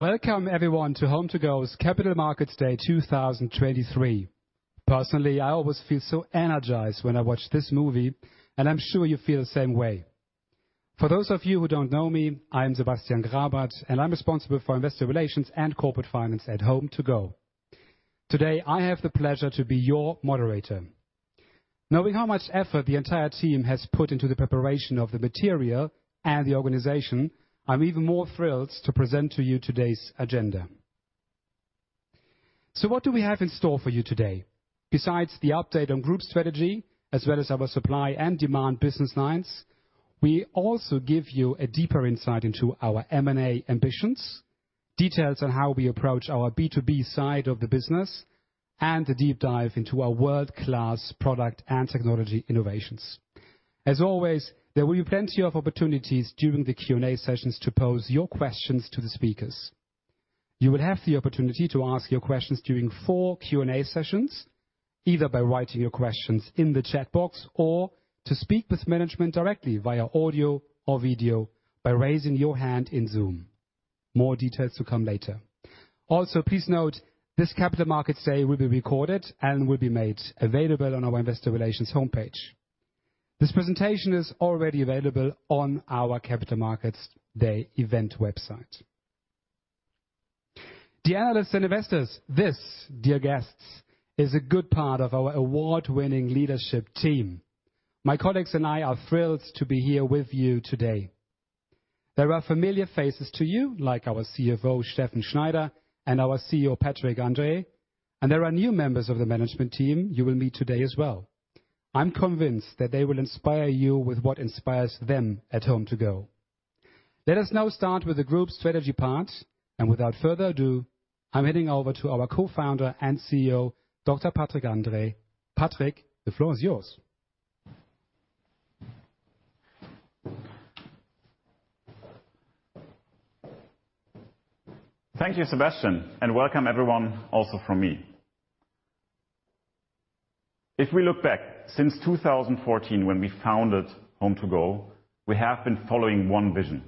Welcome everyone to HomeToGo's Capital Markets Day 2023. Personally, I always feel so energized when I watch this movie, and I'm sure you feel the same way. For those of you who don't know me, I am Sebastian Grabert, and I'm responsible for investor relations and corporate finance at HomeToGo. Today, I have the pleasure to be your moderator. Knowing how much effort the entire team has put into the preparation of the material and the organization, I'm even more thrilled to present to you today's agenda. So what do we have in store for you today? Besides the update on group strategy, as well as our supply and demand business lines, we also give you a deeper insight into our M&A ambitions, details on how we approach our B2B side of the business, and a deep dive into our world-class product and technology innovations. As always, there will be plenty of opportunities during the Q&A sessions to pose your questions to the speakers. You will have the opportunity to ask your questions during four Q&A sessions, either by writing your questions in the chat box or to speak with management directly via audio or video by raising your hand in Zoom. More details to come later. Also, please note, this Capital Markets Day will be recorded and will be made available on our Investor Relations homepage. This presentation is already available on our Capital Markets Day event website. Dear analysts and investors, this, dear guests, is a good part of our award-winning leadership team. My colleagues and I are thrilled to be here with you today. There are familiar faces to you, like our CFO, Steffen Schneider, and our CEO, Patrick Andrae, and there are new members of the management team you will meet today as well. I'm convinced that they will inspire you with what inspires them at HomeToGo. Let us now start with the group strategy part, and without further ado, I'm heading over to our co-founder and CEO, Dr. Patrick Andrae. Patrick, the floor is yours. Thank you, Sebastian, and welcome everyone, also from me. If we look back since 2014, when we founded HomeToGo, we have been following one vision: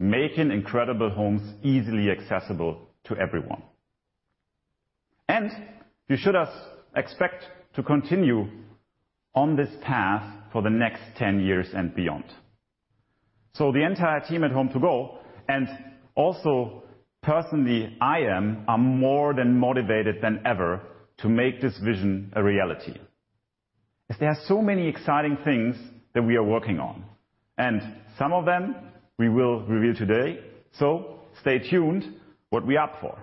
making incredible homes easily accessible to everyone. You should expect to continue on this path for the next 10 years and beyond. The entire team at HomeToGo, and also personally, I am more motivated than ever to make this vision a reality. There are so many exciting things that we are working on, and some of them we will reveal today. So stay tuned what we are up for.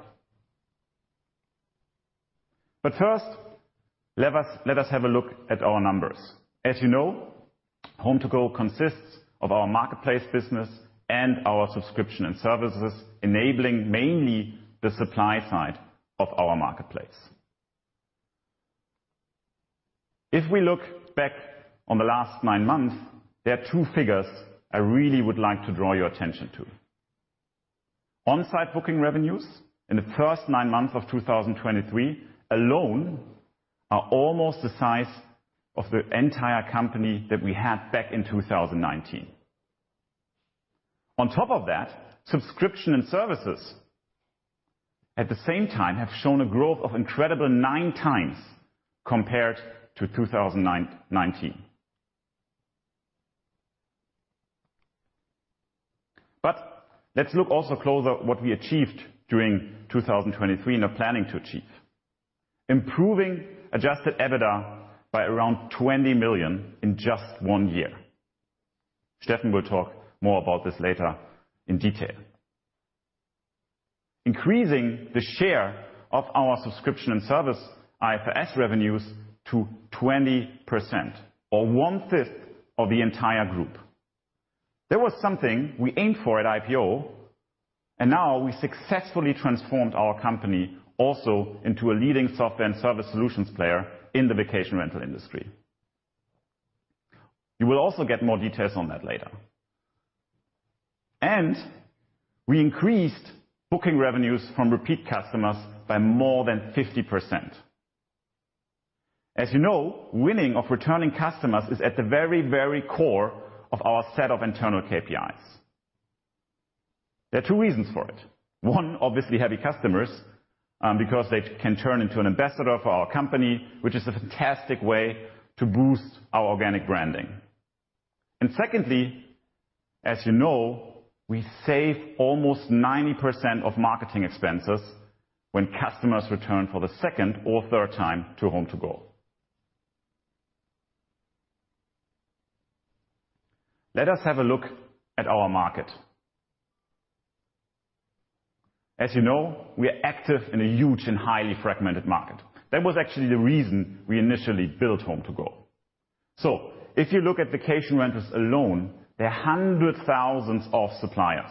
But first, let us have a look at our numbers. As you know, HomeToGo consists of our marketplace business and our subscription and services, enabling mainly the supply side of our marketplace. If we look back on the last nine months, there are two figures I really would like to draw your attention to. On-site booking revenues in the first nine months of 2023 alone are almost the size of the entire company that we had back in 2019. On top of that, subscription and services, at the same time, have shown a growth of incredible nine times compared to 2019. Let's look also closer at what we achieved during 2023 and are planning to achieve. Improving adjusted EBITDA by around 20 million in just one year. Steffen will talk more about this later in detail. Increasing the share of our subscription and service IFRS revenues to 20% or one-fifth of the entire group. There was something we aimed for at IPO, and now we successfully transformed our company also into a leading software and service solutions player in the vacation rental industry. You will also get more details on that later. We increased booking revenues from repeat customers by more than 50%. As you know, winning of returning customers is at the very, very core of our set of internal KPIs. There are two reasons for it. One, obviously, happy customers, because they can turn into an ambassador for our company, which is a fantastic way to boost our organic branding. And secondly, as you know, we save almost 90% of marketing expenses when customers return for the second or third time to HomeToGo. Let us have a look at our market. As you know, we are active in a huge and highly fragmented market. That was actually the reason we initially built HomeToGo. So if you look at vacation renters alone, there are hundreds of thousands of suppliers.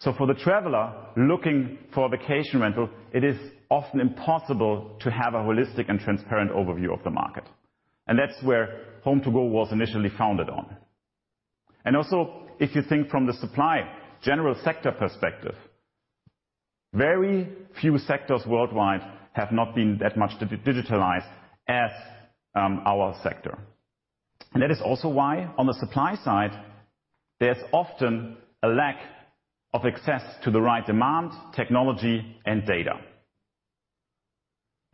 So for the traveler looking for a vacation rental, it is often impossible to have a holistic and transparent overview of the market, and that's where HomeToGo was initially founded on. And also, if you think from the supply general sector perspective, very few sectors worldwide have not been that much digitalized as our sector. And that is also why, on the supply side, there's often a lack of access to the right demand, technology, and data.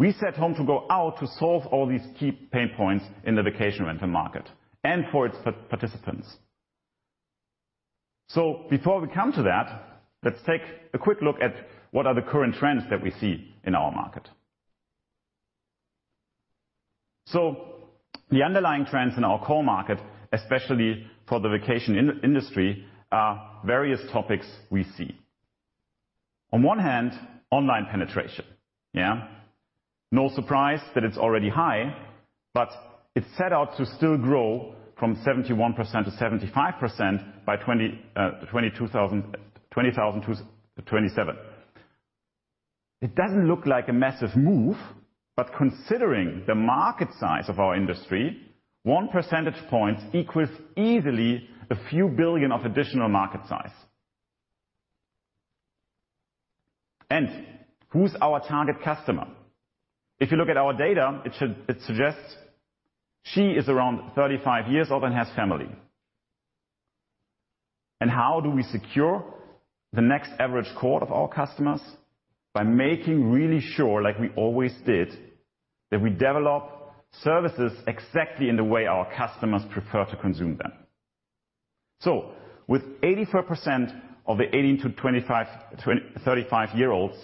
We set HomeToGo out to solve all these key pain points in the vacation rental market and for its participants. So before we come to that, let's take a quick look at what are the current trends that we see in our market. So the underlying trends in our core market, especially for the vacation industry, are various topics we see. On one hand, online penetration. Yeah. No surprise that it's already high, but it's set to still grow from 71% to 75% from 2020 to 2027. It doesn't look like a massive move, but considering the market size of our industry, one percentage point equals easily a few billion EUR of additional market size. And who's our target customer? If you look at our data, it suggests she is around 35 years old and has family. And how do we secure the next average cohort of our customers? By making really sure, like we always did, that we develop services exactly in the way our customers prefer to consume them. So with 84% of the 18-25, 20... 35-year-olds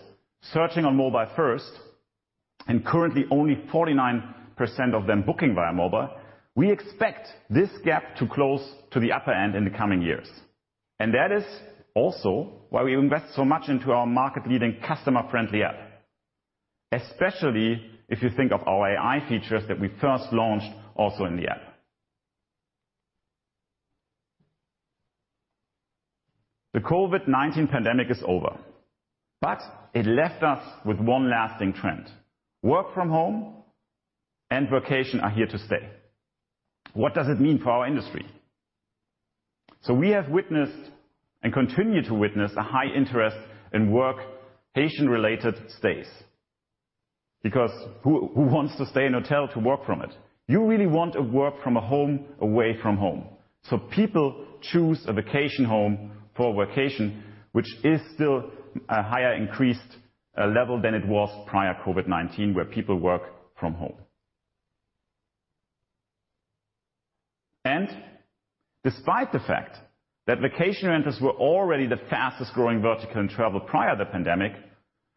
searching on mobile first, and currently only 49% of them booking via mobile, we expect this gap to close to the upper end in the coming years. And that is also why we invest so much into our market-leading, customer-friendly app, especially if you think of our AI features that we first launched also in the app. The COVID-19 pandemic is over, but it left us with one lasting trend: work-from-home and vacation are here to stay. What does it mean for our industry? So we have witnessed, and continue to witness, a high interest in work-cation related stays, because who, who wants to stay in a hotel to work from it? You really want to work from a home away from home. So people choose a vacation home for a work-cation, which is still a higher increased level than it was prior to COVID-19, where people work-from-home. And despite the fact that vacation renters were already the fastest growing vertical in travel prior to the pandemic,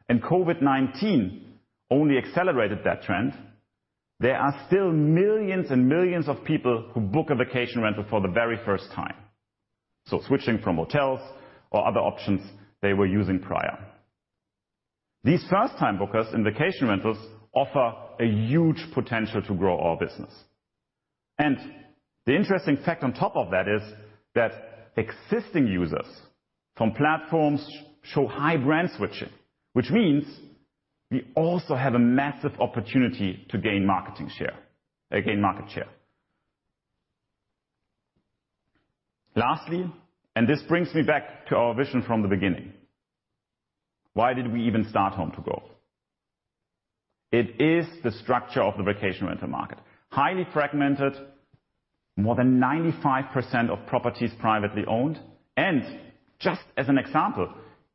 and COVID-19 only accelerated that trend, there are still millions and millions of people who book a vacation rental for the very first time. So switching from hotels or other options they were using prior. These first-time bookers in vacation rentals offer a huge potential to grow our business. And the interesting fact on top of that is that existing users from platforms show high brand switching, which means we also have a massive opportunity to gain marketing share, gain market share. Lastly, and this brings me back to our vision from the beginning, why did we even start HomeToGo? It is the structure of the vacation rental market. Highly fragmented, more than 95% of properties privately owned, and just as an example,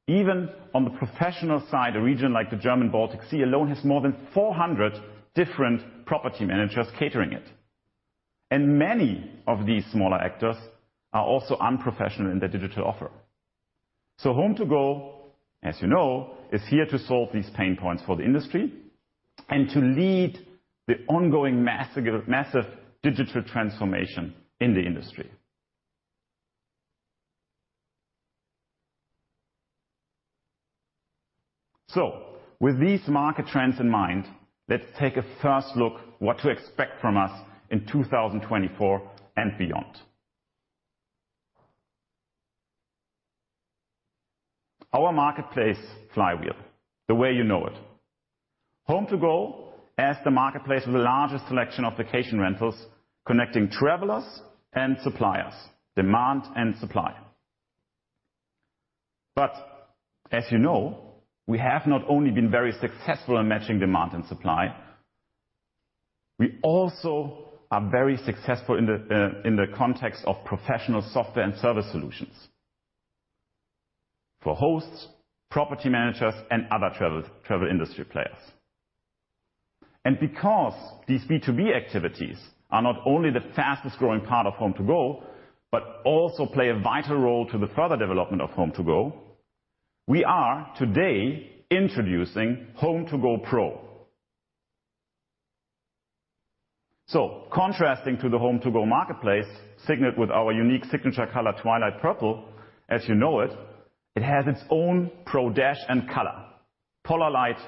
even on the professional side, a region like the German Baltic Sea alone has more than 400 different property managers catering it. And many of these smaller actors are also unprofessional in their digital offer. So HomeToGo, as you know, is here to solve these pain points for the industry and to lead the ongoing massive, massive digital transformation in the industry. So with these market trends in mind, let's take a first look what to expect from us in 2024 and beyond. Our marketplace flywheel, the way you know it. HomeToGo, as the marketplace with the largest selection of vacation rentals, connecting travelers and suppliers, demand and supply. But as you know, we have not only been very successful in matching demand and supply, we also are very successful in the, in the context of professional software and service solutions for hosts, property managers, and other travel, travel industry players. And because these B2B activities are not only the fastest growing part of HomeToGo, but also play a vital role to the further development of HomeToGo, we are today introducing HomeToGo Pro. So contrasting to the HomeToGo marketplace, signaled with our unique signature color, twilight purple, as you know it, it has its own pro dash and color, polar light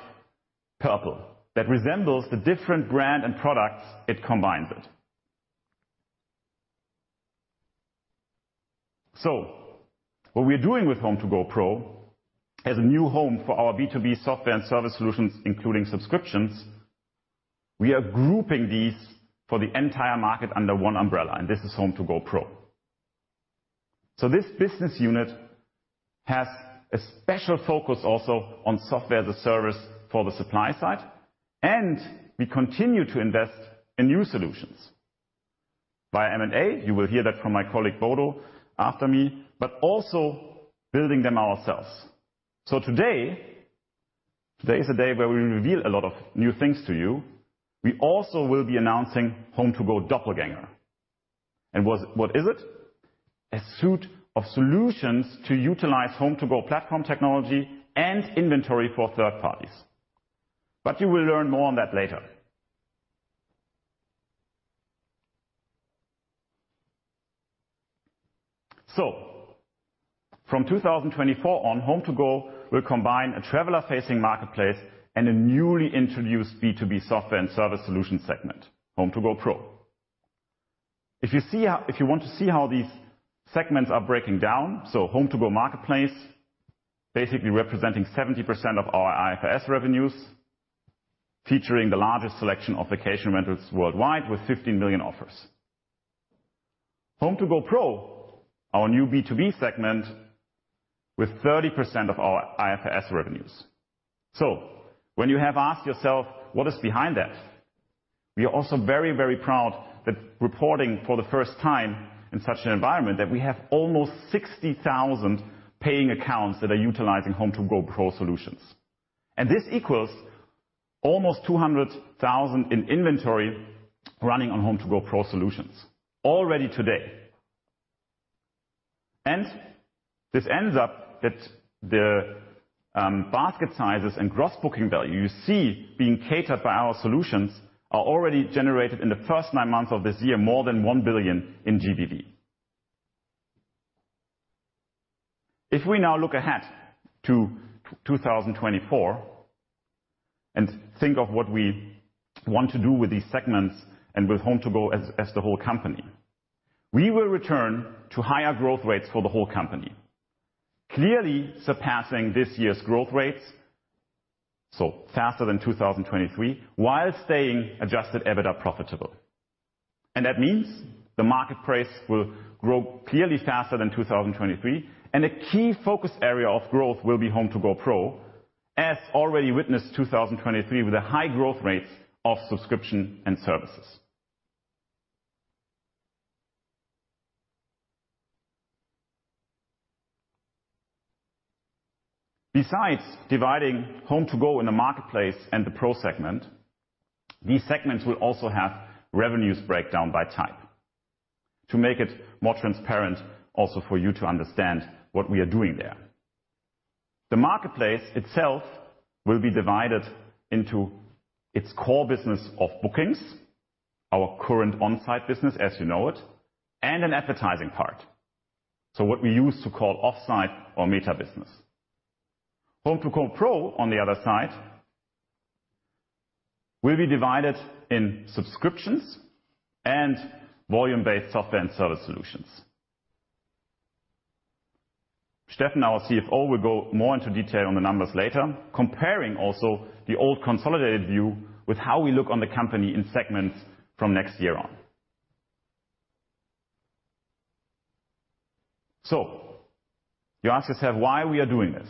purple, that resembles the different brand and products it combines with. So what we are doing with HomeToGo Pro, as a new home for our B2B software and service solutions, including subscriptions, we are grouping these for the entire market under one umbrella, and this is HomeToGo Pro. So this business unit has a special focus also on software as a service for the supply side, and we continue to invest in new solutions. By M&A, you will hear that from my colleague, Bodo, after me, but also building them ourselves. So today, today is a day where we reveal a lot of new things to you. We also will be announcing HomeToGo Doppelgänger. And what, what is it? A suite of solutions to utilize HomeToGo platform technology and inventory for third parties. But you will learn more on that later. So from 2024 on, HomeToGo will combine a traveler-facing marketplace and a newly introduced B2B software and service solution segment, HomeToGo Pro. If you want to see how these segments are breaking down, so HomeToGo Marketplace, basically representing 70% of our IFRS revenues, featuring the largest selection of vacation rentals worldwide with 15 million offers. HomeToGo Pro, our new B2B segment, with 30% of our IFRS revenues. So when you have asked yourself, "What is behind that?" We are also very, very proud that reporting for the first time in such an environment, that we have almost 60,000 paying accounts that are utilizing HomeToGo Pro solutions. And this equals almost 200,000 in inventory running on HomeToGo Pro solutions already today. And this ends up that the basket sizes and gross booking value you see being catered by our solutions are already generated in the first nine months of this year, more than 1 billion in GBV. If we now look ahead to 2024, and think of what we want to do with these segments and with HomeToGo as, as the whole company, we will return to higher growth rates for the whole company, clearly surpassing this year's growth rates, so faster than 2023, while staying adjusted EBITDA profitable. And that means the marketplace will grow clearly faster than 2023, and a key focus area of growth will be HomeToGo Pro, as already witnessed 2023, with the high growth rates of subscription and services. Besides dividing HomeToGo in the marketplace and the Pro segment, these segments will also have revenues breakdown by type, to make it more transparent also for you to understand what we are doing there. The marketplace itself will be divided into its core business of bookings, our current on-site business, as you know it, and an advertising part. So what we use to call off-site or meta business. HomeToGo Pro, on the other side, will be divided in subscriptions and volume-based software and service solutions. Steffen, our CFO, will go more into detail on the numbers later, comparing also the old consolidated view with how we look on the company in segments from next year on. So you ask yourself, why we are doing this?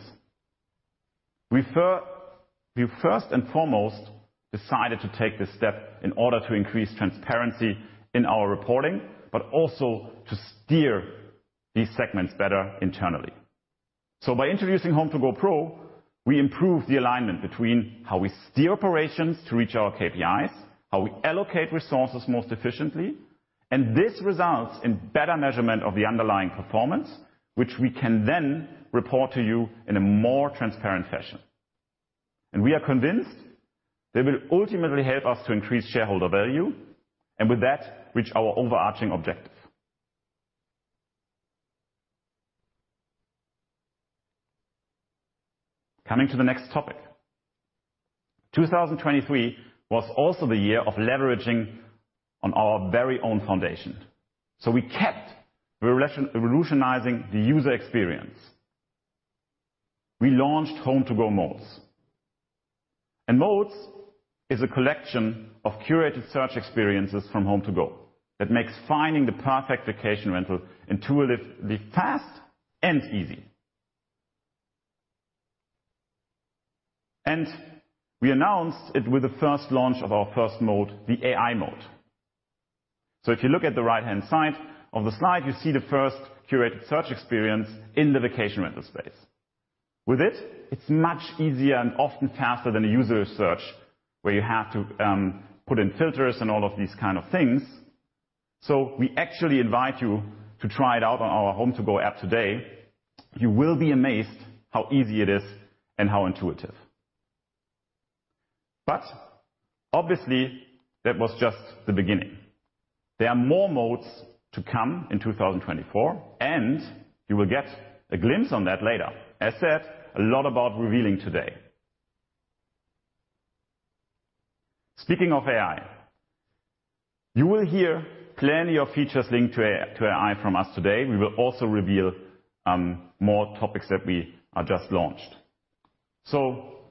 We first and foremost decided to take this step in order to increase transparency in our reporting, but also to steer these segments better internally. By introducing HomeToGo Pro, we improve the alignment between how we steer operations to reach our KPIs, how we allocate resources most efficiently, and this results in better measurement of the underlying performance, which we can then report to you in a more transparent fashion. We are convinced they will ultimately help us to increase shareholder value, and with that, reach our overarching objective. Coming to the next topic, 2023 was also the year of leveraging on our very own foundation. We kept revolutionizing the user experience. We launched HomeToGo Modes. Modes is a collection of curated search experiences from HomeToGo that makes finding the perfect vacation rental intuitively fast and easy. We announced it with the first launch of our first mode, the AI Mode. So if you look at the right-hand side of the slide, you see the first curated search experience in the vacation rental space. With it, it's much easier and often faster than a user search, where you have to put in filters and all of these kind of things. So we actually invite you to try it out on our HomeToGo app today. You will be amazed how easy it is and how intuitive. But obviously, that was just the beginning. There are more modes to come in 2024, and you will get a glimpse on that later. I said a lot about revealing today. Speaking of AI, you will hear plenty of features linked to AI, to AI from us today. We will also reveal more topics that we are just launched. So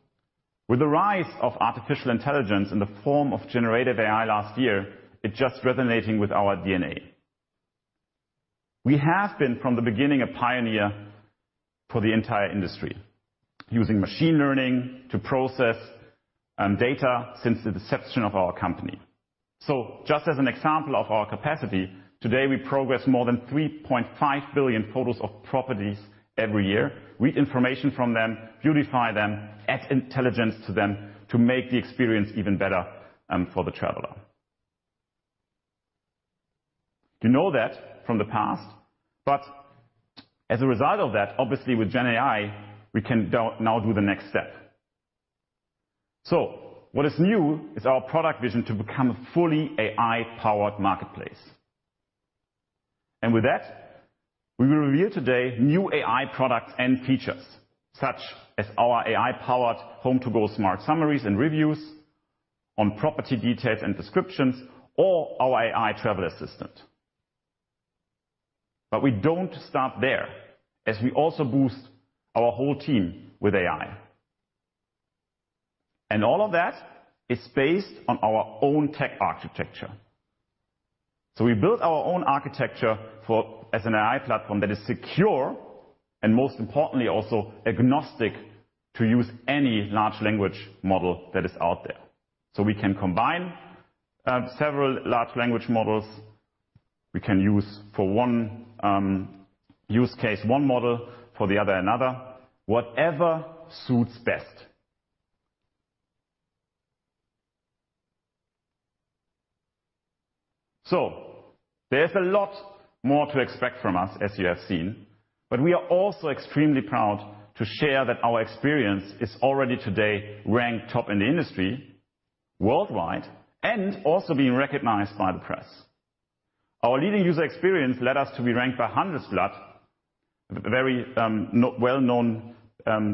with the rise of artificial intelligence in the form of generative AI last year, it just resonating with our DNA. We have been, from the beginning, a pioneer for the entire industry, using machine learning to process data since the inception of our company. So just as an example of our capacity, today we progress more than 3.5 billion photos of properties every year. Read information from them, beautify them, add intelligence to them, to make the experience even better for the traveler. You know that from the past, but as a result of that, obviously with Gen AI, we can now, now do the next step. So what is new is our product vision to become a fully AI-powered marketplace. With that, we will reveal today new AI products and features, such as our AI-powered HomeToGo Smart Summaries and Reviews on property details and descriptions, or our AI travel assistant. But we don't stop there, as we also boost our whole team with AI. All of that is based on our own tech architecture. We built our own architecture for as an AI platform that is secure, and most importantly, also agnostic to use any large language model that is out there. We can combine several large language models. We can use for one use case, one model, for the other, another. Whatever suits best. So there's a lot more to expect from us, as you have seen, but we are also extremely proud to share that our experience is already today ranked top in the industry worldwide, and also being recognized by the press. Our leading user experience led us to be ranked by Handelsblatt, a very, not well-known,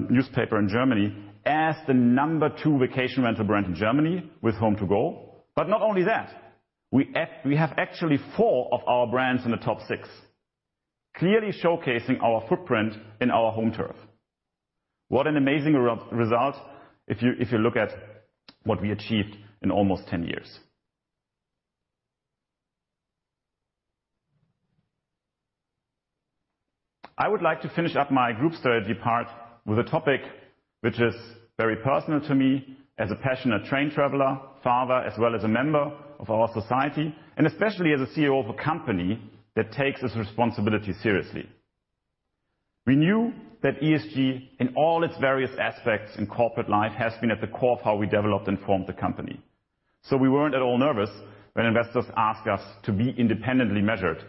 newspaper in Germany, as the number two vacation rental brand in Germany with HomeToGo. But not only that, we have actually four of our brands in the top six, clearly showcasing our footprint in our home turf. What an amazing result if you, if you look at what we achieved in almost 10 years. I would like to finish up my group strategy part with a topic which is very personal to me as a passionate train traveler, father, as well as a member of our society, and especially as a CEO of a company that takes its responsibility seriously. We knew that ESG, in all its various aspects in corporate life, has been at the core of how we developed and formed the company. So we weren't at all nervous when investors asked us to be independently measured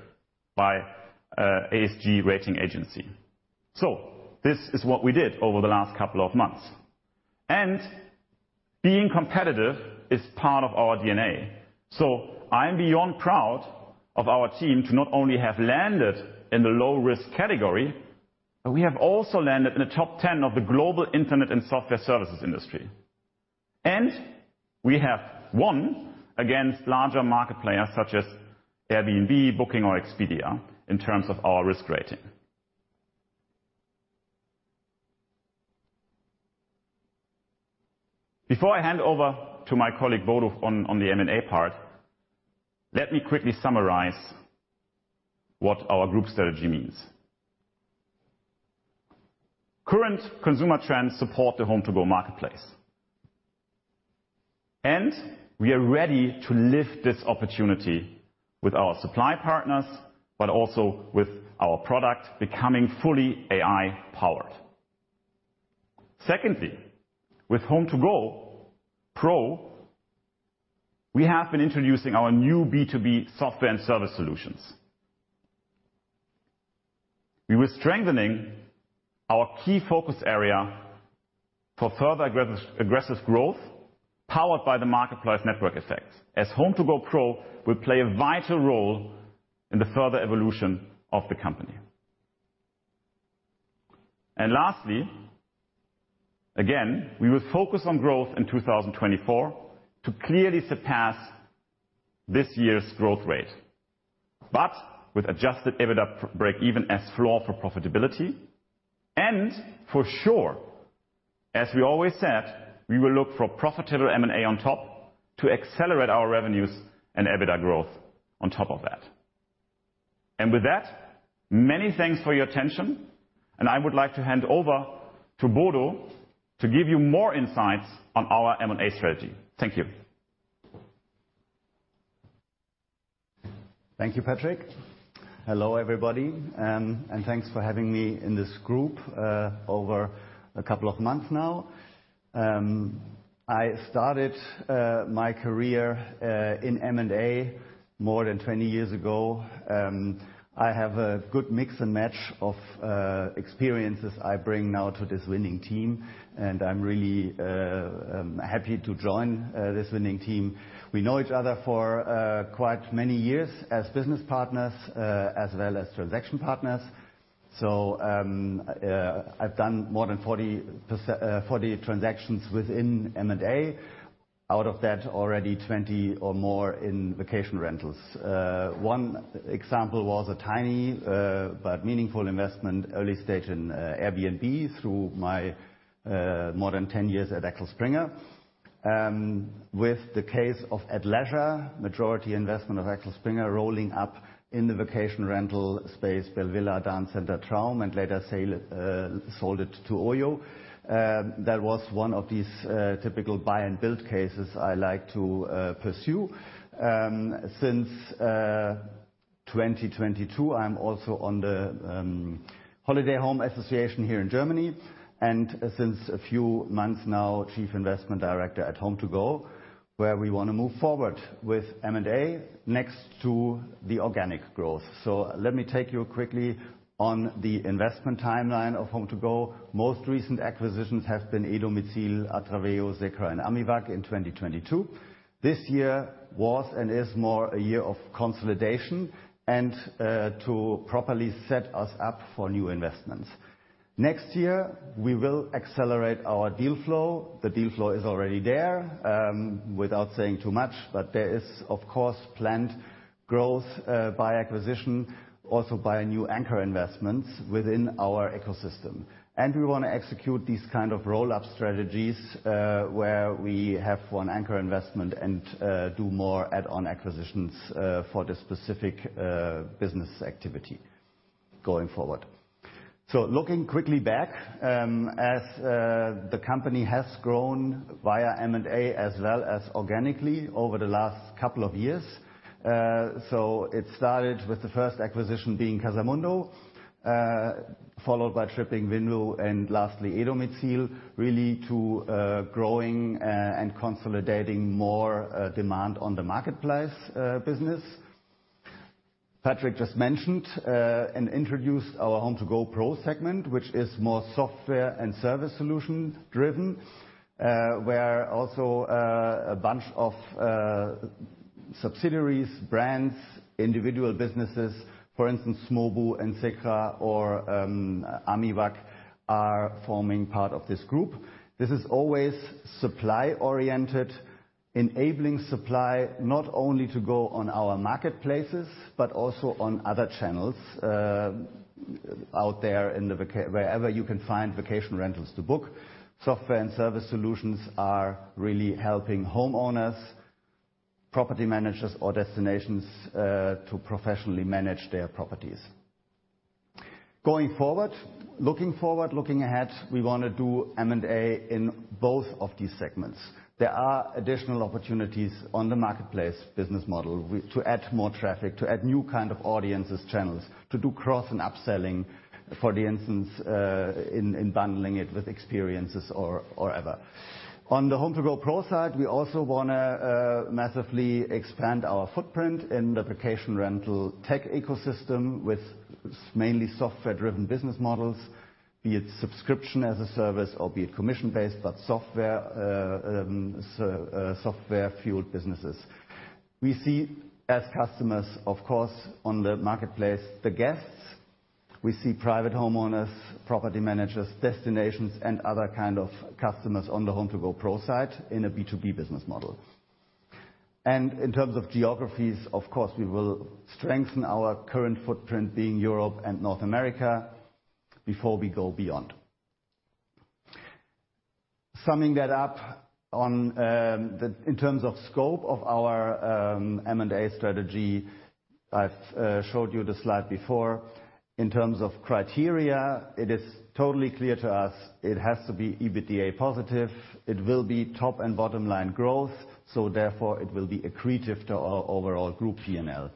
by a ESG rating agency. So this is what we did over the last couple of months. And being competitive is part of our DNA, so I'm beyond proud of our team to not only have landed in the low-risk category, but we have also landed in the top 10 of the global internet and software services industry. We have won against larger market players such as Airbnb, Booking or Expedia, in terms of our risk rating. Before I hand over to my colleague, Bodo, on the M&A part, let me quickly summarize what our group strategy means. Current consumer trends support the HomeToGo marketplace, and we are ready to lift this opportunity with our supply partners, but also with our product becoming fully AI-powered. Secondly, with HomeToGo Pro, we have been introducing our new B2B software and service solutions. We were strengthening our key focus area for further aggressive growth, powered by the marketplace network effects, as HomeToGo Pro will play a vital role in the further evolution of the company. Lastly, again, we will focus on growth in 2024 to clearly surpass this year's growth rate, but with adjusted EBITDA break-even as floor for profitability. For sure, as we always said, we will look for profitable M&A on top to accelerate our revenues and EBITDA growth on top of that. With that, many thanks for your attention, and I would like to hand over to Bodo to give you more insights on our M&A strategy. Thank you. Thank you, Patrick. Hello, everybody, and thanks for having me in this group over a couple of months now. I started my career in M&A more than 20 years ago. I have a good mix and match of experiences I bring now to this winning team, and I'm really happy to join this winning team. We know each other for quite many years as business partners, as well as transaction partners. So, I've done more than 40 transactions within M&A. Out of that, already 20 or more in vacation rentals. One example was a tiny, but meaningful investment, early stage in Airbnb through my more than 10 years at Axel Springer. With the case of @Leisure, majority investment of Axel Springer, rolling up in the vacation rental space, Belvilla, DanCenter, Traum, and later sale, sold it to OYO. That was one of these, typical buy-and-build cases I like to, pursue. Since, 2022, I'm also on the, Holiday Home Association here in Germany, and since a few months now, Chief Investment Director at HomeToGo, where we want to move forward with M&A next to the organic growth. So let me take you quickly on the investment timeline of HomeToGo. Most recent acquisitions have been e-domizil, Atraveo, SECRA, and amivac in 2022. This year was, and is, more a year of consolidation and, to properly set us up for new investments. Next year, we will accelerate our deal flow. The deal flow is already there, without saying too much, but there is, of course, planned growth by acquisition, also by new anchor investments within our ecosystem. And we want to execute these kind of roll-up strategies, where we have one anchor investment and do more add-on acquisitions for the specific business activity going forward. So looking quickly back, as the company has grown via M&A as well as organically over the last couple of years. So it started with the first acquisition being Casamundo, followed by Tripping, Wimdu, and lastly, e-domizil, really to growing and consolidating more demand on the marketplace business. Patrick just mentioned and introduced our HomeToGo Pro segment, which is more software and service solution driven, where also a bunch of subsidiaries, brands, individual businesses, for instance, Smoobu and SECRA or amivac, are forming part of this group. This is always supply-oriented, enabling supply not only to go on our marketplaces, but also on other channels out there, wherever you can find vacation rentals to book. Software and service solutions are really helping homeowners, property managers, or destinations to professionally manage their properties. Going forward, looking forward, looking ahead, we want to do M&A in both of these segments. There are additional opportunities on the marketplace business model, we, to add more traffic, to add new kind of audiences, channels, to do cross and upselling, for the instance, in bundling it with experiences or ever. On the HomeToGo Pro side, we also want to massively expand our footprint in the vacation rental tech ecosystem, with mainly software-driven business models, be it subscription as a service or be it commission-based, but software, software-fueled businesses. We see as customers, of course, on the marketplace, the guests. We see private homeowners, property managers, destinations, and other kind of customers on the HomeToGo Pro side in a B2B business model. In terms of geographies, of course, we will strengthen our current footprint being Europe and North America before we go beyond. Summing that up, in terms of scope of our M&A strategy, I've showed you the slide before. In terms of criteria, it is totally clear to us it has to be EBITDA positive. It will be top and bottom line growth, so therefore, it will be accretive to our overall group P&L.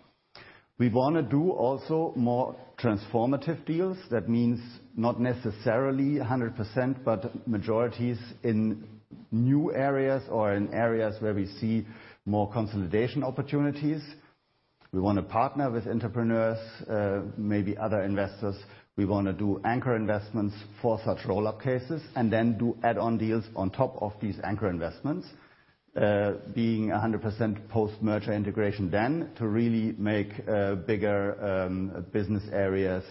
We want to do also more transformative deals. That means not necessarily 100%, but majorities in new areas or in areas where we see more consolidation opportunities. We want to partner with entrepreneurs, maybe other investors. We want to do anchor investments for such roll-up cases, and then do add-on deals on top of these anchor investments, being 100% post-merger integration then, to really make bigger business areas,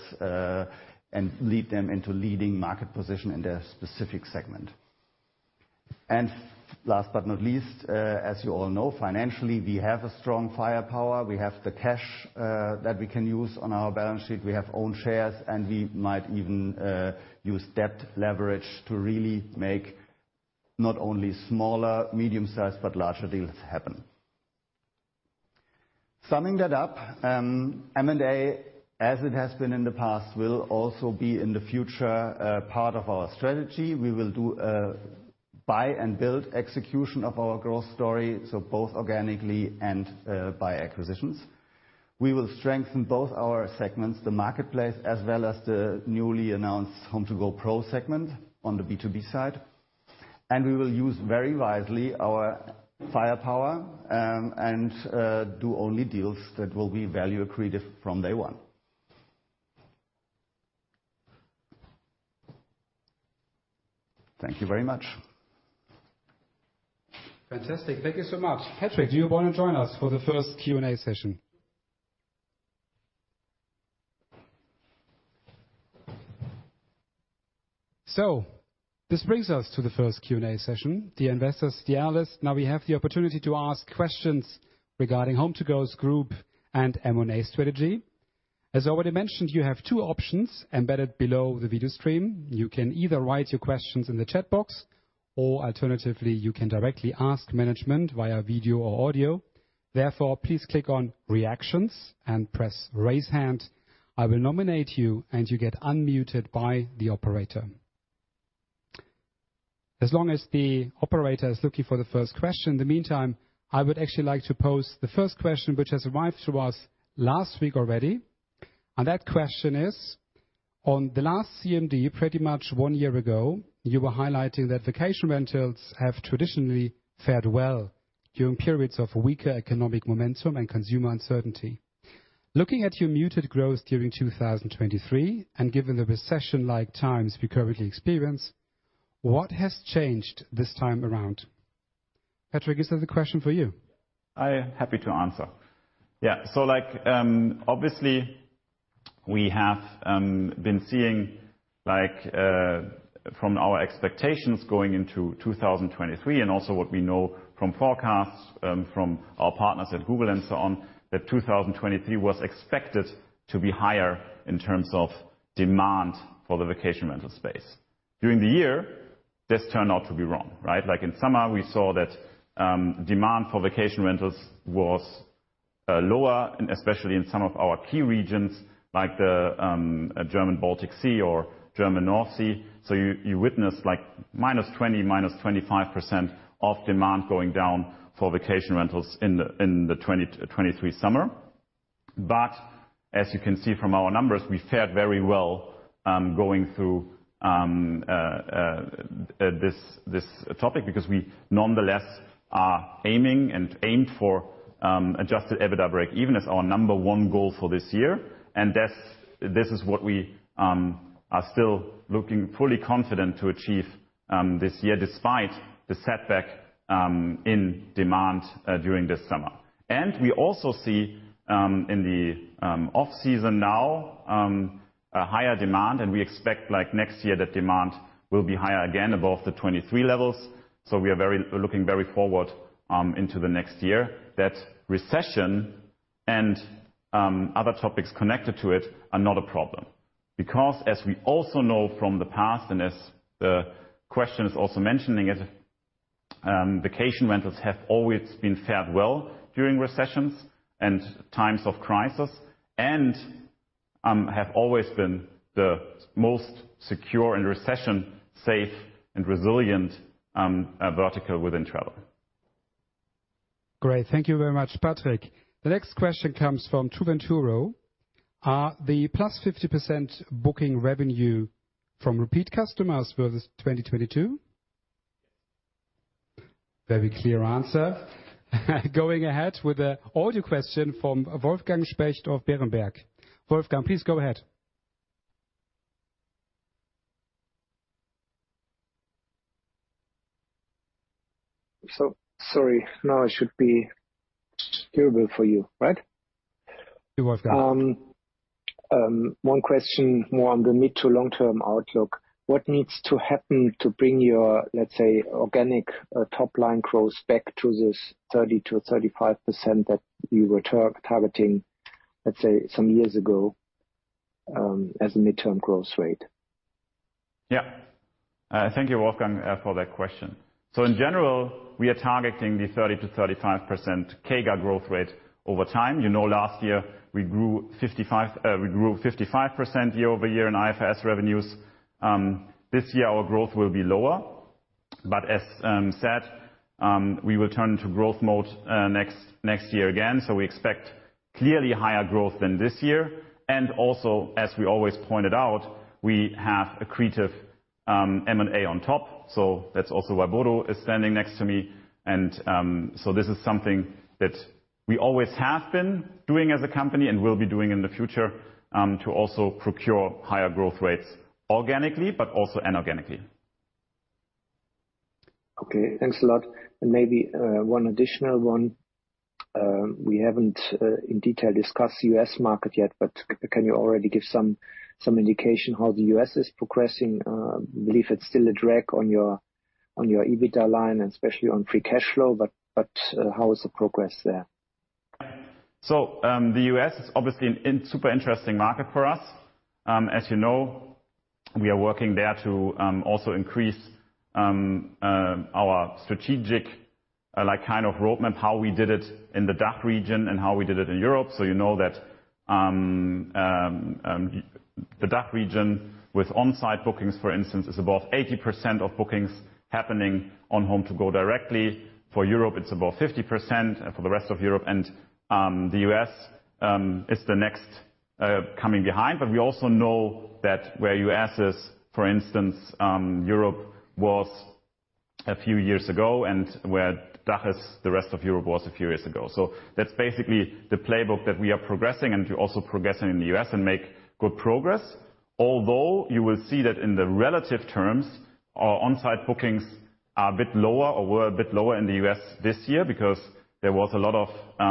and lead them into leading market position in their specific segment. And last but not least, as you all know, financially, we have a strong firepower. We have the cash, that we can use on our balance sheet. We have own shares, and we might even use debt leverage to really make not only smaller, medium-sized, but larger deals happen. Summing that up, M&A, as it has been in the past, will also be, in the future, part of our strategy. We will do a buy-and-build execution of our growth story, so both organically and by acquisitions. We will strengthen both our segments, the marketplace, as well as the newly announced HomeToGo Pro segment on the B2B side. And we will use very wisely our firepower, and do only deals that will be value accretive from day one. Thank you very much. Fantastic. Thank you so much. Patrick, do you want to join us for the first Q&A session?... So this brings us to the first Q&A session. Dear investors, dear analysts, now we have the opportunity to ask questions regarding HomeToGo's group and M&A strategy. As already mentioned, you have two options embedded below the video stream. You can either write your questions in the chat box, or alternatively, you can directly ask management via video or audio. Therefore, please click on Reactions and press Raise Hand. I will nominate you, and you get unmuted by the operator. As long as the operator is looking for the first question, in the meantime, I would actually like to pose the first question, which has arrived to us last week already, and that question is: On the last CMD, pretty much one year ago, you were highlighting that vacation rentals have traditionally fared well during periods of weaker economic momentum and consumer uncertainty. Looking at your muted growth during 2023, and given the recession-like times we currently experience, what has changed this time around? Patrick, is this a question for you? I am happy to answer. Yeah, so like, obviously, we have, been seeing, like, from our expectations going into 2023 and also what we know from forecasts, from our partners at Google and so on, that 2023 was expected to be higher in terms of demand for the vacation rental space. During the year, this turned out to be wrong, right? Like, in summer, we saw that, demand for vacation rentals was, lower, and especially in some of our key regions, like the, German Baltic Sea or German North Sea. So you, you witness, like, -20, -25% of demand going down for vacation rentals in the, in the 2023 summer. But as you can see from our numbers, we fared very well going through this topic, because we nonetheless are aiming and aimed for adjusted EBITDA break-even as our number one goal for this year. This is what we are still looking fully confident to achieve this year, despite the setback in demand during this summer. We also see in the off-season now a higher demand, and we expect, like, next year, that demand will be higher again above the 2023 levels. So we are very looking very forward into the next year. That recession and other topics connected to it are not a problem. Because as we also know from the past, and as the question is also mentioning, vacation rentals have always fared well during recessions and times of crisis, and have always been the most secure and recession-safe and resilient vertical within travel. Great. Thank you very much, Patrick. The next question comes from TruVenturo. Are the +50% booking revenue from repeat customers versus 2022? Very clear answer. Going ahead with the audio question from Wolfgang Specht of Berenberg. Wolfgang, please go ahead. Sorry, now I should be hearable for you, right? It works out. One question more on the mid- to long-term outlook. What needs to happen to bring your, let's say, organic, top-line growth back to this 30%-35% that you were targeting, let's say, some years ago, as a mid-term growth rate? Yeah. Thank you, Wolfgang, for that question. So in general, we are targeting the 30%-35% CAGR growth rate over time. You know, last year, we grew 55% year-over-year in IFRS revenues. This year, our growth will be lower, but as said, we will turn into growth mode, next year again. So we expect clearly higher growth than this year. And also, as we always pointed out, we have accretive M&A on top, so that's also why Bodo is standing next to me. So this is something that we always have been doing as a company and will be doing in the future, to also procure higher growth rates organically, but also inorganically. Okay, thanks a lot. And maybe one additional one. We haven't in detail discussed the U.S. market yet, but can you already give some indication how the U.S. is progressing? Believe it's still a drag on your EBITDA line, and especially on free cash flow, but how is the progress there? So, the U.S. is obviously a super interesting market for us. As you know, we are working there to also increase our strategic, like, kind of roadmap, how we did it in the DACH region and how we did it in Europe. So you know that the DACH region with on-site bookings, for instance, is about 80% of bookings happening on HomeToGo directly. For Europe, it's about 50%, and for the rest of Europe and the U.S. is the next coming behind. But we also know that where the U.S. is, for instance, Europe was a few years ago, and where DACH is, the rest of Europe was a few years ago. So that's basically the playbook that we are progressing and we're also progressing in the U.S. and make good progress. Although, you will see that in the relative terms. Our on-site bookings are a bit lower, or were a bit lower in the U.S. this year, because there was a lot of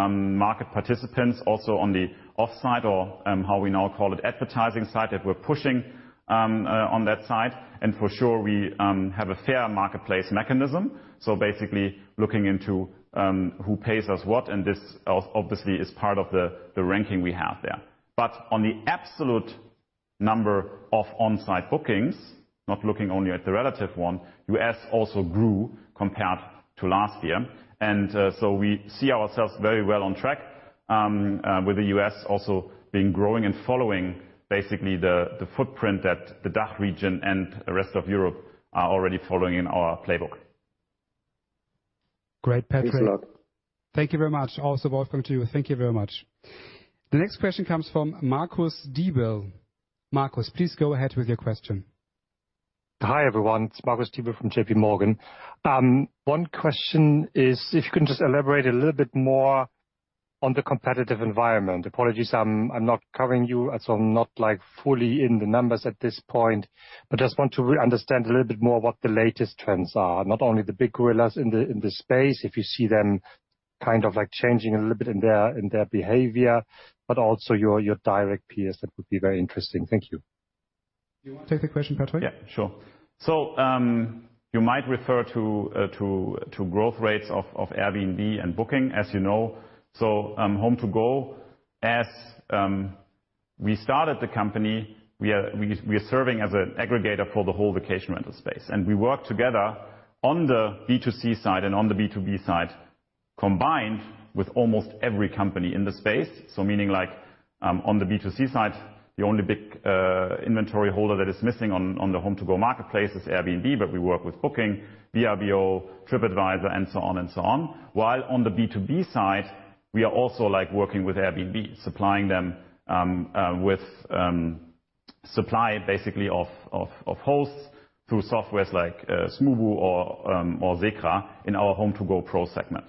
market participants also on the offsite, or, how we now call it, advertising site, that we're pushing on that side. And for sure, we have a fair marketplace mechanism. So basically, looking into who pays us what, and this obviously is part of the ranking we have there. But on the absolute number of on-site bookings, not looking only at the relative one, U.S. also grew compared to last year. And so we see ourselves very well on track with the U.S. also being growing and following basically the footprint that the DACH region and the rest of Europe are already following in our playbook. Great, Patrick. Thanks a lot. Thank you very much. Also welcome to you. Thank you very much. The next question comes from Marcus Diebel. Marcus, please go ahead with your question. Hi, everyone. It's Marcus Diebel from J.P. Morgan. One question is if you can just elaborate a little bit more on the competitive environment. Apologies, I'm, I'm not covering you, and so I'm not, like, fully in the numbers at this point, but just want to understand a little bit more what the latest trends are, not only the big gorillas in the, in the space, if you see them kind of, like, changing a little bit in their, in their behavior, but also your, your direct peers. That would be very interesting. Thank you. You want to take the question, Patrick? Yeah, sure. So, you might refer to growth rates of Airbnb and Booking, as you know. So, HomeToGo, as we started the company, we are serving as an aggregator for the whole vacation rental space. And we work together on the B2C side and on the B2B side, combined with almost every company in the space. So meaning like, on the B2C side, the only big inventory holder that is missing on the HomeToGo marketplace is Airbnb, but we work with Booking, Vrbo, TripAdvisor, and so on and so on. While on the B2B side, we are also, like, working with Airbnb, supplying them with supply, basically, of hosts through softwares like Smoobu or SECRA in our HomeToGo Pro segment.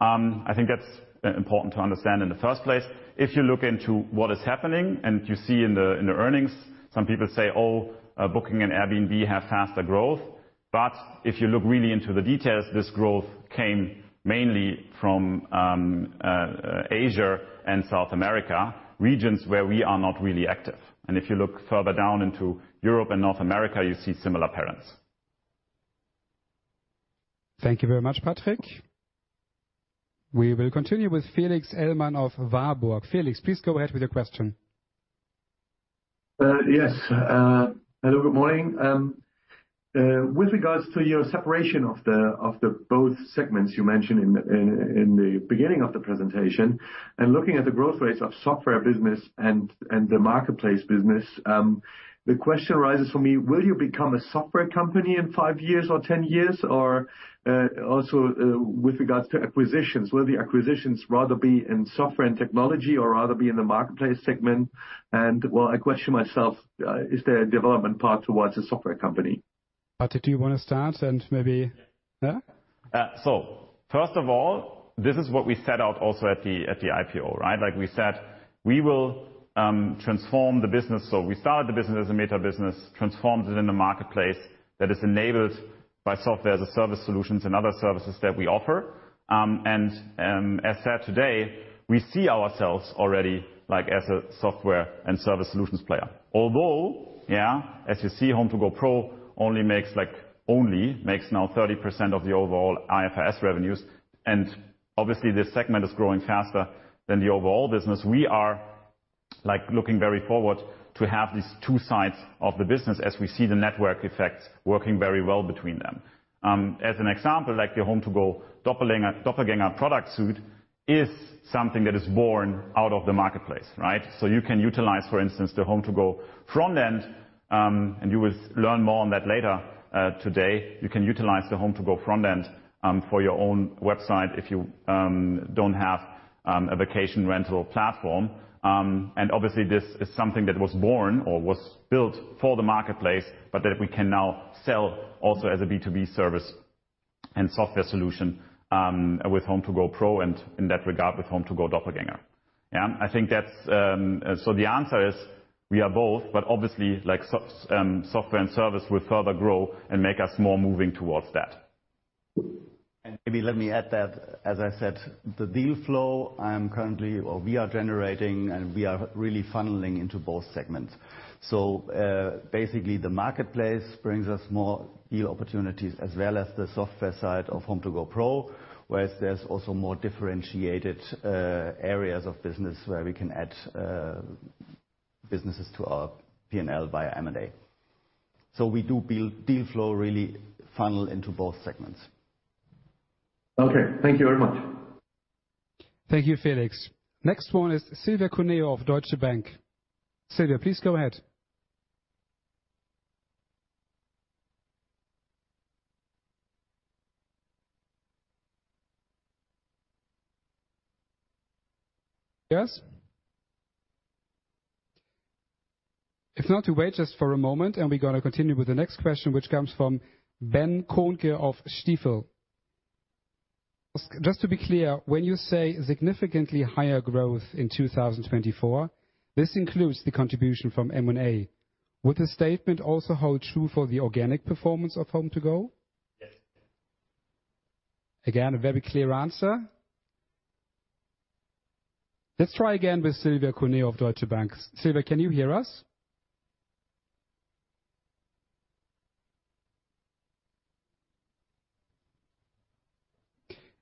I think that's important to understand in the first place. If you look into what is happening, and you see in the earnings, some people say, "Oh, Booking and Airbnb have faster growth." But if you look really into the details, this growth came mainly from Asia and South America, regions where we are not really active. And if you look further down into Europe and North America, you see similar patterns. Thank you very much, Patrick. We will continue with Felix Ellmann of Warburg. Felix, please go ahead with your question. Yes. Hello, good morning. With regards to your separation of the both segments you mentioned in the beginning of the presentation, and looking at the growth rates of software business and the marketplace business, the question arises for me: will you become a software company in five years or 10 years? Or, also, with regards to acquisitions, will the acquisitions rather be in software and technology or rather be in the marketplace segment? I question myself, is there a development path towards a software company? Patrick, do you want to start and maybe... Yeah? So first of all, this is what we set out also at the IPO, right? Like we said, we will transform the business. So we started the business as a meta business, transformed it in the marketplace, that is enabled by software as a service solutions and other services that we offer. As said today, we see ourselves already, like, as a software and service solutions player. Although, yeah, as you see, HomeToGo Pro only makes, like, only makes now 30% of the overall IFRS revenues, and obviously, this segment is growing faster than the overall business. We are, like, looking very forward to have these two sides of the business as we see the network effects working very well between them. As an example, like the HomeToGo Doppelgänger product suite, is something that is born out of the marketplace, right? So you can utilize, for instance, the HomeToGo front end, and you will learn more on that later, today. You can utilize the HomeToGo front end, for your own website if you don't have a vacation rental platform. And obviously, this is something that was born or was built for the marketplace, but that we can now sell also as a B2B service and software solution, with HomeToGo Pro and in that regard, with HomeToGo Doppelgänger. Yeah, I think that's... So the answer is, we are both, but obviously, like, software and service will further grow and make us more moving towards that. And maybe let me add that, as I said, the deal flow, I am currently, or we are generating, and we are really funneling into both segments. So, basically, the marketplace brings us more deal opportunities as well as the software side of HomeToGo Pro, whereas there's also more differentiated areas of business where we can add businesses to our P&L via M&A. So we do build deal flow, really funnel into both segments. Okay, thank you very much. Thank you, Felix. Next one is Silvia Cuneo of Deutsche Bank. Silvia, please go ahead. Yes? If not, wait just for a moment, and we're gonna continue with the next question, which comes from Ben Kohnke of Stifel. Just to be clear, when you say significantly higher growth in 2024, this includes the contribution from M&A. Would the statement also hold true for the organic performance of HomeToGo? Yes. Again, a very clear answer. Let's try again with Silvia Cuneo of Deutsche Bank. Silvia, can you hear us?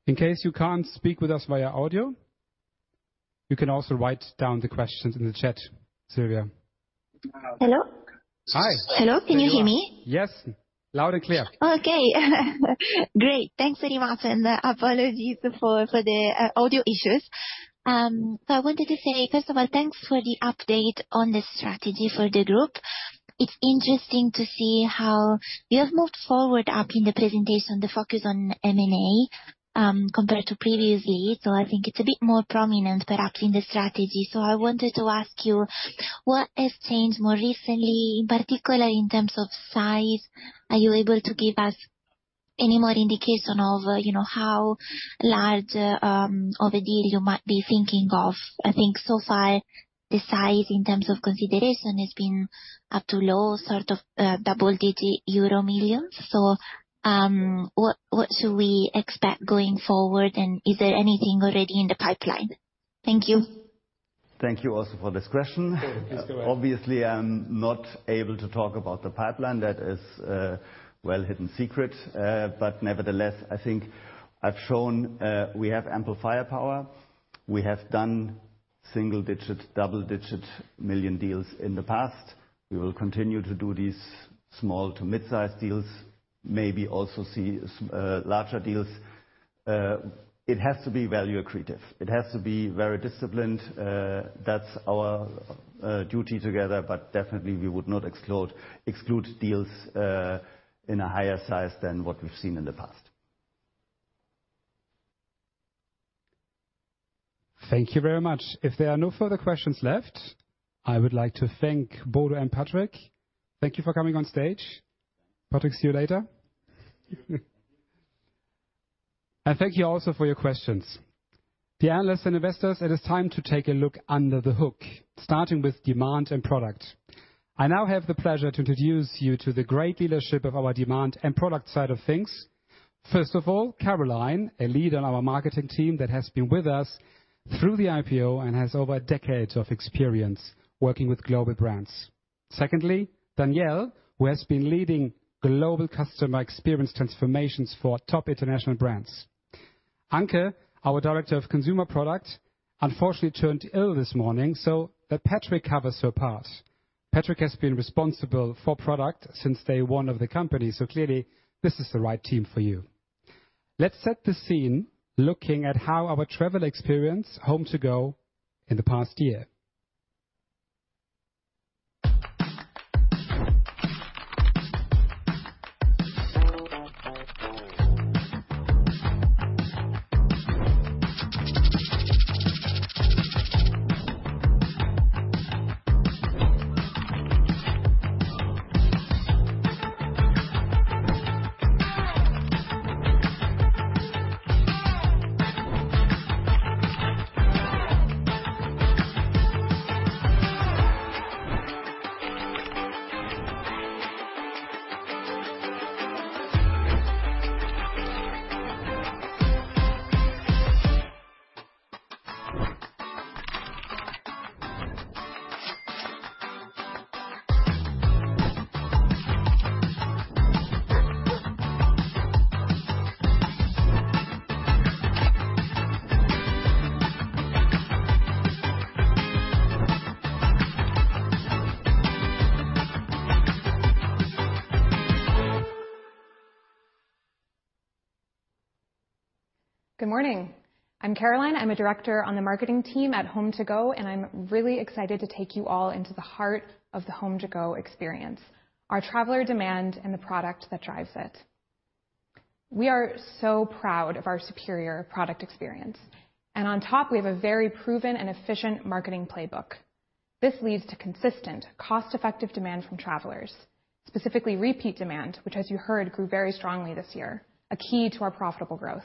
In case you can't speak with us via audio, you can also write down the questions in the chat, Silvia. Hello? Hi. Hello. Can you hear me? Yes, loud and clear. Okay. Great. Thanks very much, and apologies for the audio issues. So I wanted to say, first of all, thanks for the update on the strategy for the group. It's interesting to see how you have moved forward up in the presentation, the focus on M&A, compared to previously. So I think it's a bit more prominent perhaps in the strategy. So I wanted to ask you, what has changed more recently, particularly in terms of size? Are you able to give us any more indication of, you know, how large of a deal you might be thinking of? I think so far the size in terms of consideration has been up to low, sort of, double-digit euro millions. So, what should we expect going forward, and is there anything already in the pipeline? Thank you. Thank you also for this question. Please go ahead. Obviously, I'm not able to talk about the pipeline. That is a well-hidden secret. But nevertheless, I think I've shown we have ample firepower. We have done single-digit, double-digit million deals in the past. We will continue to do these small to mid-sized deals, maybe also see larger deals. It has to be value accretive. It has to be very disciplined. That's our duty together, but definitely we would not exclude, exclude deals in a higher size than what we've seen in the past. Thank you very much. If there are no further questions left, I would like to thank Bodo and Patrick. Thank you for coming on stage. Patrick, see you later. I thank you also for your questions. Dear analysts and investors, it is time to take a look under the hood, starting with demand and product. I now have the pleasure to introduce you to the great leadership of our demand and product side of things. First of all, Caroline, a lead on our marketing team that has been with us through the IPO and has over a decade of experience working with global brands. Secondly, Danielle, who has been leading global customer experience transformations for top international brands. Anke, our Director of Consumer Product, unfortunately, turned ill this morning, so Patrick covers her part. Patrick has been responsible for product since day one of the company, so clearly this is the right team for you. Let's set the scene, looking at how our travel experience, HomeToGo, in the past year. Good morning. I'm Caroline. I'm a director on the marketing team at HomeToGo, and I'm really excited to take you all into the heart of the HomeToGo experience, our traveler demand, and the product that drives it. We are so proud of our superior product experience, and on top, we have a very proven and efficient marketing playbook. This leads to consistent, cost-effective demand from travelers, specifically repeat demand, which, as you heard, grew very strongly this year, a key to our profitable growth.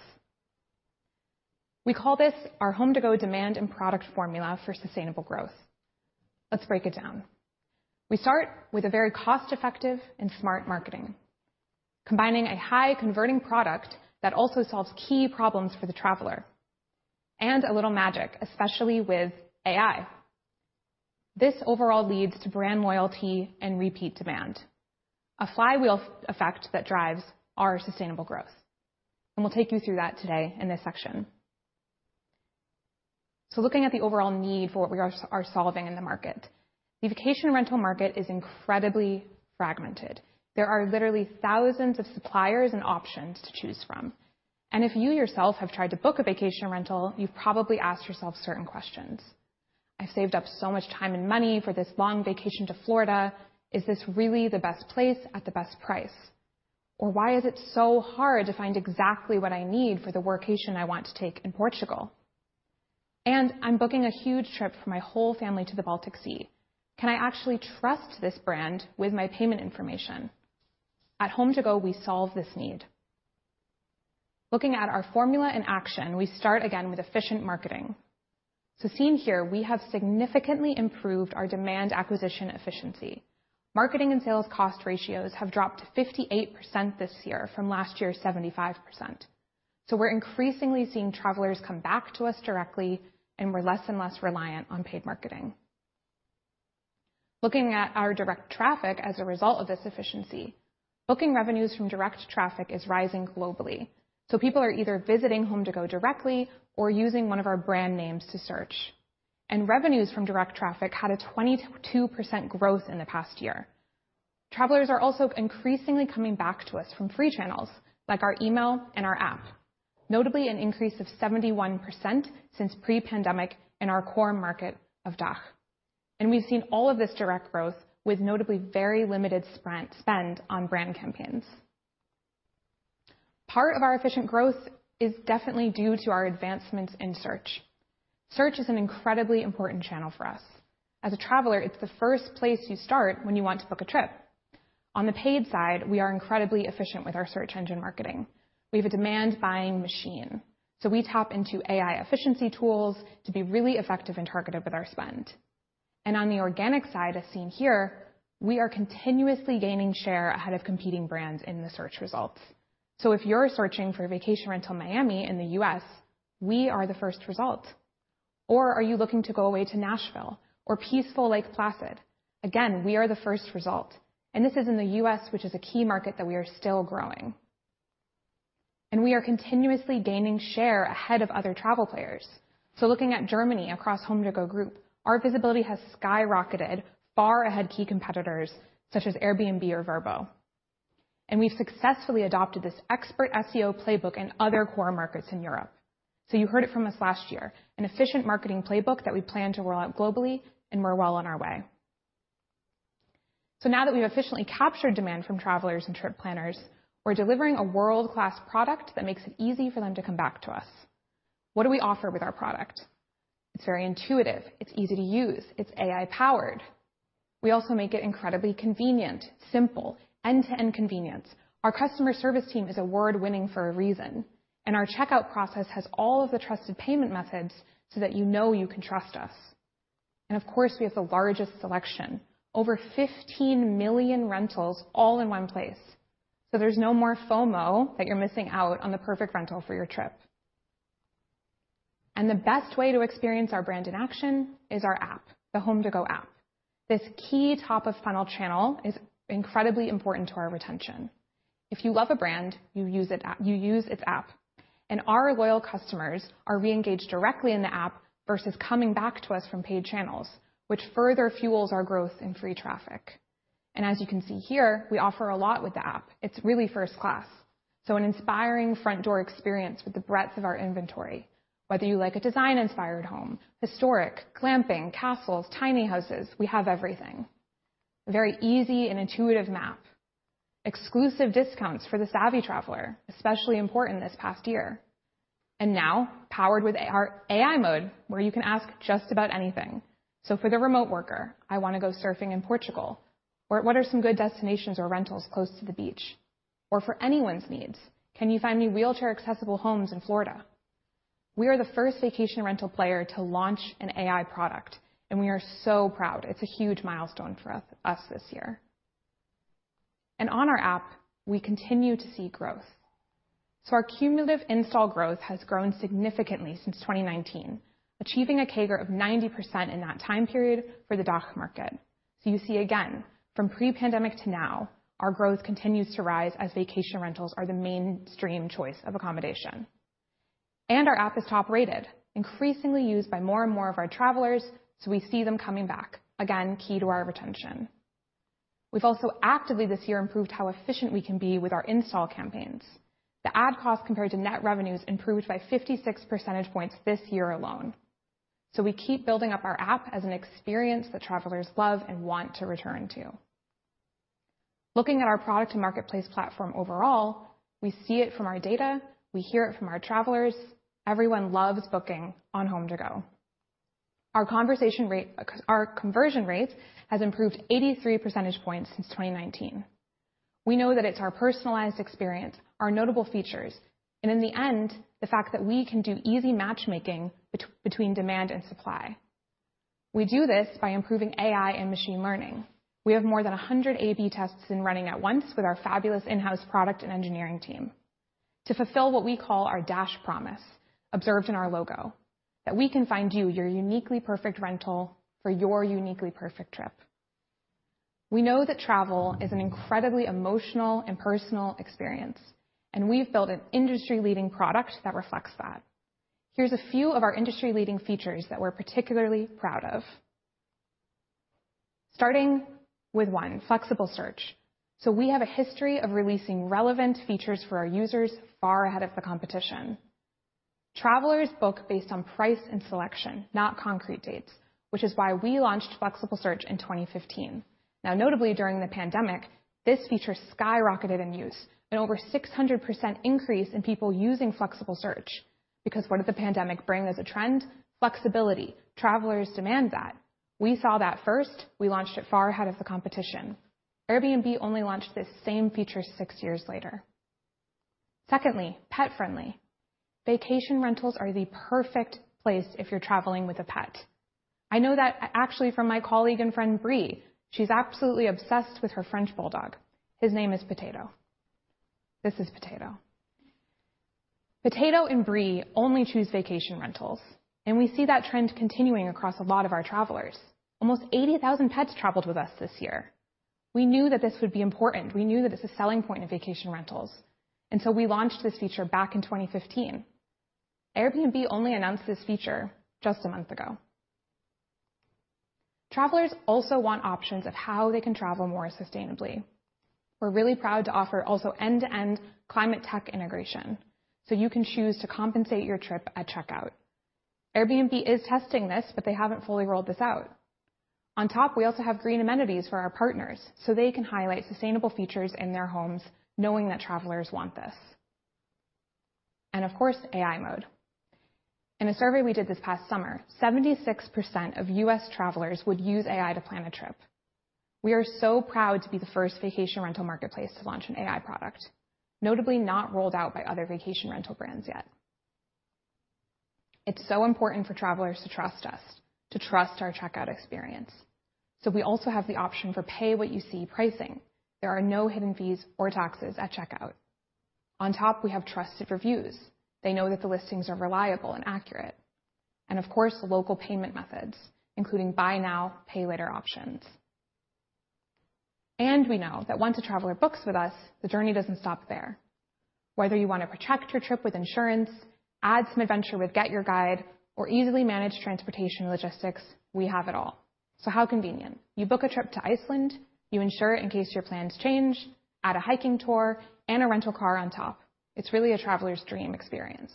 We call this our HomeToGo demand and product formula for sustainable growth. Let's break it down. We start with a very cost-effective and smart marketing, combining a high-converting product that also solves key problems for the traveler, and a little magic, especially with AI. This overall leads to brand loyalty and repeat demand, a flywheel effect that drives our sustainable growth, and we'll take you through that today in this section. So looking at the overall need for what we are solving in the market. The vacation rental market is incredibly fragmented. There are literally thousands of suppliers and options to choose from, and if you yourself have tried to book a vacation rental, you've probably asked yourself certain questions: "I've saved up so much time and money for this long vacation to Florida. Is this really the best place at the best price?" Or, "Why is it so hard to find exactly what I need for the workation I want to take in Portugal? ... and I'm booking a huge trip for my whole family to the Baltic Sea. Can I actually trust this brand with my payment information? At HomeToGo, we solve this need. Looking at our formula in action, we start again with efficient marketing. So seen here, we have significantly improved our demand acquisition efficiency. Marketing and sales cost ratios have dropped 58% this year from last year's 75%. So we're increasingly seeing travelers come back to us directly, and we're less and less reliant on paid marketing. Looking at our direct traffic as a result of this efficiency, booking revenues from direct traffic is rising globally. So people are either visiting HomeToGo directly or using one of our brand names to search. And revenues from direct traffic had a 22% growth in the past year. Travelers are also increasingly coming back to us from free channels, like our email and our app, notably an increase of 71% since pre-pandemic in our core market of DACH. And we've seen all of this direct growth with notably very limited spend on brand campaigns. Part of our efficient growth is definitely due to our advancements in search. Search is an incredibly important channel for us. As a traveler, it's the first place you start when you want to book a trip. On the paid side, we are incredibly efficient with our search engine marketing. We have a demand buying machine, so we tap into AI efficiency tools to be really effective and targeted with our spend. And on the organic side, as seen here, we are continuously gaining share ahead of competing brands in the search results. So if you're searching for a vacation rental in Miami, in the U.S., we are the first result. Or are you looking to go away to Nashville or peaceful Lake Placid? Again, we are the first result, and this is in the U.S., which is a key market that we are still growing. And we are continuously gaining share ahead of other travel players. So looking at Germany across HomeToGo Group, our visibility has skyrocketed far ahead key competitors such as Airbnb or Vrbo, and we've successfully adopted this expert SEO playbook in other core markets in Europe. So you heard it from us last year, an efficient marketing playbook that we plan to roll out globally, and we're well on our way. So now that we've officially captured demand from travelers and trip planners, we're delivering a world-class product that makes it easy for them to come back to us. What do we offer with our product? It's very intuitive, it's easy to use, it's AI-powered. We also make it incredibly convenient, simple, end-to-end convenience. Our customer service team is award-winning for a reason, and our checkout process has all of the trusted payment methods so that you know you can trust us. Of course, we have the largest selection, over 15 million rentals all in one place. There's no more FOMO that you're missing out on the perfect rental for your trip. The best way to experience our brand in action is our app, the HomeToGo app. This key top-of-funnel channel is incredibly important to our retention. If you love a brand, you use it—you use its app, and our loyal customers are reengaged directly in the app versus coming back to us from paid channels, which further fuels our growth in free traffic. As you can see here, we offer a lot with the app. It's really first class, so an inspiring front door experience with the breadth of our inventory. Whether you like a design-inspired home, historic, glamping, castles, tiny houses, we have everything. A very easy and intuitive map. Exclusive discounts for the savvy traveler, especially important this past year, and now powered with our AI Mode, where you can ask just about anything. So for the remote worker, I want to go surfing in Portugal, or what are some good destinations or rentals close to the beach? Or for anyone's needs, "Can you find me wheelchair-accessible homes in Florida?" We are the first vacation rental player to launch an AI product, and we are so proud. It's a huge milestone for us, us this year. And on our app, we continue to see growth. Our cumulative install growth has grown significantly since 2019, achieving a CAGR of 90% in that time period for the DACH market. You see again, from pre-pandemic to now, our growth continues to rise as vacation rentals are the mainstream choice of accommodation. Our app is top-rated, increasingly used by more and more of our travelers, so we see them coming back. Again, key to our retention. We've also actively this year improved how efficient we can be with our install campaigns. The ad cost compared to net revenues improved by 56 percentage points this year alone. We keep building up our app as an experience that travelers love and want to return to. Looking at our product and marketplace platform overall, we see it from our data, we hear it from our travelers, everyone loves booking on HomeToGo. Our conversion rate has improved 83 percentage points since 2019. We know that it's our personalized experience, our notable features, and in the end, the fact that we can do easy matchmaking between demand and supply. We do this by improving AI and machine learning. We have more than 100 A/B tests in running at once with our fabulous in-house product and engineering team to fulfill what we call our DACH promise, observed in our logo, that we can find you your uniquely perfect rental for your uniquely perfect trip. We know that travel is an incredibly emotional and personal experience, and we've built an industry-leading product that reflects that. Here's a few of our industry-leading features that we're particularly proud of. Starting with one, flexible search. So we have a history of releasing relevant features for our users far ahead of the competition. Travelers book based on price and selection, not concrete dates, which is why we launched flexible search in 2015. Now, notably, during the pandemic, this feature skyrocketed in use, and over 600% increase in people using flexible search. Because what did the pandemic bring as a trend? Flexibility. Travelers demand that.... We saw that first, we launched it far ahead of the competition. Airbnb only launched this same feature six years later. Secondly, pet-friendly. Vacation rentals are the perfect place if you're traveling with a pet. I know that actually from my colleague and friend, Brie. She's absolutely obsessed with her French bulldog. His name is Potato. This is Potato. Potato and Brie only choose vacation rentals, and we see that trend continuing across a lot of our travelers. Almost 80,000 pets traveled with us this year. We knew that this would be important. We knew that it's a selling point of vacation rentals, and so we launched this feature back in 2015. Airbnb only announced this feature just a month ago. Travelers also want options of how they can travel more sustainably. We're really proud to offer also end-to-end climate tech integration, so you can choose to compensate your trip at checkout. Airbnb is testing this, but they haven't fully rolled this out. On top, we also have green amenities for our partners, so they can highlight sustainable features in their homes, knowing that travelers want this. And of course, AI Mode. In a survey we did this past summer, 76% of U.S. travelers would use AI to plan a trip. We are so proud to be the first vacation rental marketplace to launch an AI product, notably not rolled out by other vacation rental brands yet. It's so important for travelers to trust us, to trust our checkout experience. So we also have the option for pay what you see pricing. There are no hidden fees or taxes at checkout. On top, we have trusted reviews. They know that the listings are reliable and accurate, and of course, local payment methods, including buy now, pay later options. And we know that once a traveler books with us, the journey doesn't stop there. Whether you want to protect your trip with insurance, add some adventure with GetYourGuide, or easily manage transportation logistics, we have it all. So how convenient? You book a trip to Iceland, you insure it in case your plans change, add a hiking tour, and a rental car on top. It's really a traveler's dream experience.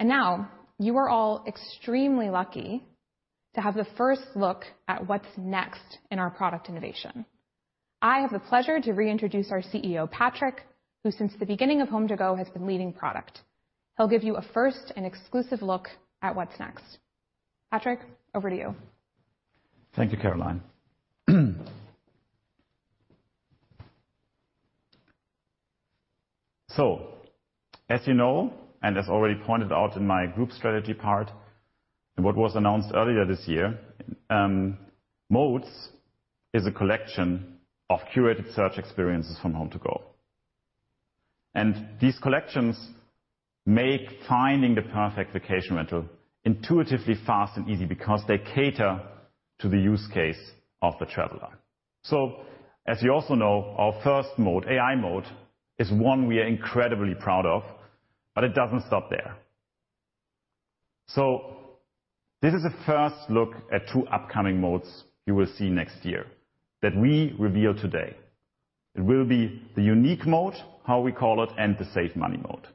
Now you are all extremely lucky to have the first look at what's next in our product innovation. I have the pleasure to reintroduce our CEO, Patrick, who since the beginning of HomeToGo, has been leading product. He'll give you a first and exclusive look at what's next. Patrick, over to you. Thank you, Caroline. So, as you know, and as already pointed out in my group strategy part, and what was announced earlier this year, Modes is a collection of curated search experiences from HomeToGo. And these collections make finding the perfect vacation rental intuitively fast and easy because they cater to the use case of the traveler. So as you also know, our first mode, AI Mode, is one we are incredibly proud of, but it doesn't stop there. So this is a first look at two upcoming modes you will see next year that we reveal today. It will be the Unique Mode, how we call it, and the Save Money Mode.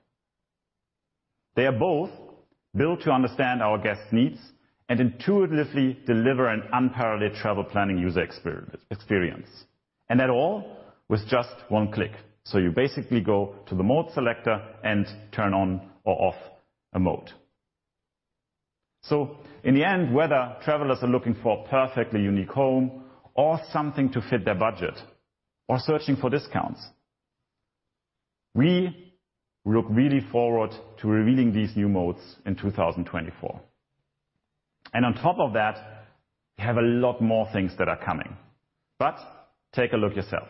They are both built to understand our guests' needs and intuitively deliver an unparalleled travel planning user experience, and that all with just one click. So you basically go to the mode selector and turn on or off a mode. So in the end, whether travelers are looking for a perfectly unique home or something to fit their budget or searching for discounts, we look really forward to revealing these new modes in 2024. And on top of that, we have a lot more things that are coming, but take a look yourself.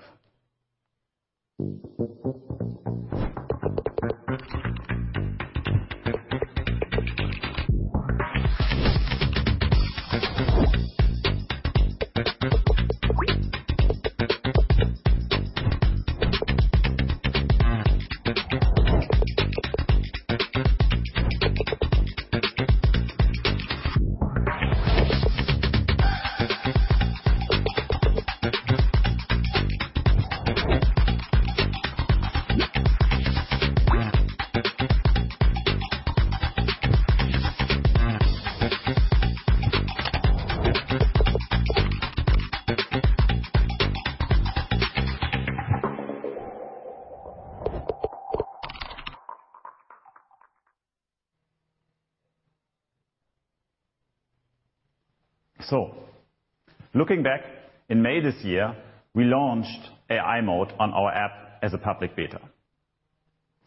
So looking back, in May this year, we launched AI Mode on our app as a public beta.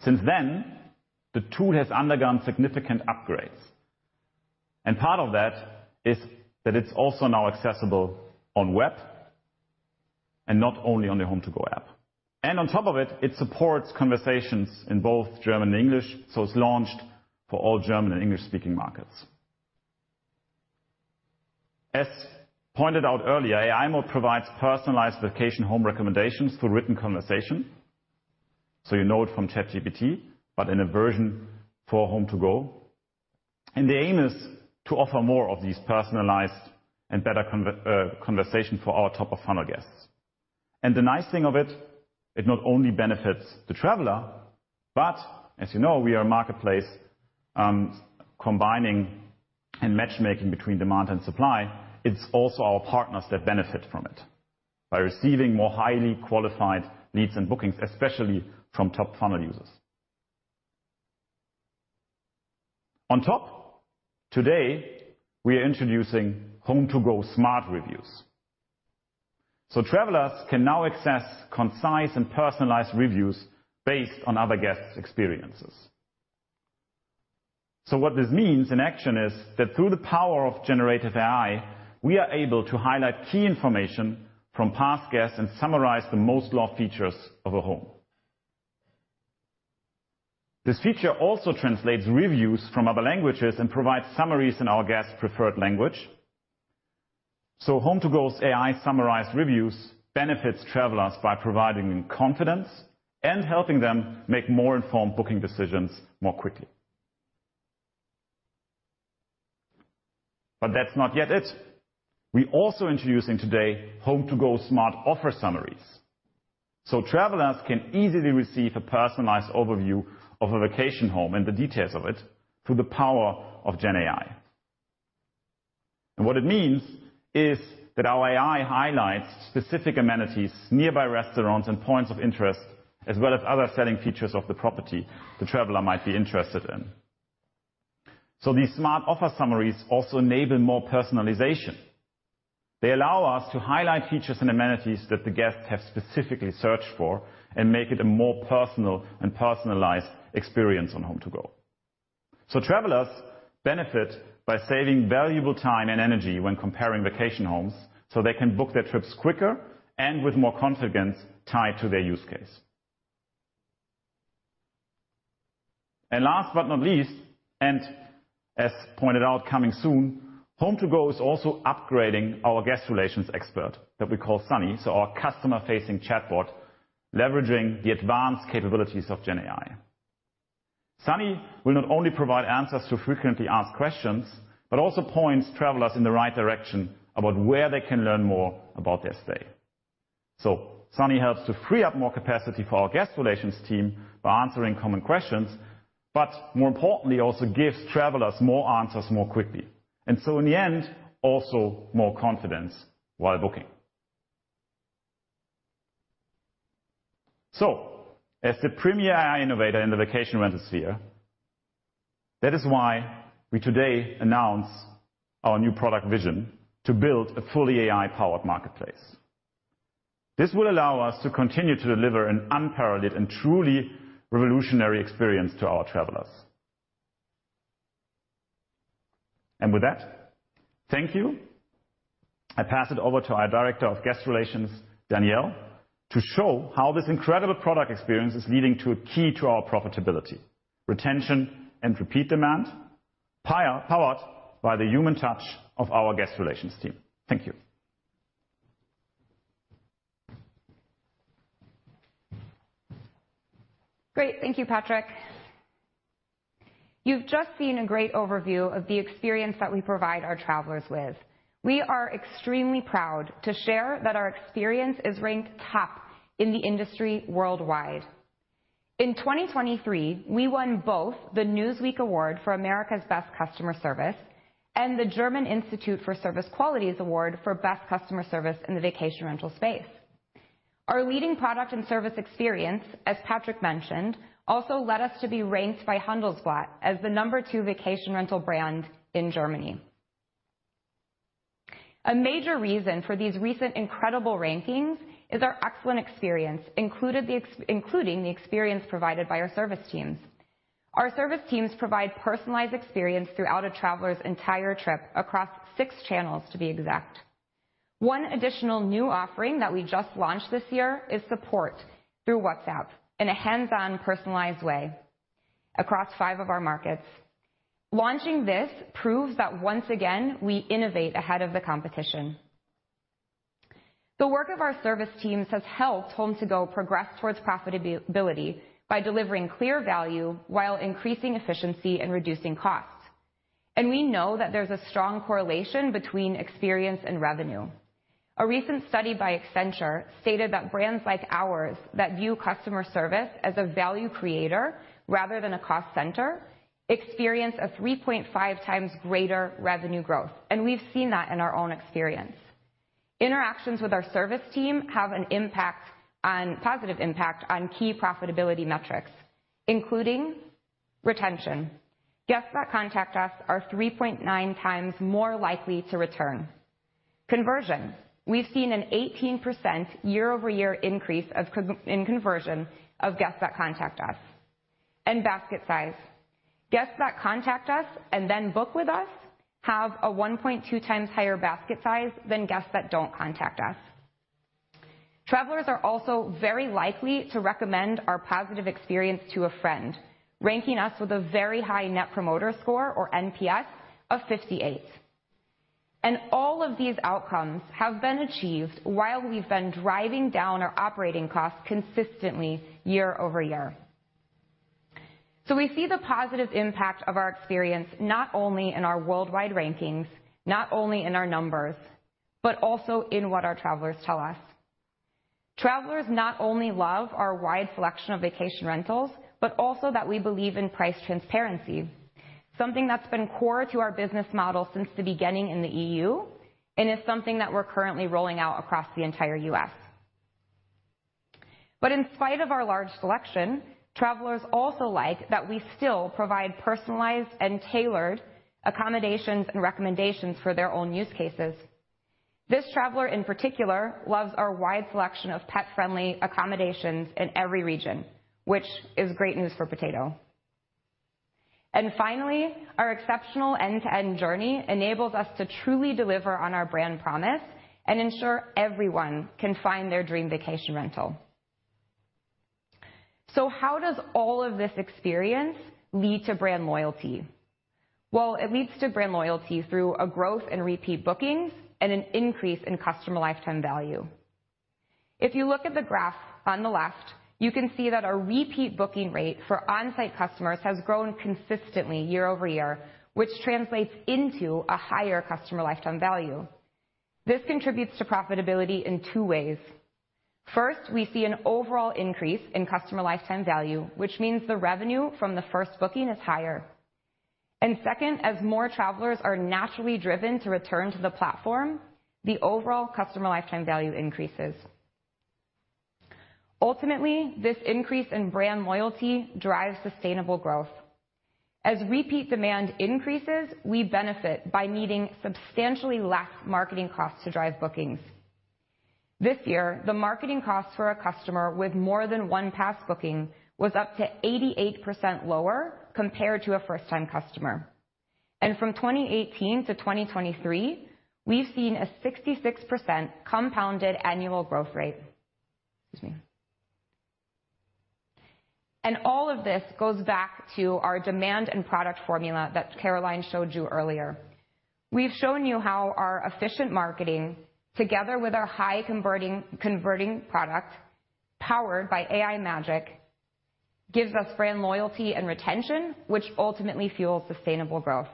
Since then, the tool has undergone significant upgrades, and part of that is that it's also now accessible on web and not only on the HomeToGo app. And on top of it, it supports conversations in both German and English, so it's launched for all German and English-speaking markets. As pointed out earlier, AI Mode provides personalized vacation home recommendations through written conversation, so you know it from ChatGPT, but in a version for HomeToGo. The aim is to offer more of these personalized and better conversation for our top-of-funnel guests. The nice thing of it, it not only benefits the traveler, but as you know, we are a marketplace, combining and matchmaking between demand and supply. It's also our partners that benefit from it by receiving more highly qualified leads and bookings, especially from top funnel users. On top, today, we are introducing HomeToGo Smart Reviews. Travelers can now access concise and personalized reviews based on other guests' experiences. What this means in action is that through the power of generative AI, we are able to highlight key information from past guests and summarize the most loved features of a home. This feature also translates reviews from other languages and provides summaries in our guests' preferred language. So HomeToGo's AI summarized reviews benefits travelers by providing them confidence and helping them make more informed booking decisions more quickly. But that's not yet it. We're also introducing today, HomeToGo Smart Offer Summaries, so travelers can easily receive a personalized overview of a vacation home and the details of it through the power of Gen AI. And what it means is that our AI highlights specific amenities, nearby restaurants, and points of interest, as well as other selling features of the property the traveler might be interested in. So these smart offer summaries also enable more personalization. They allow us to highlight features and amenities that the guests have specifically searched for and make it a more personal and personalized experience on HomeToGo. So travelers benefit by saving valuable time and energy when comparing vacation homes, so they can book their trips quicker and with more confidence tied to their use case. Last but not least, and as pointed out, coming soon, HomeToGo is also upgrading our guest relations expert that we call Sunny. So our customer-facing chatbot, leveraging the advanced capabilities of Gen AI. Sunny will not only provide answers to frequently asked questions, but also points travelers in the right direction about where they can learn more about their stay. So Sunny helps to free up more capacity for our guest relations team by answering common questions, but more importantly, also gives travelers more answers more quickly. So in the end, also more confidence while booking. So as the premier AI innovator in the vacation rental sphere, that is why we today announce our new product vision to build a fully AI-powered marketplace. This will allow us to continue to deliver an unparalleled and truly revolutionary experience to our travelers. And with that, thank you. I pass it over to our Director of Guest Relations, Danielle, to show how this incredible product experience is leading to a key to our profitability, retention, and repeat demand, AI-powered by the human touch of our guest relations team. Thank you. Great. Thank you, Patrick. You've just seen a great overview of the experience that we provide our travelers with. We are extremely proud to share that our experience is ranked top in the industry worldwide. In 2023, we won both the Newsweek Award for America's Best Customer Service and the German Institute for Service Quality's Award for Best Customer Service in the vacation rental space. Our leading product and service experience, as Patrick mentioned, also led us to be ranked by Handelsblatt as the number two vacation rental brand in Germany. A major reason for these recent incredible rankings is our excellent experience, including the experience provided by our service teams. Our service teams provide personalized experience throughout a traveler's entire trip, across six channels, to be exact. One additional new offering that we just launched this year is support through WhatsApp in a hands-on, personalized way across five of our markets. Launching this proves that once again, we innovate ahead of the competition. The work of our service teams has helped HomeToGo progress towards profitability by delivering clear value while increasing efficiency and reducing costs. We know that there's a strong correlation between experience and revenue. A recent study by Accenture stated that brands like ours, that view customer service as a value creator rather than a cost center, experience a 3.5x greater revenue growth, and we've seen that in our own experience. Interactions with our service team have a positive impact on key profitability metrics, including retention. Guests that contact us are 3.9x more likely to return. Conversion. We've seen an 18% year-over-year increase in conversion of guests that contact us. And basket size. Guests that contact us and then book with us have a 1.2x higher basket size than guests that don't contact us. Travelers are also very likely to recommend our positive experience to a friend, ranking us with a very high net promoter score, or NPS, of 58. And all of these outcomes have been achieved while we've been driving down our operating costs consistently year-over-year. So we see the positive impact of our experience, not only in our worldwide rankings, not only in our numbers, but also in what our travelers tell us. Travelers not only love our wide selection of vacation rentals, but also that we believe in price transparency, something that's been core to our business model since the beginning in the EU, and is something that we're currently rolling out across the entire U.S. But in spite of our large selection, travelers also like that we still provide personalized and tailored accommodations and recommendations for their own use cases. This traveler, in particular, loves our wide selection of pet-friendly accommodations in every region, which is great news for Potato. And finally, our exceptional end-to-end journey enables us to truly deliver on our brand promise and ensure everyone can find their dream vacation rental. So how does all of this experience lead to brand loyalty? Well, it leads to brand loyalty through a growth in repeat bookings and an increase in customer lifetime value. If you look at the graph on the left, you can see that our repeat booking rate for on-site customers has grown consistently year-over-year, which translates into a higher customer lifetime value. This contributes to profitability in two ways. First, we see an overall increase in customer lifetime value, which means the revenue from the first booking is higher. And second, as more travelers are naturally driven to return to the platform, the overall customer lifetime value increases. Ultimately, this increase in brand loyalty drives sustainable growth. As repeat demand increases, we benefit by needing substantially less marketing costs to drive bookings. This year, the marketing cost for a customer with more than one past booking was up to 88% lower compared to a first-time customer. And from 2018 to 2023, we've seen a 66% compounded annual growth rate. Excuse me. And all of this goes back to our demand and product formula that Caroline showed you earlier. We've shown you how our efficient marketing, together with our high converting product, powered by AI magic, gives us brand loyalty and retention, which ultimately fuels sustainable growth.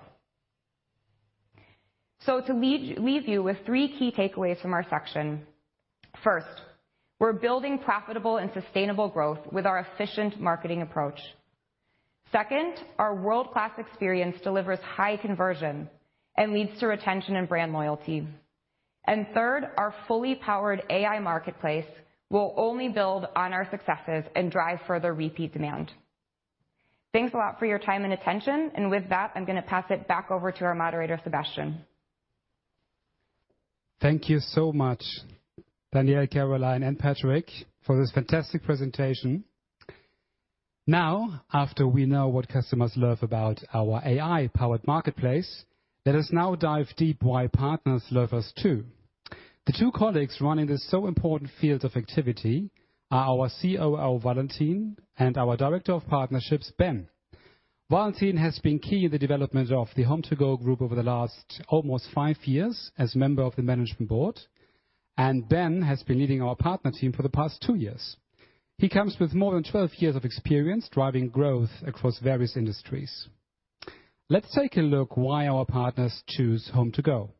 So to leave you with three key takeaways from our section. First, we're building profitable and sustainable growth with our efficient marketing approach. Second, our world-class experience delivers high conversion and leads to retention and brand loyalty. And third, our fully powered AI marketplace will only build on our successes and drive further repeat demand. Thanks a lot for your time and attention, and with that, I'm going to pass it back over to our moderator, Sebastian. Thank you so much, Danielle, Caroline, and Patrick, for this fantastic presentation. Now, after we know what customers love about our AI-powered marketplace, let us now dive deep why partners love us, too. The two colleagues running this so important field of activity are our COO, Valentin, and our Director of Partnerships, Ben. Valentin has been key in the development of the HomeToGo group over the last almost five years as a member of the management board, and Ben has been leading our partner team for the past two years. He comes with more than 12 years of experience, driving growth across various industries. Let's take a look why our partners choose HomeToGo.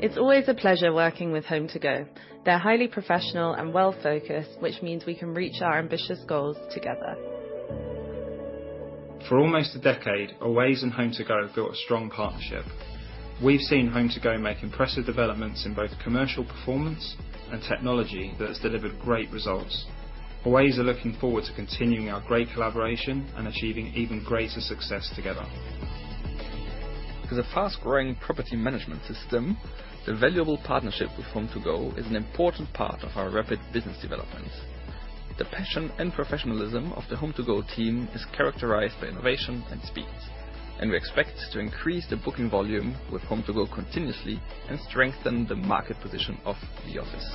It's always a pleasure working with HomeToGo. They're highly professional and well-focused, which means we can reach our ambitious goals together. For almost a decade, Awaze and HomeToGo have built a strong partnership. We've seen HomeToGo make impressive developments in both commercial performance and technology that has delivered great results. Awaze are looking forward to continuing our great collaboration and achieving even greater success together. As a fast-growing property management system, the valuable partnership with HomeToGo is an important part of our rapid business development. The passion and professionalism of the HomeToGo team is characterized by innovation and speed, and we expect to increase the booking volume with HomeToGo continuously and strengthen the market position of the office.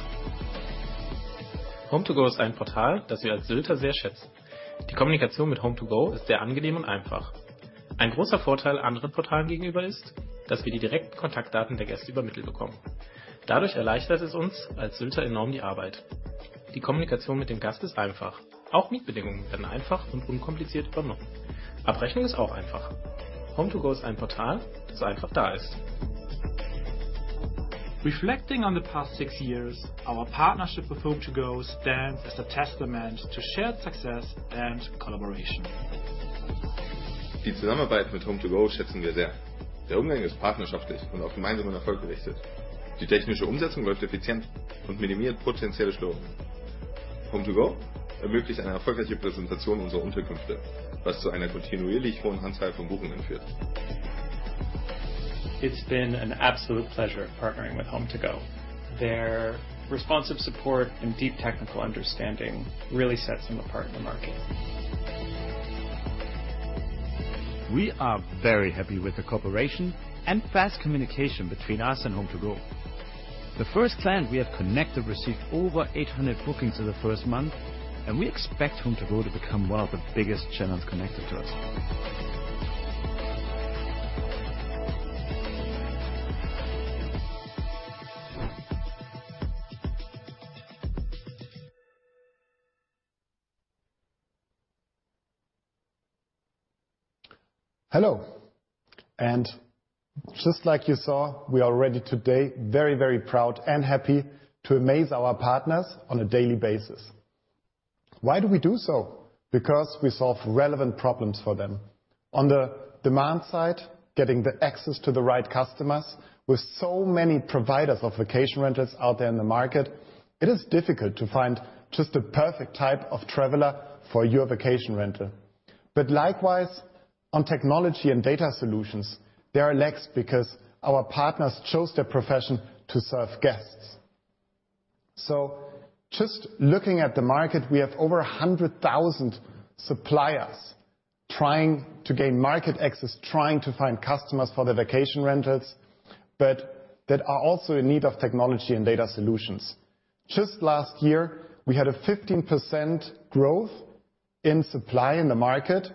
HomeToGo is ein Portal, das wir als Sylter sehr schätzen. Die Kommunikation mit HomeToGo ist sehr angenehm und einfach. Ein großer Vorteil anderen Portalen gegenüber ist, dass wir die direkten Kontaktdaten der Gäste übermittelt bekommen. Dadurch erleichtert es uns als Sylter enorm die Arbeit. Die Kommunikation mit dem Gast ist einfach. Auch Mietbedingungen werden einfach und unkompliziert übernommen. Abrechnung ist auch einfach. HomeToGo ist ein Portal, das einfach da ist. Reflecting on the past six years, our partnership with HomeToGo stands as a testament to shared success and collaboration. Die Zusammenarbeit mit HomeToGo schätzen wir sehr. Der Umgang ist partnerschaftlich und auf gemeinsamen Erfolg gerichtet. Die technische Umsetzung läuft effizient und minimiert potenzielle Schleifen. HomeToGo ermöglicht eine erfolgreiche Präsentation unserer Unterkünfte, was zu einer kontinuierlich hohen Anzahl von Buchungen führt. It's been an absolute pleasure partnering with HomeToGo. Their responsive support and deep technical understanding really sets them apart in the market. We are very happy with the cooperation and fast communication between us and HomeToGo. The first client we have connected received over 800 bookings in the first month, and we expect HomeToGo to become one of the biggest channels connected to us. Hello, and just like you saw, we are ready today, very, very proud and happy to amaze our partners on a daily basis.... Why do we do so? Because we solve relevant problems for them. On the demand side, getting the access to the right customers. With so many providers of vacation rentals out there in the market, it is difficult to find just the perfect type of traveler for your vacation rental. But likewise, on technology and data solutions, there are lacks because our partners chose their profession to serve guests. So just looking at the market, we have over 100,000 suppliers trying to gain market access, trying to find customers for their vacation rentals, but that are also in need of technology and data solutions. Just last year, we had a 15% growth in supply in the market,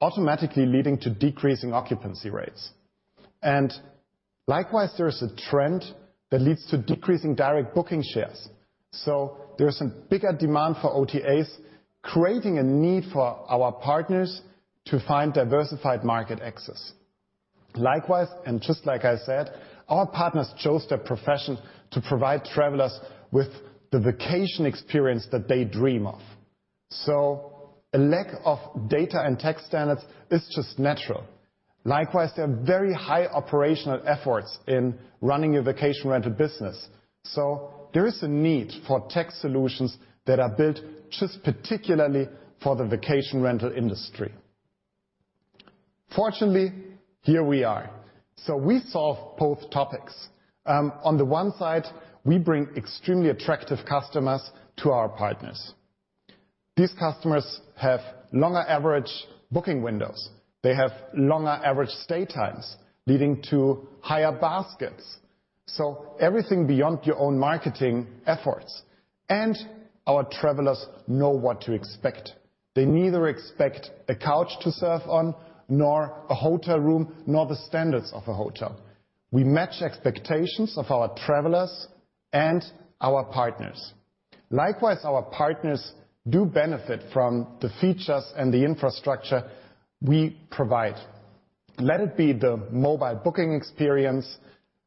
automatically leading to decreasing occupancy rates. And likewise, there is a trend that leads to decreasing direct booking shares. So there is a bigger demand for OTAs, creating a need for our partners to find diversified market access. Likewise, and just like I said, our partners chose their profession to provide travelers with the vacation experience that they dream of. So a lack of data and tech standards is just natural. Likewise, there are very high operational efforts in running a vacation rental business, so there is a need for tech solutions that are built just particularly for the vacation rental industry. Fortunately, here we are. So we solve both topics. On the one side, we bring extremely attractive customers to our partners. These customers have longer average booking windows. They have longer average stay times, leading to higher baskets, so everything beyond your own marketing efforts. And our travelers know what to expect. They neither expect a couch to surf on, nor a hotel room, nor the standards of a hotel. We match expectations of our travelers and our partners. Likewise, our partners do benefit from the features and the infrastructure we provide, let it be the mobile booking experience,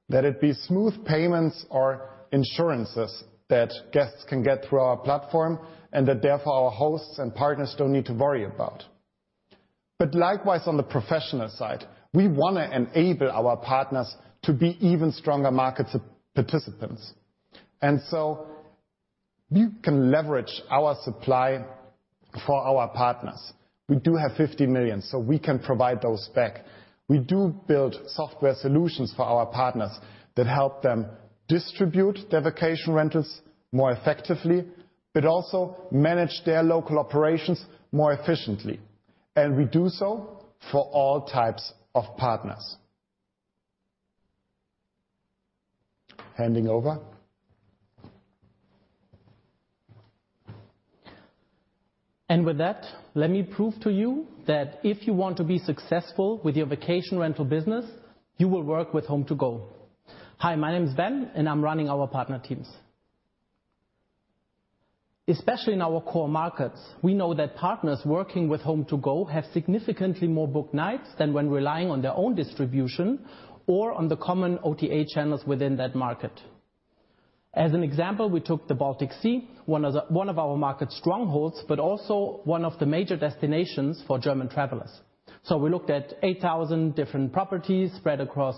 let it be smooth payments or insurances that guests can get through our platform and that therefore our hosts and partners don't need to worry about. But likewise, on the professional side, we want to enable our partners to be even stronger market participants. And so we can leverage our supply for our partners. We do have 50 million, so we can provide those back. We do build software solutions for our partners that help them distribute their vacation rentals more effectively, but also manage their local operations more efficiently. And we do so for all types of partners. Handing over. And with that, let me prove to you that if you want to be successful with your vacation rental business, you will work with HomeToGo. Hi, my name is Ben, and I'm running our partner teams. Especially in our core markets, we know that partners working with HomeToGo have significantly more booked nights than when relying on their own distribution or on the common OTA channels within that market. As an example, we took the Baltic Sea, one of our market strongholds, but also one of the major destinations for German travelers. So we looked at 8,000 different properties spread across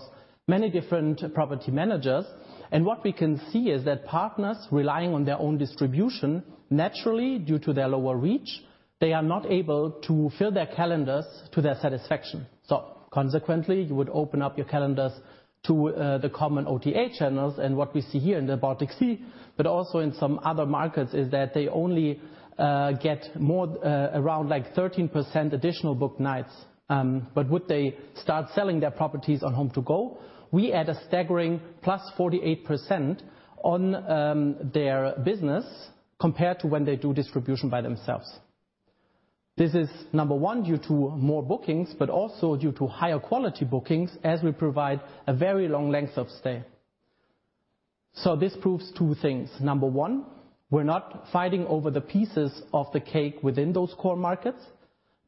many different property managers, and what we can see is that partners relying on their own distribution, naturally, due to their lower reach, they are not able to fill their calendars to their satisfaction. So consequently, you would open up your calendars to the common OTA channels. What we see here in the Baltic Sea, but also in some other markets, is that they only get more around like 13% additional book nights. But would they start selling their properties on HomeToGo, we add a staggering +48% on their business compared to when they do distribution by themselves. This is, number one, due to more bookings, but also due to higher quality bookings, as we provide a very long length of stay. So this proves two things. Number one, we're not fighting over the pieces of the cake within those core markets,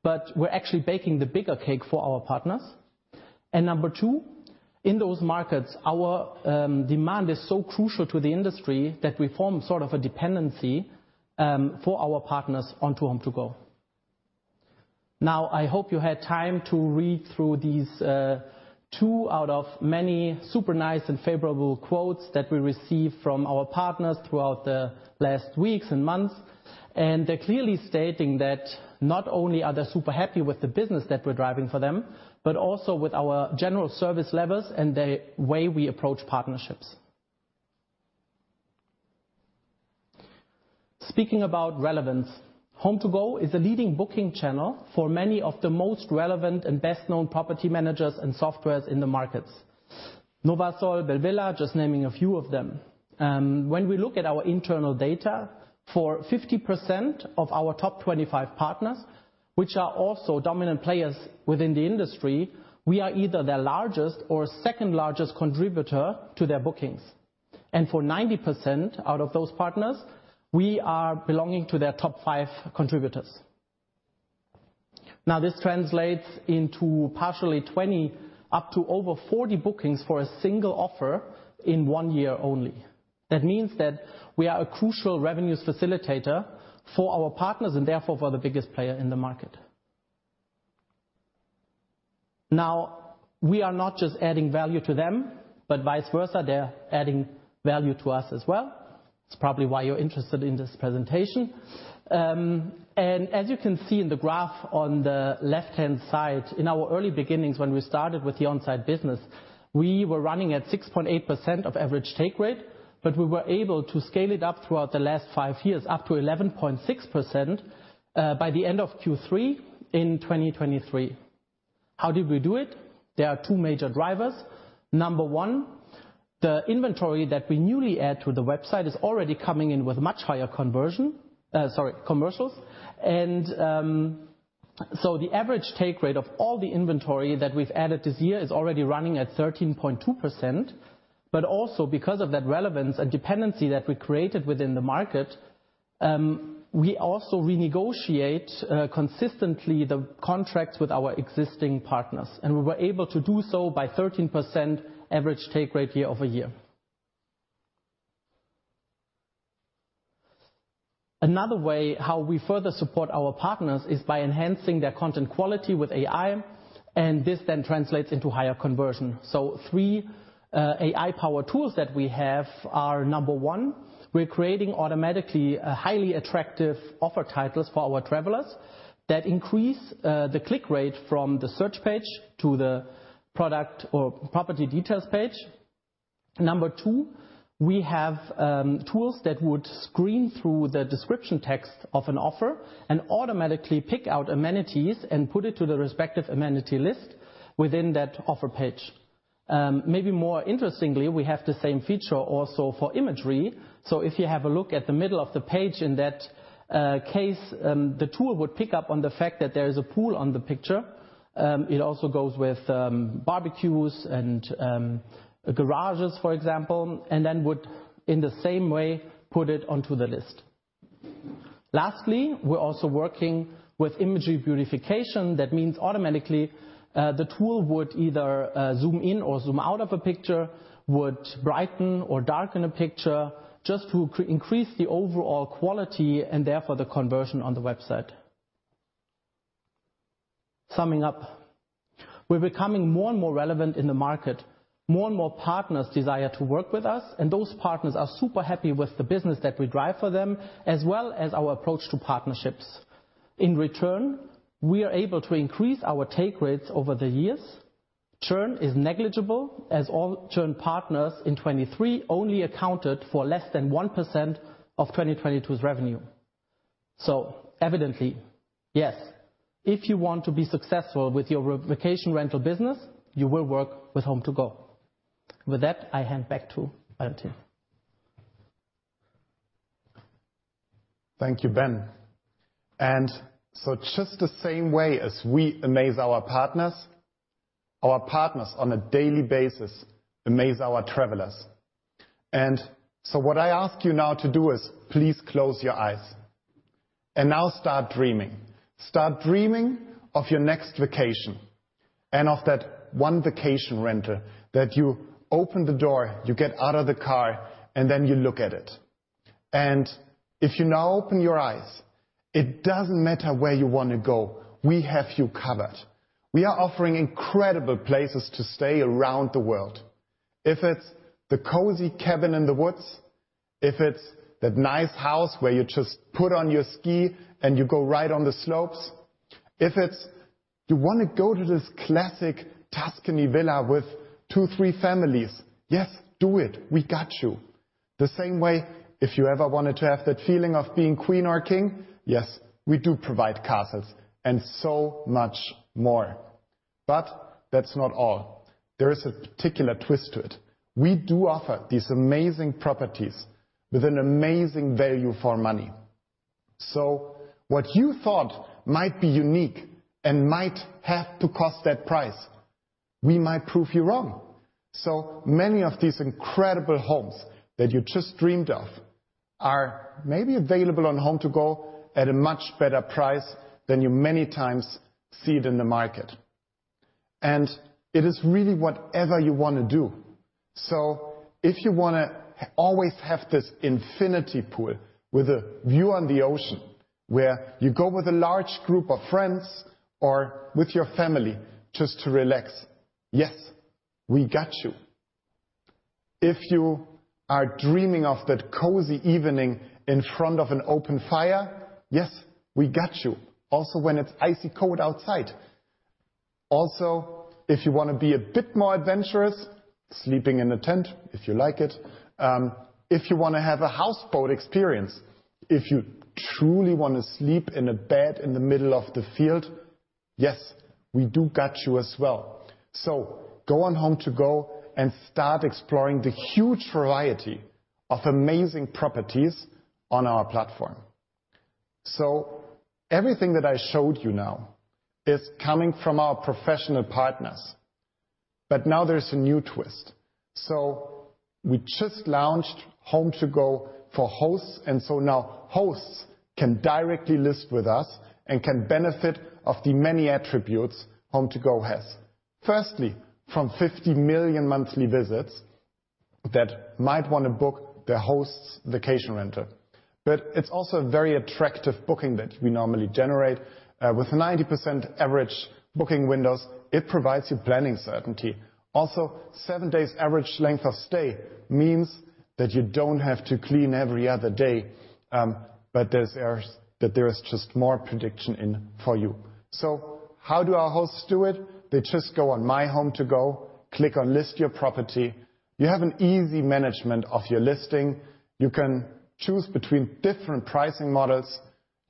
but we're actually baking the bigger cake for our partners. And number two, in those markets, our demand is so crucial to the industry that we form sort of a dependency for our partners onto HomeToGo. Now, I hope you had time to read through these two out of many super nice and favorable quotes that we received from our partners throughout the last weeks and months. They're clearly stating that not only are they super happy with the business that we're driving for them, but also with our general service levels and the way we approach partnerships. Speaking about relevance, HomeToGo is a leading booking channel for many of the most relevant and best-known property managers and softwares in the markets. Novasol, Belvilla, just naming a few of them. When we look at our internal data, for 50% of our top 25 partners, which are also dominant players within the industry, we are either their largest or second largest contributor to their bookings. And for 90% out of those partners, we are belonging to their top five contributors. Now, this translates into partially 20, up to over 40 bookings for a single offer in one year only. That means that we are a crucial revenues facilitator for our partners and therefore, we're the biggest player in the market. Now, we are not just adding value to them, but vice versa, they're adding value to us as well. It's probably why you're interested in this presentation. And as you can see in the graph on the left-hand side, in our early beginnings when we started with the on-site business, we were running at 6.8% of average take rate, but we were able to scale it up throughout the last five years, up to 11.6%, by the end of Q3 in 2023. How did we do it? There are two major drivers. Number one, the inventory that we newly add to the website is already coming in with much higher conversion, commercials. The average take rate of all the inventory that we've added this year is already running at 13.2%, but also because of that relevance and dependency that we created within the market, we also renegotiate consistently the contracts with our existing partners, and we were able to do so by 13% average take rate year-over-year. Another way how we further support our partners is by enhancing their content quality with AI, and this then translates into higher conversion. Three AI power tools that we have are, number one, we're creating automatically a highly attractive offer titles for our travelers that increase the click rate from the search page to the product or property details page. Number two, we have tools that would screen through the description text of an offer and automatically pick out amenities and put it to the respective amenity list within that offer page. Maybe more interestingly, we have the same feature also for imagery. So if you have a look at the middle of the page, in that case, the tool would pick up on the fact that there is a pool on the picture. It also goes with barbecues and garages, for example, and then would, in the same way, put it onto the list. Lastly, we're also working with imagery beautification. That means automatically, the tool would either zoom in or zoom out of a picture, would brighten or darken a picture, just to increase the overall quality and therefore the conversion on the website. Summing up, we're becoming more and more relevant in the market. More and more partners desire to work with us, and those partners are super happy with the business that we drive for them, as well as our approach to partnerships. In return, we are able to increase our take rates over the years. Churn is negligible, as all churn partners in 2023 only accounted for less than 1% of 2022's revenue. So evidently, yes, if you want to be successful with your vacation rental business, you will work with HomeToGo. With that, I hand back to Valentin. Thank you, Ben. So just the same way as we amaze our partners, our partners, on a daily basis, amaze our travelers. What I ask you now to do is please close your eyes and now start dreaming. Start dreaming of your next vacation and of that one vacation rental that you open the door, you get out of the car, and then you look at it. If you now open your eyes, it doesn't matter where you want to go, we have you covered. We are offering incredible places to stay around the world. If it's the cozy cabin in the woods, if it's that nice house where you just put on your skis and you go right on the slopes, if it's you want to go to this classic Tuscany villa with two, three families, yes, do it. We got you. The same way, if you ever wanted to have that feeling of being queen or king, yes, we do provide castles and so much more. But that's not all. There is a particular twist to it. We do offer these amazing properties with an amazing value for money. So what you thought might be unique and might have to cost that price, we might prove you wrong. So many of these incredible homes that you just dreamed of are maybe available on HomeToGo at a much better price than you many times see it in the market. And it is really whatever you want to do. So if you want to always have this infinity pool with a view on the ocean, where you go with a large group of friends or with your family just to relax, yes, we got you. If you are dreaming of that cozy evening in front of an open fire, yes, we got you, also when it's icy cold outside. Also, if you want to be a bit more adventurous, sleeping in a tent, if you like it, if you want to have a houseboat experience, if you truly want to sleep in a bed in the middle of the field, yes, we do got you as well. So go on HomeToGo and start exploring the huge variety of amazing properties on our platform. So everything that I showed you now is coming from our professional partners. But now there's a new twist. So we just launched HomeToGo for Hosts, and so now hosts can directly list with us and can benefit of the many attributes HomeToGo has. Firstly, from 50 million monthly visits that might want to book the host's vacation rental. But it's also a very attractive booking that we normally generate. With 90% average booking windows, it provides you planning certainty. Also, seven days average length of stay means that you don't have to clean every other day, but there is just more prediction in for you. So how do our hosts do it? They just go on My HomeToGo, click on List Your Property. You have an easy management of your listing. You can choose between different pricing models.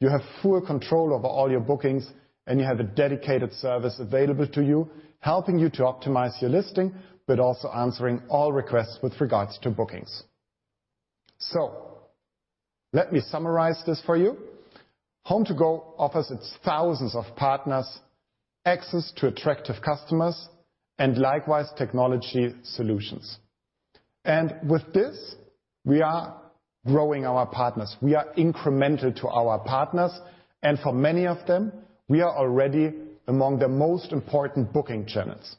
You have full control over all your bookings, and you have a dedicated service available to you, helping you to optimize your listing, but also answering all requests with regards to bookings. So let me summarize this for you. HomeToGo offers its thousands of partners access to attractive customers and likewise, technology solutions. And with this, we are growing our partners. We are incremental to our partners, and for many of them, we are already among the most important booking channels.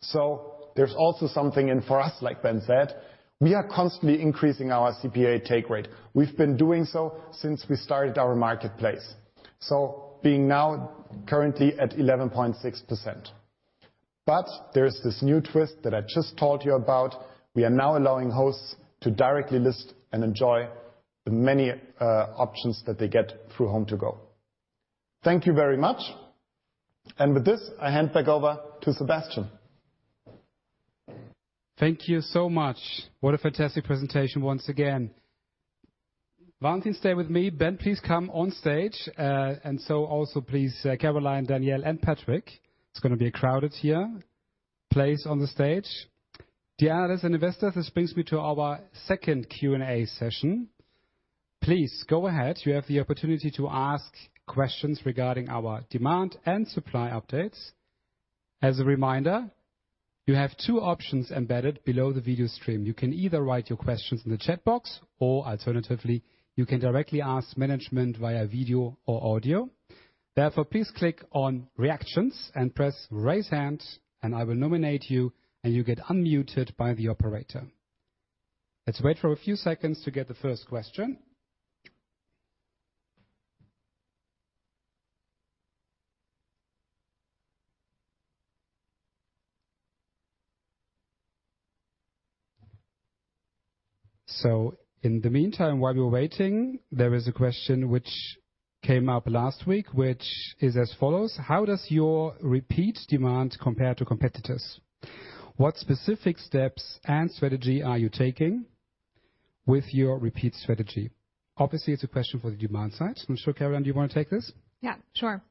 So there's also something in for us, like Ben said. We are constantly increasing our CPA take rate. We've been doing so since we started our marketplace. So being now currently at 11.6%. But there's this new twist that I just told you about. We are now allowing hosts to directly list and enjoy the many options that they get through HomeToGo. Thank you very much. And with this, I hand back over to Sebastian. Thank you so much. What a fantastic presentation once again. Valentin, stay with me. Ben, please come on stage, and so also, please, Caroline, Danielle, and Patrick. It's gonna be crowded here. Place on the stage. Dear analysts and investors, this brings me to our second Q&A session. Please go ahead. You have the opportunity to ask questions regarding our demand and supply updates. As a reminder, you have two options embedded below the video stream. You can either write your questions in the chat box, or alternatively, you can directly ask management via video or audio. Therefore, please click on Reactions and press Raise Hand, and I will nominate you, and you get unmuted by the operator. Let's wait for a few seconds to get the first question. In the meantime, while we're waiting, there is a question which came up last week, which is as follows: How does your repeat demand compare to competitors? What specific steps and strategy are you taking with your repeat strategy? Obviously, it's a question for the demand side. I'm sure, Caroline, do you want to take this? Yeah, sure.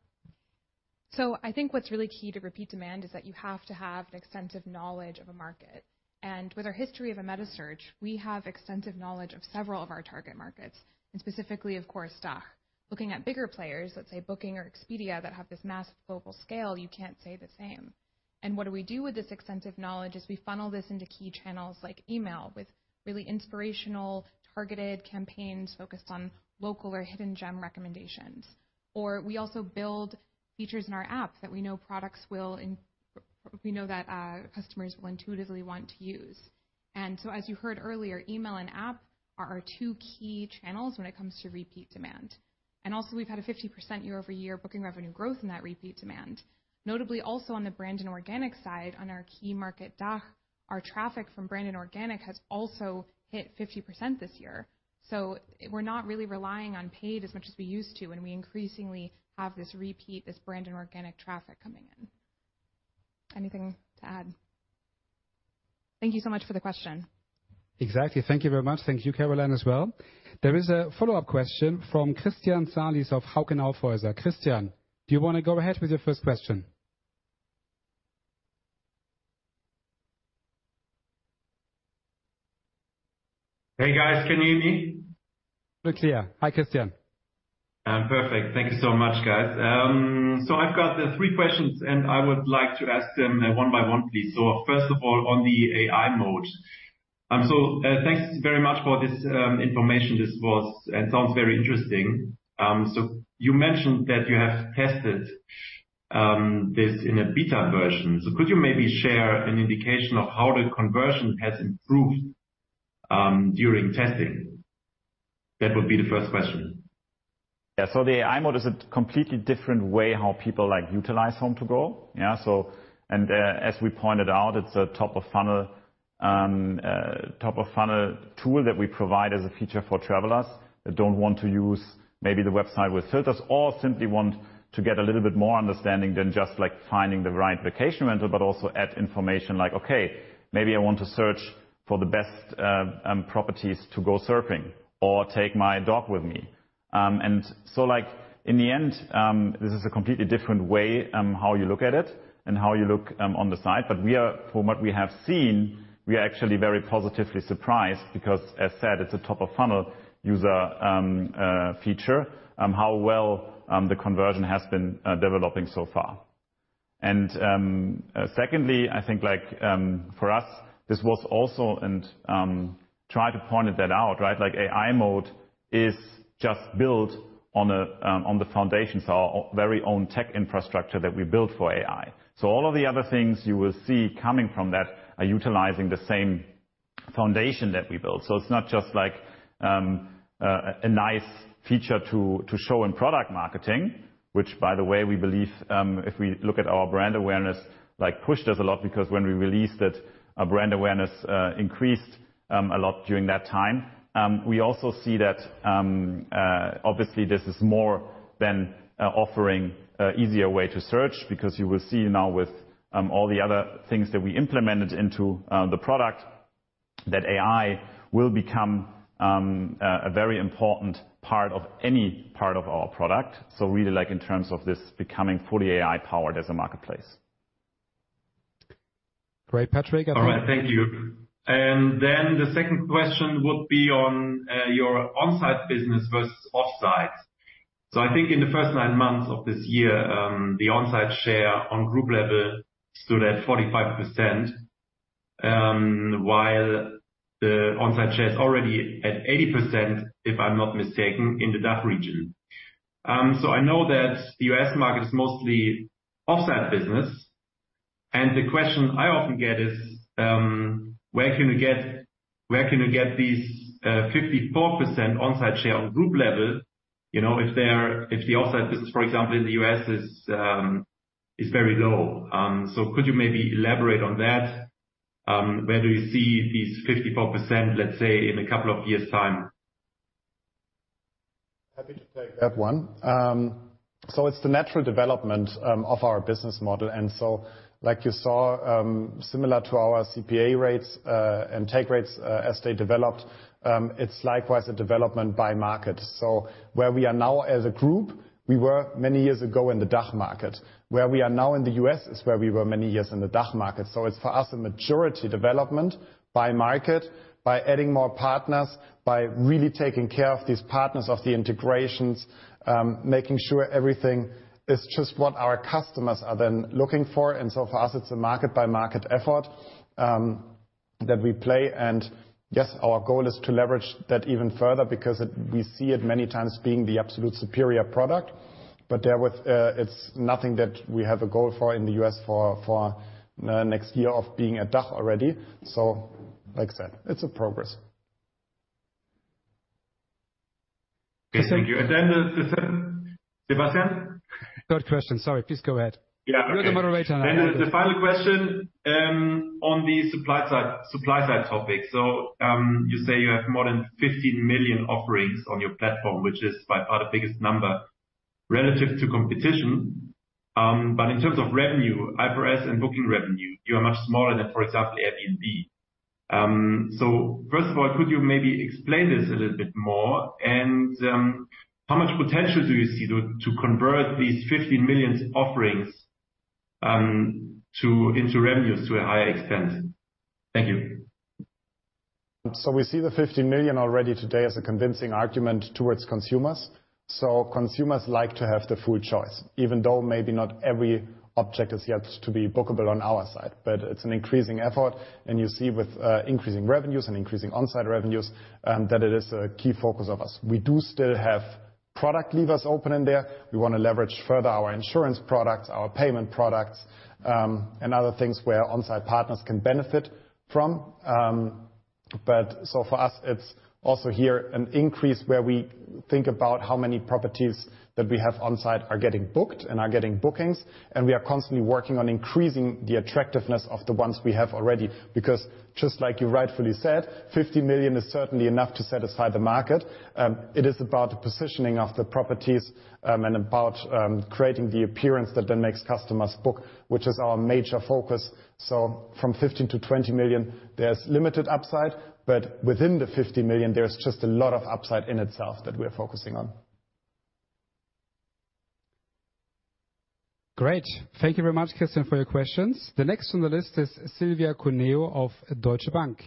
So I think what's really key to repeat demand is that you have to have an extensive knowledge of a market. And with our history of a meta search, we have extensive knowledge of several of our target markets, and specifically, of course, DACH. Looking at bigger players, let's say, Booking or Expedia, that have this massive global scale, you can't say the same. And what do we do with this extensive knowledge, is we funnel this into key channels like email, with really inspirational, targeted campaigns focused on local or hidden gem recommendations. Or we also build features in our app that we know that customers will intuitively want to use. And so, as you heard earlier, email and app are our two key channels when it comes to repeat demand. Also, we've had a 50% year-over-year booking revenue growth in that repeat demand. Notably, also on the brand and organic side, on our key market, DACH, our traffic from brand and organic has also hit 50% this year. So we're not really relying on paid as much as we used to, and we increasingly have this repeat, this brand and organic traffic coming in. Anything to add? Thank you so much for the question. Exactly. Thank you very much. Thank you, Caroline, as well. There is a follow-up question from Christian Salis of Hauck & Aufhäuser. Christian, do you want to go ahead with your first question? Hey, guys, can you hear me? Very clear. Hi, Christian. Perfect. Thank you so much, guys. So I've got three questions, and I would like to ask them one by one, please. So first of all, on the AI Mode. So, thanks very much for this information. This sounds very interesting. So you mentioned that you have tested this in a beta version. So could you maybe share an indication of how the conversion has improved during testing? That would be the first question. Yeah. So the AI Mode is a completely different way how people like utilize HomeToGo. Yeah, so. And, as we pointed out, it's a top-of-funnel tool that we provide as a feature for travelers that don't want to use maybe the website with filters or simply want to get a little bit more understanding than just, like, finding the right vacation rental, but also add information like, "Okay, maybe I want to search for the best properties to go surfing or take my dog with me." And so, like, in the end, this is a completely different way how you look at it and how you look on the side. But we are, from what we have seen, we are actually very positively surprised because, as said, it's a top-of-funnel user feature, how well the conversion has been developing so far.... And, secondly, I think like, for us, this was also, and, try to point it that out, right? Like AI Mode is just built on a, on the foundations, our very own tech infrastructure that we built for AI. So all of the other things you will see coming from that are utilizing the same foundation that we built. So it's not just like, a nice feature to show in product marketing, which, by the way, we believe, if we look at our brand awareness, like, pushed us a lot, because when we released it, our brand awareness, increased, a lot during that time. We also see that, obviously, this is more than offering a easier way to search, because you will see now with all the other things that we implemented into the product, that AI will become a very important part of any part of our product. So really, like, in terms of this becoming fully AI-powered as a marketplace. Great, Patrick, go for it. All right, thank you. And then the second question would be on your on-site business versus off-site. So I think in the first nine months of this year, the on-site share on group level stood at 45%, while the on-site share is already at 80%, if I'm not mistaken, in the DACH region. So I know that the U.S. market is mostly off-site business, and the question I often get is: Where can we get these 54% on-site share on group level? You know, if they're, if the off-site business, for example, in the U.S. is very low. So could you maybe elaborate on that? Where do you see these 54%, let's say, in a couple of years' time? Happy to take that one. So it's the natural development of our business model, and so, like you saw, similar to our CPA rates, and take rates, as they developed, it's likewise a development by market. So where we are now as a group, we were many years ago in the DACH market. Where we are now in the U.S. is where we were many years in the DACH market. So it's for us, a maturity development by market, by adding more partners, by really taking care of these partners, of the integrations, making sure everything is just what our customers are then looking for. And so for us, it's a market-by-market effort, that we play, and yes, our goal is to leverage that even further because it, we see it many times being the absolute superior product. But there with, it's nothing that we have a goal for in the U.S. for next year of being at DACH already. So like I said, it's a progress. Okay, thank you. And then the third... Sebastian? Third question. Sorry, please go ahead. Yeah, okay. You're the moderator. Then the final question, on the supply side, supply side topic. So, you say you have more than 15 million offerings on your platform, which is by far the biggest number relative to competition. But in terms of revenue, IFRS and booking revenue, you are much smaller than, for example, Airbnb. So first of all, could you maybe explain this a little bit more? And, how much potential do you see to, to convert these 15 million offerings, to, into revenues to a higher extent? Thank you. So we see the 15 million already today as a convincing argument towards consumers. So consumers like to have the full choice, even though maybe not every object is yet to be bookable on our side. But it's an increasing effort, and you see with increasing revenues and increasing on-site revenues that it is a key focus of us. We do still have product levers open in there. We want to leverage further our insurance products, our payment products, and other things where on-site partners can benefit from. But so for us, it's also here an increase where we think about how many properties that we have on-site are getting booked and are getting bookings, and we are constantly working on increasing the attractiveness of the ones we have already. Because just like you rightfully said, 50 million is certainly enough to satisfy the market. It is about the positioning of the properties, and about creating the appearance that then makes customers book, which is our major focus. So from 15-20 million, there's limited upside, but within the 50 million, there's just a lot of upside in itself that we're focusing on. Great. Thank you very much, Christian, for your questions. The next on the list is Silvia Cuneo of Deutsche Bank.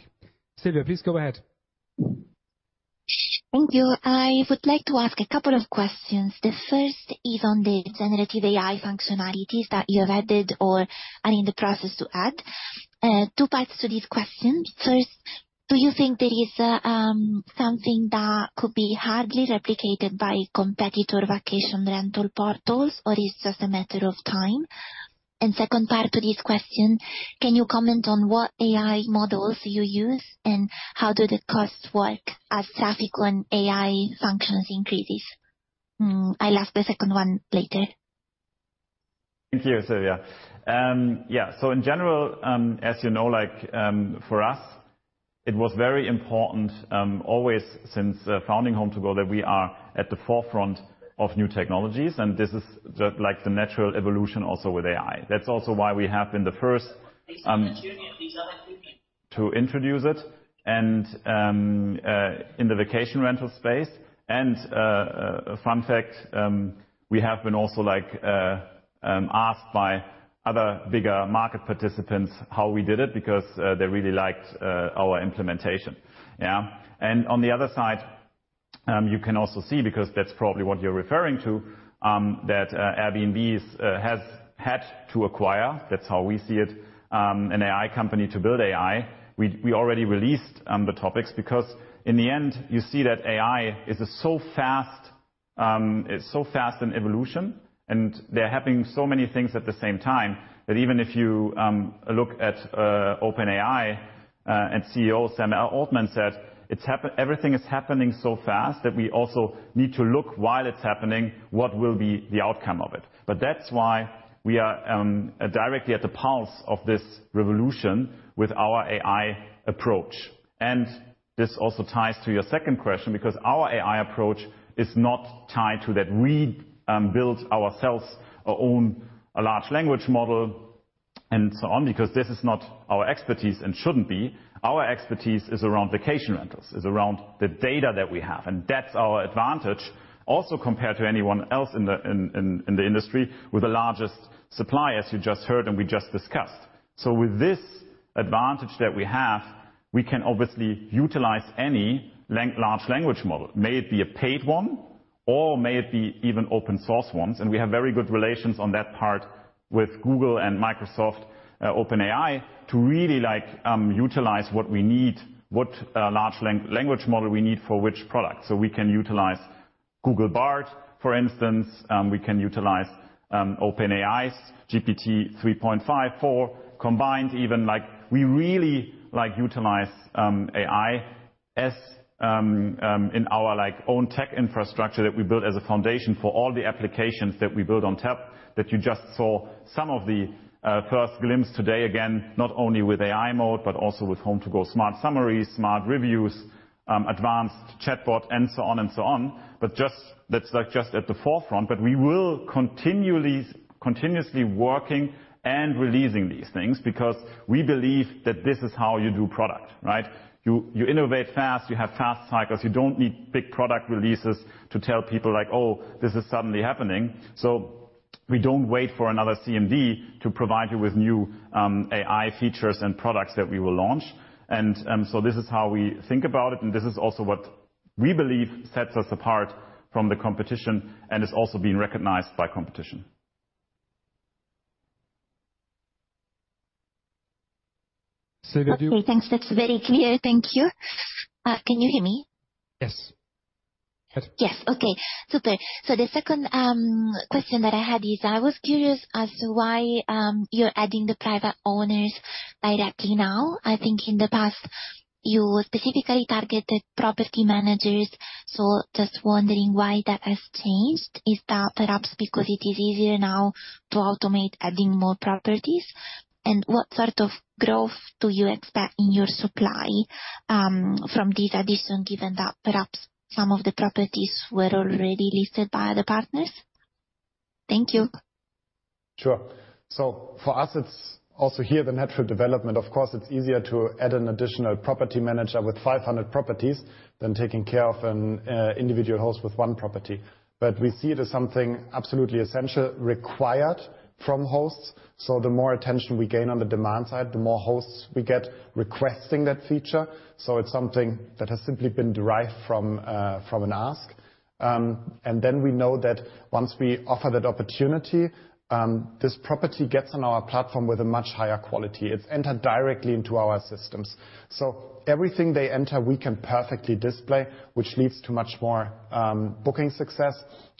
Silvia, please go ahead. Thank you. I would like to ask a couple of questions. The first is on the generative AI functionalities that you have added or are in the process to add. Two parts to this question: First, do you think there is something that could be hardly replicated by competitor vacation rental portals, or it's just a matter of time? And second part to this question: Can you comment on what AI models you use, and how do the costs work as traffic on AI functions increases? I'll ask the second one later. Thank you, Silvia. Yeah, so in general, as you know, like, for us, it was very important, always since founding HomeToGo, that we are at the forefront of new technologies, and this is the, like, the natural evolution also with AI. That's also why we have been the first to introduce it and in the vacation rental space. And a fun fact, we have been also like asked by other bigger market participants how we did it, because they really liked our implementation. Yeah. And on the other side. You can also see, because that's probably what you're referring to, that Airbnb has had to acquire, that's how we see it, an AI company to build AI. We already released the topics because in the end, you see that AI is so fast, it's so fast in evolution, and they're having so many things at the same time, that even if you look at OpenAI and CEO Sam Altman said, "It's happen... Everything is happening so fast, that we also need to look while it's happening, what will be the outcome of it?" But that's why we are directly at the pulse of this revolution with our AI approach. And this also ties to your second question, because our AI approach is not tied to that. We build ourselves our own, a large language model, and so on, because this is not our expertise and shouldn't be. Our expertise is around vacation rentals, is around the data that we have, and that's our advantage also compared to anyone else in the industry, with the largest suppliers you just heard, and we just discussed. So with this advantage that we have, we can obviously utilize any large language model, may it be a paid one, or may it be even open source ones, and we have very good relations on that part with Google and Microsoft, OpenAI, to really, like, utilize what we need, what large language model we need for which product. So we can utilize Google Bard, for instance, we can utilize OpenAI, GPT-3.5, GPT-4, combined even, like, we really, like, utilize AI as in our, like, own tech infrastructure that we built as a foundation for all the applications that we build on top, that you just saw some of the first glimpse today, again, not only with AI Mode, but also with HomeToGo Smart Summaries, HomeToGo Smart Reviews, advanced chatbot, and so on and so on. But just, that's like just at the forefront, but we will continually, continuously working and releasing these things because we believe that this is how you do product, right? You, you innovate fast, you have fast cycles, you don't need big product releases to tell people, like, "Oh, this is suddenly happening." So we don't wait for another CMD to provide you with new AI features and products that we will launch. And so this is how we think about it, and this is also what we believe sets us apart from the competition, and it's also being recognized by competition. Silvia, do you- Okay, thanks. That's very clear. Thank you. Can you hear me? Yes. Yes. Okay, super. So the second question that I had is: I was curious as to why you're adding the private owners directly now. I think in the past, you specifically targeted property managers, so just wondering why that has changed. Is that perhaps because it is easier now to automate adding more properties? And what sort of growth do you expect in your supply from this addition, given that perhaps some of the properties were already listed by the partners? Thank you. Sure. So for us, it's also here, the natural development. Of course, it's easier to add an additional property manager with 500 properties than taking care of an individual host with one property. But we see it as something absolutely essential, required from hosts. So the more attention we gain on the demand side, the more hosts we get requesting that feature. So it's something that has simply been derived from an ask. And then we know that once we offer that opportunity, this property gets on our platform with a much higher quality. It's entered directly into our systems. So everything they enter, we can perfectly display, which leads to much more booking success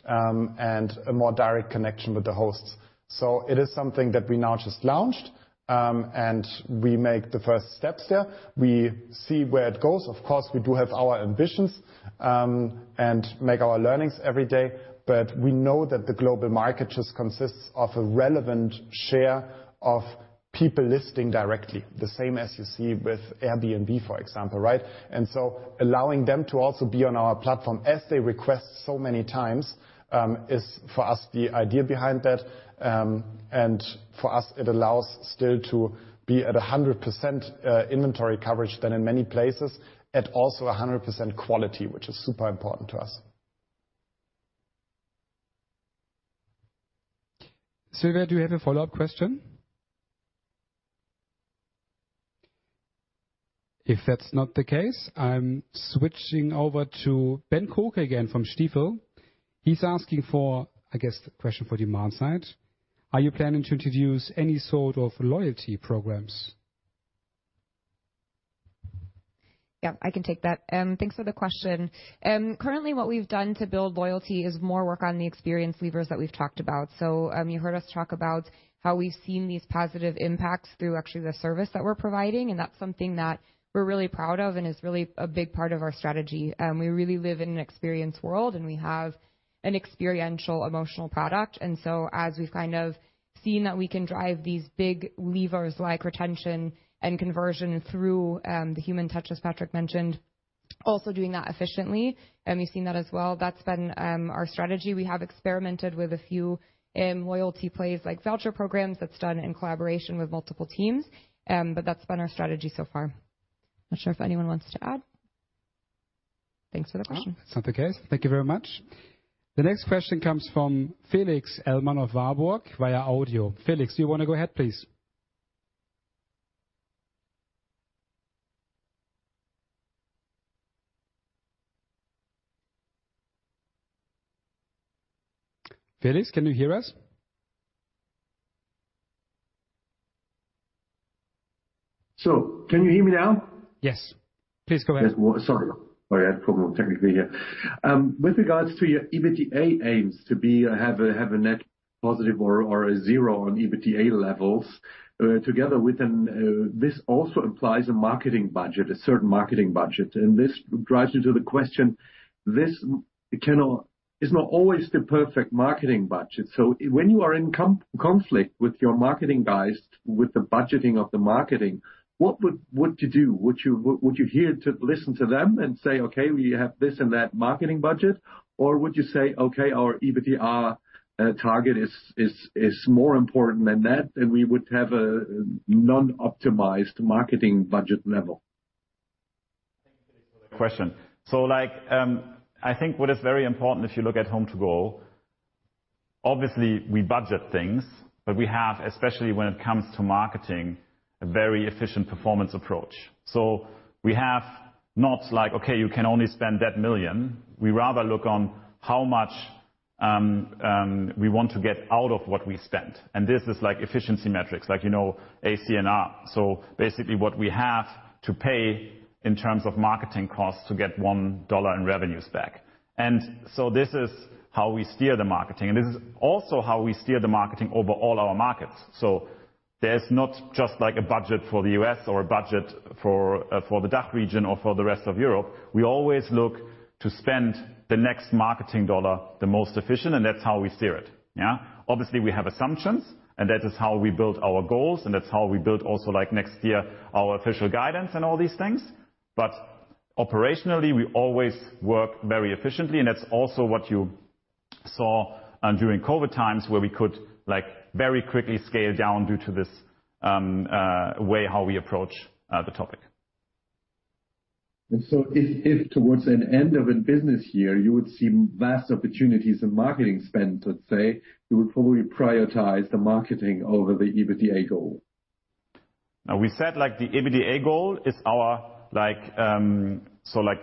and a more direct connection with the hosts. So it is something that we now just launched and we make the first steps there. We see where it goes. Of course, we do have our ambitions, and make our learnings every day, but we know that the global market just consists of a relevant share of people listing directly, the same as you see with Airbnb, for example, right? And so allowing them to also be on our platform, as they request so many times, is for us, the idea behind that. And for us, it allows still to be at 100%, inventory coverage than in many places, at also 100% quality, which is super important to us. Silvia, do you have a follow-up question? If that's not the case, I'm switching over to Ben Kohnke again from Stifel. He's asking for, I guess, the question for demand side: Are you planning to introduce any sort of loyalty programs? Yeah, I can take that. Thanks for the question. Currently, what we've done to build loyalty is more work on the experience levers that we've talked about. So, you heard us talk about how we've seen these positive impacts through actually the service that we're providing, and that's something that we're really proud of and is really a big part of our strategy. We really live in an experience world, and we have an experiential, emotional product. And so as we've kind of seen that we can drive these big levers like retention and conversion through the human touch, as Patrick mentioned, also doing that efficiently, and we've seen that as well, that's been our strategy. We have experimented with a few loyalty plays, like voucher programs that's done in collaboration with multiple teams, but that's been our strategy so far. Not sure if anyone wants to add. Thanks for the question. That's not the case. Thank you very much. The next question comes from Felix Ellmann of Warburg, via audio. Felix, do you want to go ahead, please? Felix, can you hear us? Can you hear me now? Yes. Please go ahead. Yes. Sorry. Sorry, I had a problem technically here. With regards to your EBITDA aims to be have a net positive or a zero on EBITDA levels together with an... This also implies a marketing budget, a certain marketing budget. And this drives me to the question, this cannot - is not always the perfect marketing budget. So when you are in conflict with your marketing guys, with the budgeting of the marketing, what would you do? Would you hear to listen to them and say, "Okay, we have this and that marketing budget?" Or would you say, "Okay, our EBITDA target is more important than that, and we would have a non-optimized marketing budget level?... Question. So like, I think what is very important, if you look at HomeToGo, obviously we budget things, but we have, especially when it comes to marketing, a very efficient performance approach. So we have not like, okay, you can only spend that $1 million. We rather look on how much we want to get out of what we spent. And this is like efficiency metrics, like, you know, ACNR. So basically what we have to pay in terms of marketing costs to get $1 in revenues back. And so this is how we steer the marketing, and this is also how we steer the marketing over all our markets. So there's not just, like, a budget for the U.S. or a budget for, for the DACH region or for the rest of Europe. We always look to spend the next marketing dollar the most efficient, and that's how we steer it. Yeah. Obviously, we have assumptions, and that is how we build our goals, and that's how we build also, like, next year, our official guidance and all these things. But operationally, we always work very efficiently, and that's also what you saw during COVID times, where we could, like, very quickly scale down due to this way how we approach the topic. And so if towards an end of a business year, you would see vast opportunities in marketing spend, let's say, you would probably prioritize the marketing over the EBITDA goal? Now, we said, like, the EBITDA goal is our, like, so like,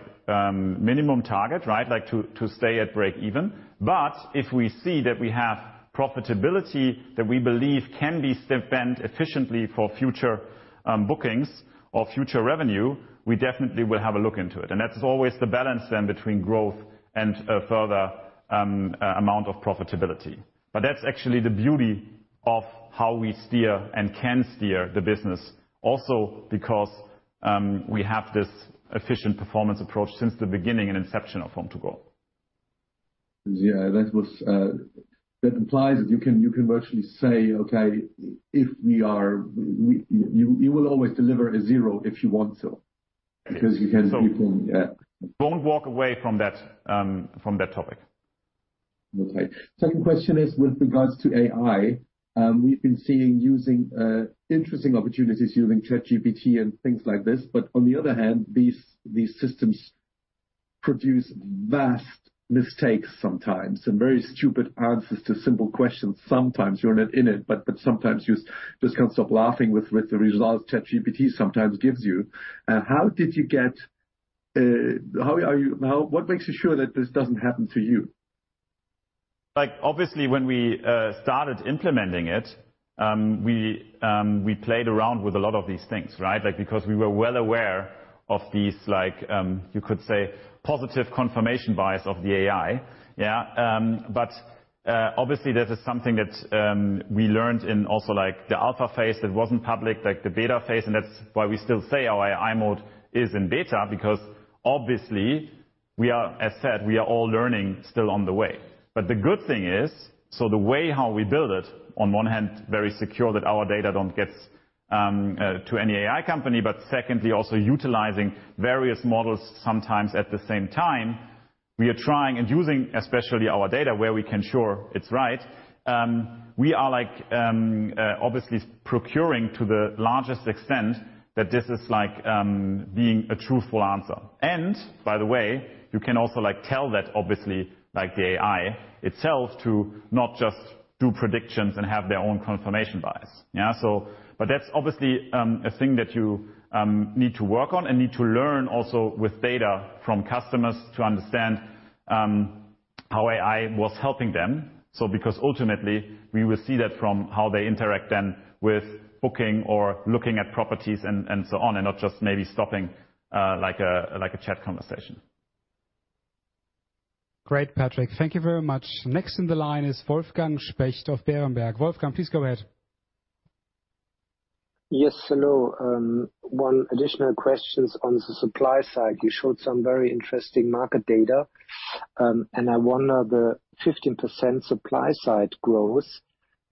minimum target, right? Like, to stay at break-even. But if we see that we have profitability that we believe can be spent efficiently for future bookings or future revenue, we definitely will have a look into it. And that's always the balance then between growth and further amount of profitability. But that's actually the beauty of how we steer and can steer the business, also because we have this efficient performance approach since the beginning and inception of HomeToGo. Yeah, that was. That implies that you can, you can virtually say, okay, if we are- we- you, you will always deliver a zero if you want to, because you can, you can, yeah. Don't walk away from that, from that topic. Okay. Second question is with regards to AI. We've been seeing interesting opportunities using ChatGPT and things like this. But on the other hand, these systems produce vast mistakes sometimes and very stupid answers to simple questions. Sometimes you're not in it, but sometimes you just can't stop laughing with the results ChatGPT sometimes gives you. What makes you sure that this doesn't happen to you? Like, obviously, when we started implementing it, we played around with a lot of these things, right? Like, because we were well aware of these, like, you could say, positive confirmation bias of the AI. Yeah. But, obviously, this is something that we learned in also, like, the alpha phase, that wasn't public, like the beta phase, and that's why we still say our AI Mode is in beta, because obviously, we are, as said, we are all learning still on the way. But the good thing is, so the way how we build it, on one hand, very secure that our data don't get to any AI company, but secondly, also utilizing various models, sometimes at the same time. We are trying and using, especially our data, where we can sure it's right. We are like obviously procuring to the largest extent that this is like being a truthful answer. And by the way, you can also like tell that obviously like the AI itself to not just do predictions and have their own confirmation bias. Yeah, so... But that's obviously a thing that you need to work on and need to learn also with data from customers to understand how AI was helping them. So because ultimately, we will see that from how they interact then with booking or looking at properties and, and so on, and not just maybe stopping like a like a chat conversation. Great, Patrick. Thank you very much. Next in the line is Wolfgang Specht of Berenberg. Wolfgang, please go ahead. Yes, hello. One additional questions on the supply side. You showed some very interesting market data, and I wonder the 15% supply side growth,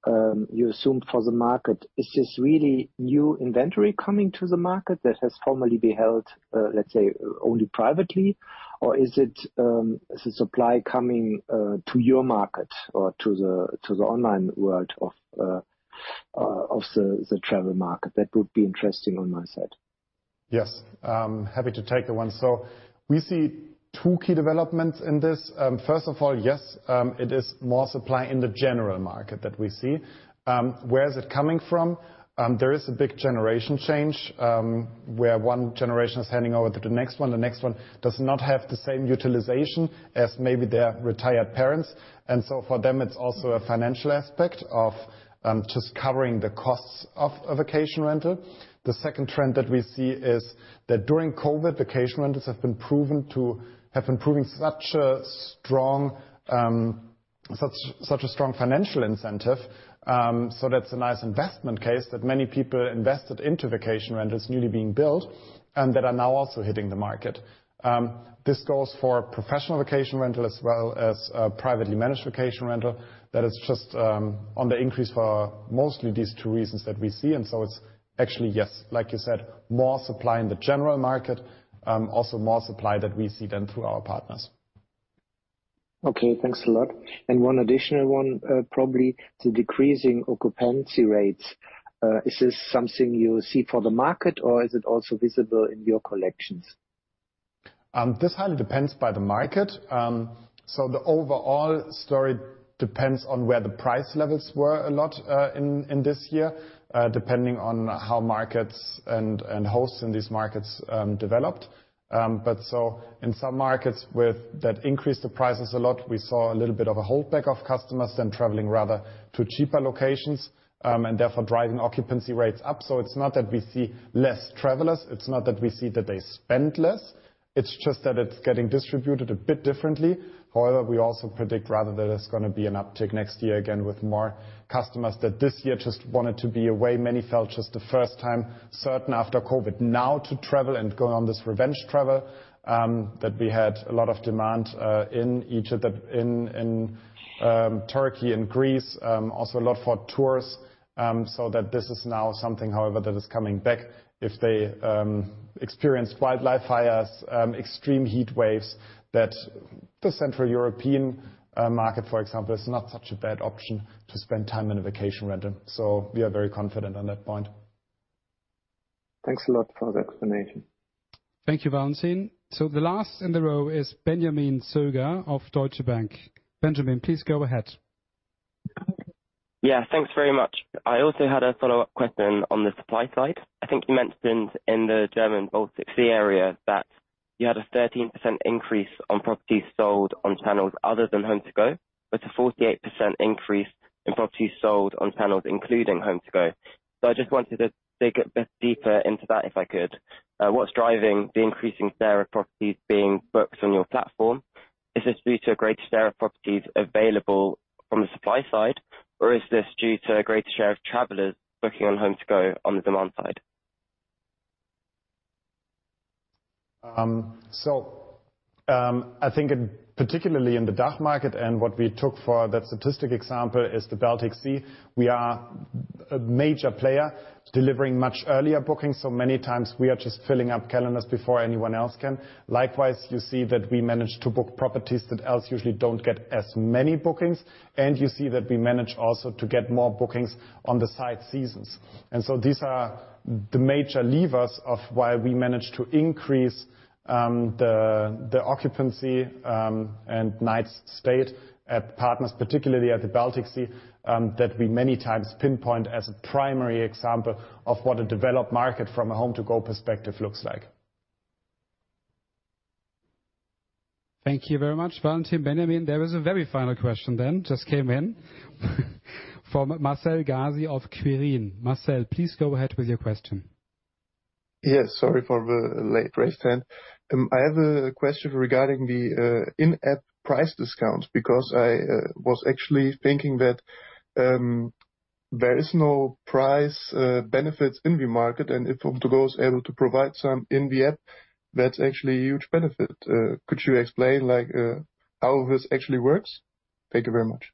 you assumed for the market, is this really new inventory coming to the market that has formerly been held, let's say, only privately? Or is it, the supply coming to your market or to the online world of the travel market? That would be interesting on my side. Yes, I'm happy to take that one. So we see two key developments in this. First of all, yes, it is more supply in the general market that we see. Where is it coming from? There is a big generation change, where one generation is handing over to the next one. The next one does not have the same utilization as maybe their retired parents. And so for them, it's also a financial aspect of just covering the costs of a vacation rental. The second trend that we see is that during COVID, vacation rentals have been proven to have been proving such a strong financial incentive. So that's a nice investment case that many people invested into vacation rentals newly being built, and that are now also hitting the market. This goes for professional vacation rental as well as privately managed vacation rental. That is just on the increase for mostly these two reasons that we see. And so it's actually, yes, like you said, more supply in the general market, also more supply that we see then through our partners. Okay, thanks a lot. And one additional one, probably the decreasing occupancy rates. Is this something you see for the market, or is it also visible in your collections? This highly depends by the market. So the overall story depends on where the price levels were a lot in this year, depending on how markets and hosts in these markets developed. But so in some markets with that increased the prices a lot, we saw a little bit of a holdback of customers than traveling rather to cheaper locations, and therefore, driving occupancy rates up. So it's not that we see less travelers, it's not that we see that they spend less. It's just that it's getting distributed a bit differently. However, we also predict rather that there's gonna be an uptick next year, again, with more customers that this year just wanted to be away. Many felt just the first time, certain after COVID now to travel and go on this revenge travel, that we had a lot of demand, in each of the... In Turkey and Greece, also a lot for tours, so that this is now something, however, that is coming back. If they experience wildlife fires, extreme heat waves, that the Central European market, for example, is not such a bad option to spend time in a vacation rental. So we are very confident on that point. Thanks a lot for the explanation. Thank you, Valentin. So the last in the row is Benjamin Zoega of Deutsche Bank. Benjamin, please go ahead. Yeah, thanks very much. I also had a follow-up question on the supply side. I think you mentioned in the German Baltic Sea area that you had a 13% increase on properties sold on channels other than HomeToGo, but a 48% increase in properties sold on channels, including HomeToGo. So I just wanted to dig a bit deeper into that, if I could. What's driving the increasing share of properties being booked on your platform? Is this due to a greater share of properties available from the supply side, or is this due to a greater share of travelers booking on HomeToGo on the demand side? I think, particularly in the DACH market, and what we took for that statistic example is the Baltic Sea. We are a major player delivering much earlier bookings, so many times we are just filling up calendars before anyone else can. Likewise, you see that we manage to book properties that else usually don't get as many bookings, and you see that we manage also to get more bookings on the side seasons. And so these are the major levers of why we manage to increase the occupancy and night stay at partners, particularly at the Baltic Sea, that we many times pinpoint as a primary example of what a developed market from a HomeToGo perspective looks like. Thank you very much, Valentin. Benjamin, there is a very final question then. Just came in, from Marcel Ghazi of Quirin. Marcel, please go ahead with your question. Yes, sorry for the late raised hand. I have a question regarding the in-app price discounts, because I was actually thinking that there is no price benefits in the market, and if HomeToGo is able to provide some in the app, that's actually a huge benefit. Could you explain, like, how this actually works? Thank you very much.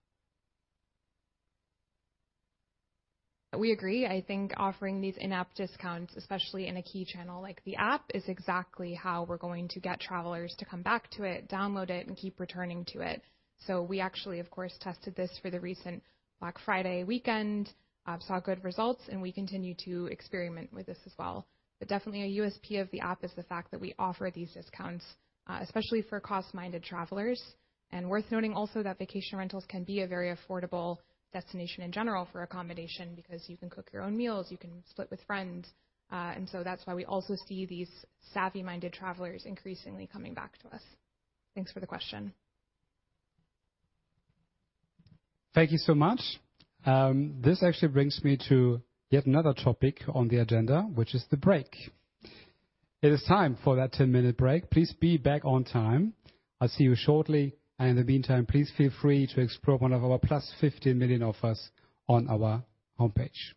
We agree. I think offering these in-app discounts, especially in a key channel like the app, is exactly how we're going to get travelers to come back to it, download it, and keep returning to it. So we actually, of course, tested this for the recent Black Friday weekend, saw good results, and we continue to experiment with this as well. But definitely a USP of the app is the fact that we offer these discounts, especially for cost-minded travelers. And worth noting also that vacation rentals can be a very affordable destination in general for accommodation, because you can cook your own meals, you can split with friends, and so that's why we also see these savvy-minded travelers increasingly coming back to us. Thanks for the question. Thank you so much. This actually brings me to yet another topic on the agenda, which is the break. It is time for that 10-minute break. Please be back on time. I'll see you shortly, and in the meantime, please feel free to explore one of our +50 million offers on our homepage. ...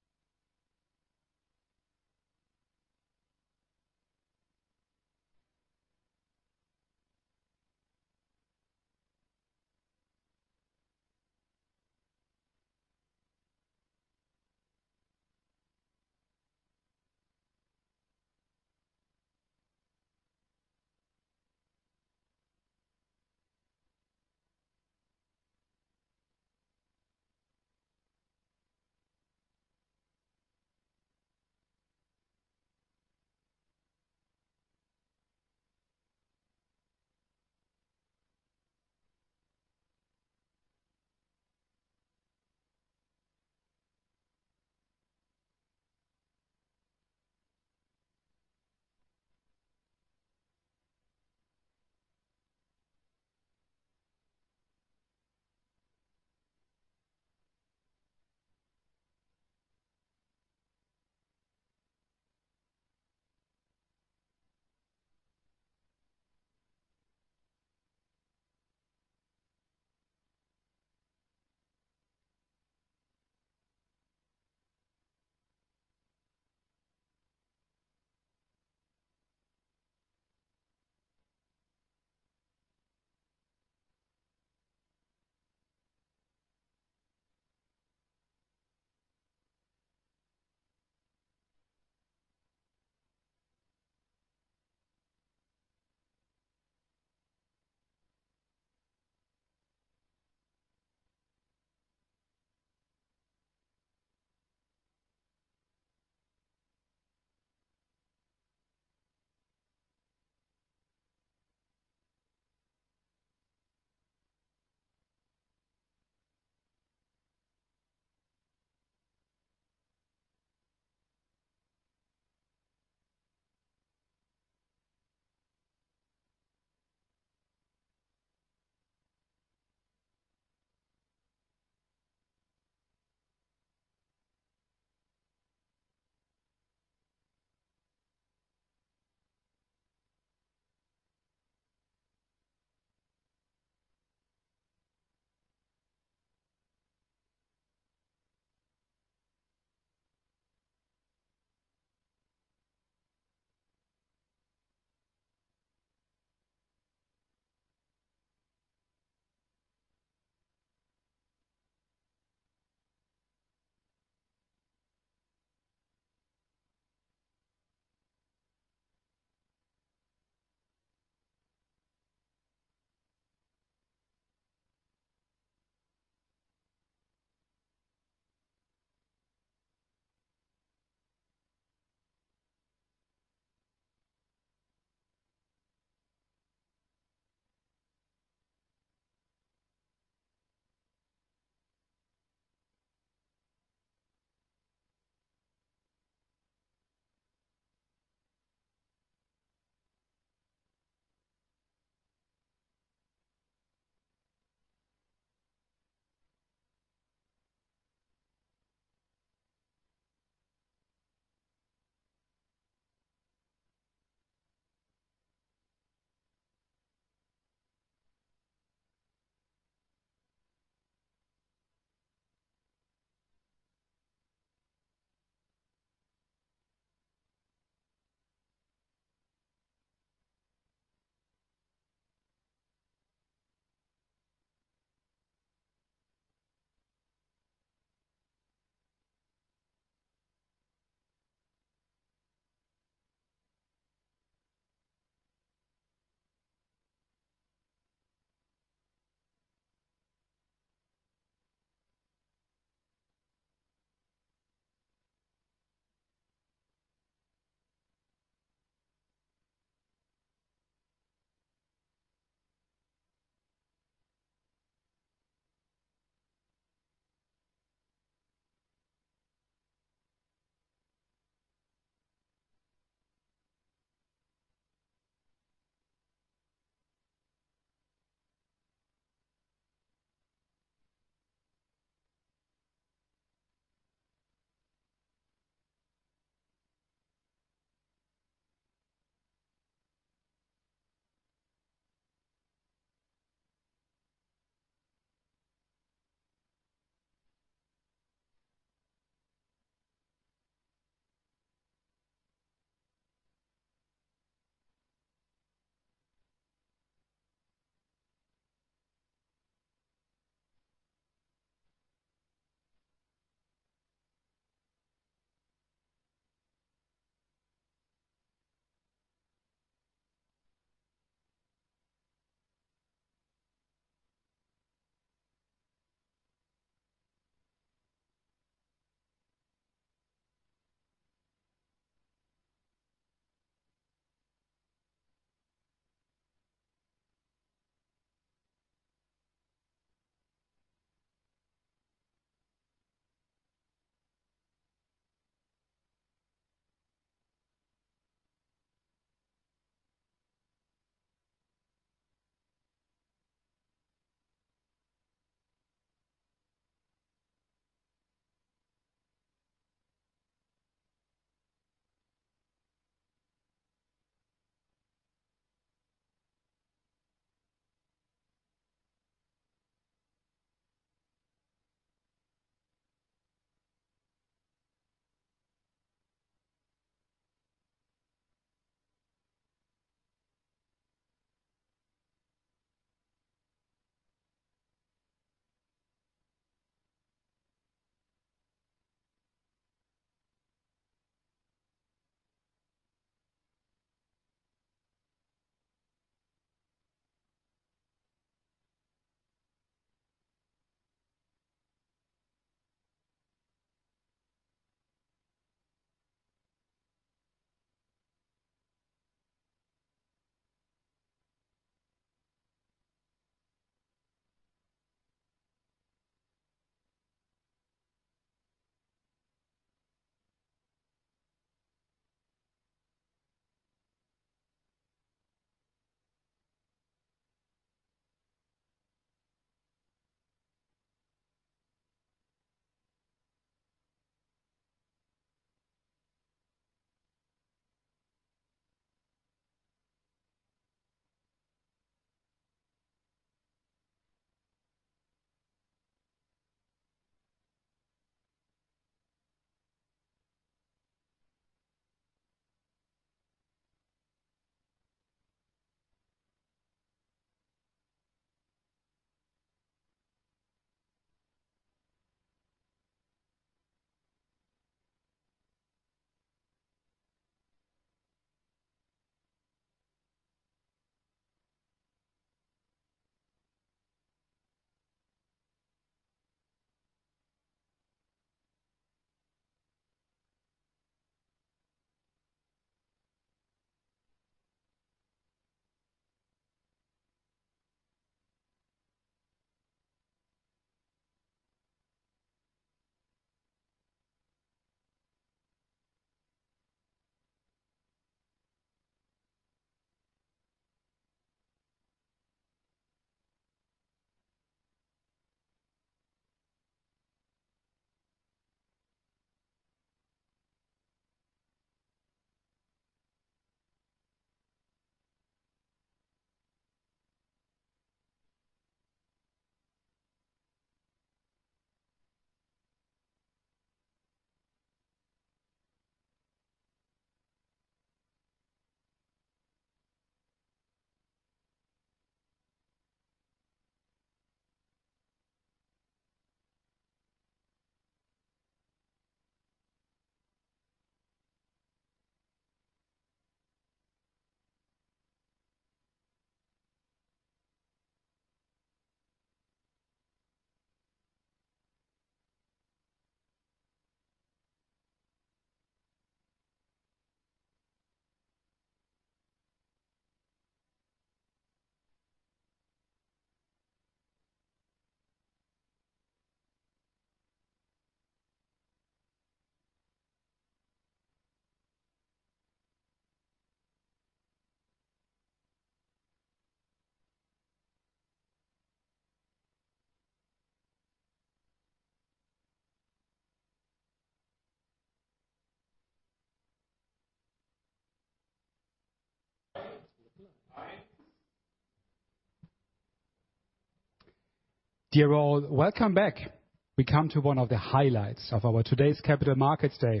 Dear all, welcome back! We come to one of the highlights of our today's Capital Markets Day,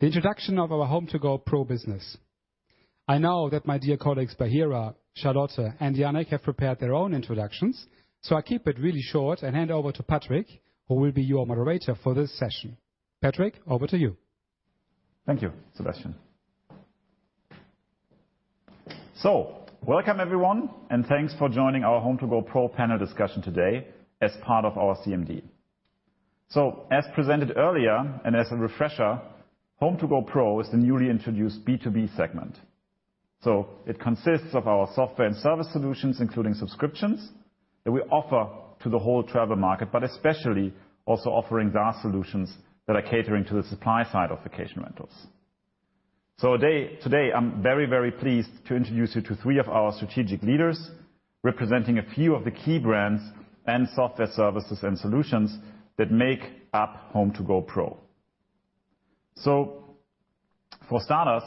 the introduction of our HomeToGo Pro business. I know that my dear colleagues, Bahira, Charlotte, and Jannik, have prepared their own introductions, so I keep it really short and hand over to Patrick, who will be your moderator for this session. Patrick, over to you. Thank you, Sebastian. Welcome, everyone, and thanks for joining our HomeToGo Pro panel discussion today as part of our CMD. As presented earlier, and as a refresher, HomeToGo Pro is the newly introduced B2B segment. It consists of our software and service solutions, including subscriptions, that we offer to the whole travel market, but especially also offering SaaS solutions that are catering to the supply side of vacation rentals. Today, I'm very, very pleased to introduce you to three of our strategic leaders, representing a few of the key brands and software services and solutions that make up HomeToGo Pro. For starters,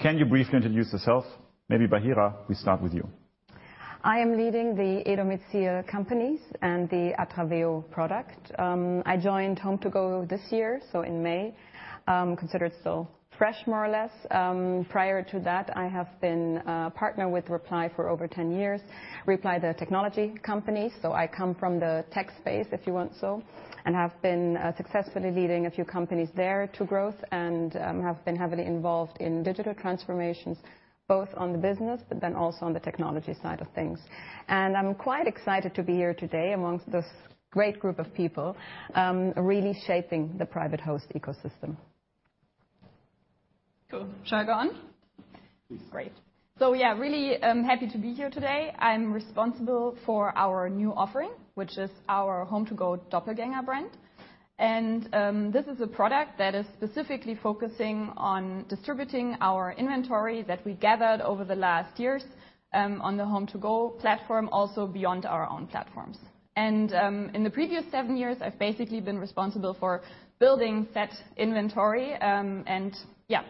can you briefly introduce yourself? Maybe, Bahira, we start with you. I am leading the e-domizil companies and the atraveo product. I joined HomeToGo this year, so in May, considered still fresh, more or less. Prior to that, I have been a partner with Reply for over 10 years. Reply, the technology company. So I come from the tech space, if you want so, and have been, successfully leading a few companies there to growth and, have been heavily involved in digital transformations, both on the business, but then also on the technology side of things. And I'm quite excited to be here today amongst this great group of people, really shaping the private host ecosystem. Cool. Shall I go on? Please. Great. So yeah, really, I'm happy to be here today. I'm responsible for our new offering, which is our HomeToGo Doppelgänger brand. This is a product that is specifically focusing on distributing our inventory that we gathered over the last years on the HomeToGo platform, also beyond our own platforms. In the previous seven years, I've basically been responsible for building that inventory, and yeah,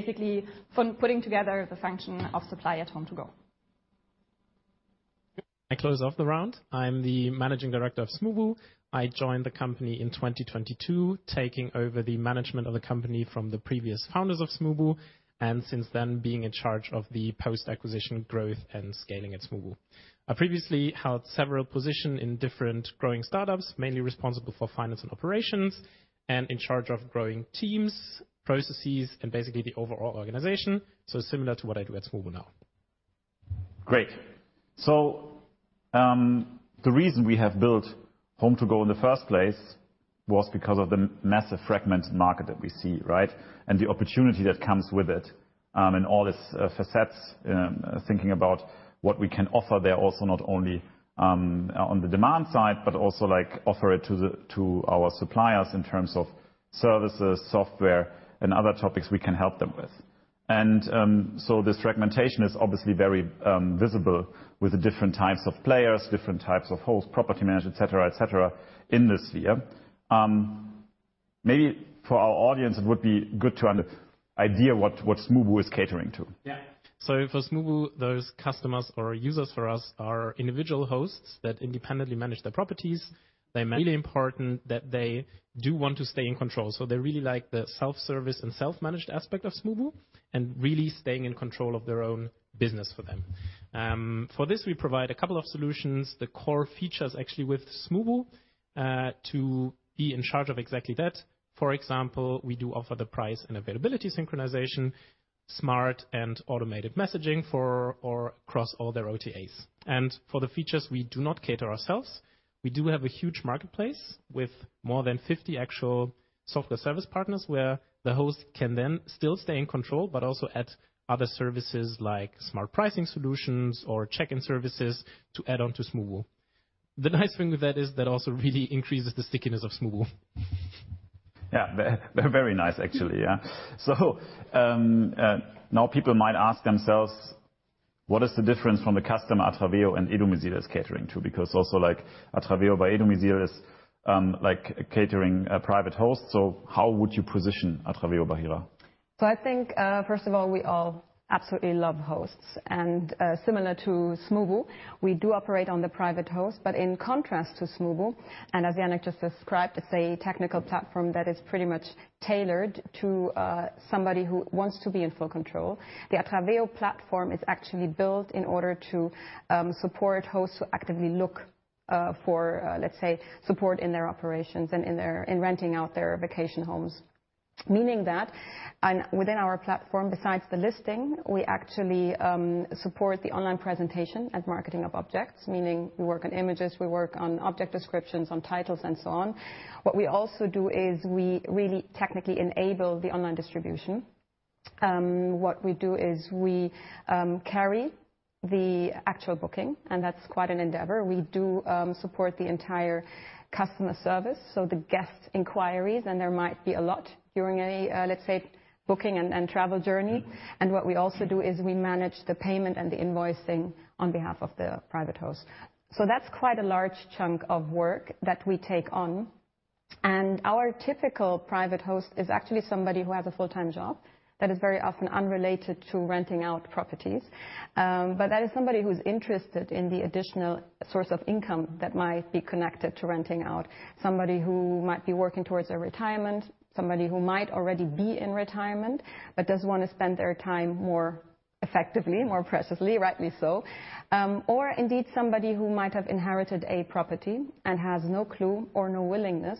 basically putting together the function of supply at HomeToGo. I close off the round. I'm the Managing Director of Smoobu. I joined the company in 2022, taking over the management of the company from the previous founders of Smoobu, and since then, being in charge of the post-acquisition growth and scaling at Smoobu. I previously held several positions in different growing startups, mainly responsible for finance and operations, and in charge of growing teams, processes, and basically the overall organization. So similar to what I do at Smoobu now.... Great. So, the reason we have built HomeToGo in the first place was because of the massive fragmented market that we see, right? And the opportunity that comes with it, and all its facets, thinking about what we can offer there, also not only on the demand side, but also, like, offer it to our suppliers in terms of services, software, and other topics we can help them with. And, so this fragmentation is obviously very visible with the different types of players, different types of hosts, property managers, et cetera, et cetera, in this sphere. Maybe for our audience, it would be good to have an idea what Smoobu is catering to. Yeah. So for Smoobu, those customers or users for us are individual hosts that independently manage their properties. They're really important that they do want to stay in control. So they really like the self-service and self-managed aspect of Smoobu, and really staying in control of their own business for them. For this, we provide a couple of solutions. The core features actually with Smoobu to be in charge of exactly that. For example, we do offer the price and availability synchronization, smart and automated messaging for or across all their OTAs. And for the features we do not cater ourselves, we do have a huge marketplace with more than 50 actual software service partners, where the host can then still stay in control, but also add other services like smart pricing solutions or check-in services to add-on to Smoobu. The nice thing with that is that also really increases the stickiness of Smoobu. Yeah, they're very nice, actually. Yeah. So, now people might ask themselves: What is the difference from the customer at HomeToGo and e-domizil is catering to? Because also, like, at HomeToGo, e-domizil is, like catering private hosts. So how would you position at HomeToGo, Bahira? So I think, first of all, we all absolutely love hosts, and similar to Smoobu, we do operate on the private host, but in contrast to Smoobu, and as Yannick just described, it's a technical platform that is pretty much tailored to somebody who wants to be in full control. The atraveo platform is actually built in order to support hosts who actively look for, let's say, support in their operations and in their... in renting out their vacation homes. Meaning that, and within our platform, besides the listing, we actually support the online presentation and marketing of objects, meaning we work on images, we work on object descriptions, on titles, and so on. What we also do is we really technically enable the online distribution. What we do is we carry the actual booking, and that's quite an endeavor. We do support the entire customer service, so the guest inquiries, and there might be a lot during a, let's say, booking and travel journey. What we also do is we manage the payment and the invoicing on behalf of the private host. That's quite a large chunk of work that we take on. Our typical private host is actually somebody who has a full-time job, that is very often unrelated to renting out properties, but that is somebody who's interested in the additional source of income that might be connected to renting out. Somebody who might be working towards their retirement, somebody who might already be in retirement, but does want to spend their time more effectively, more precisely, rightly so. Or indeed, somebody who might have inherited a property and has no clue or no willingness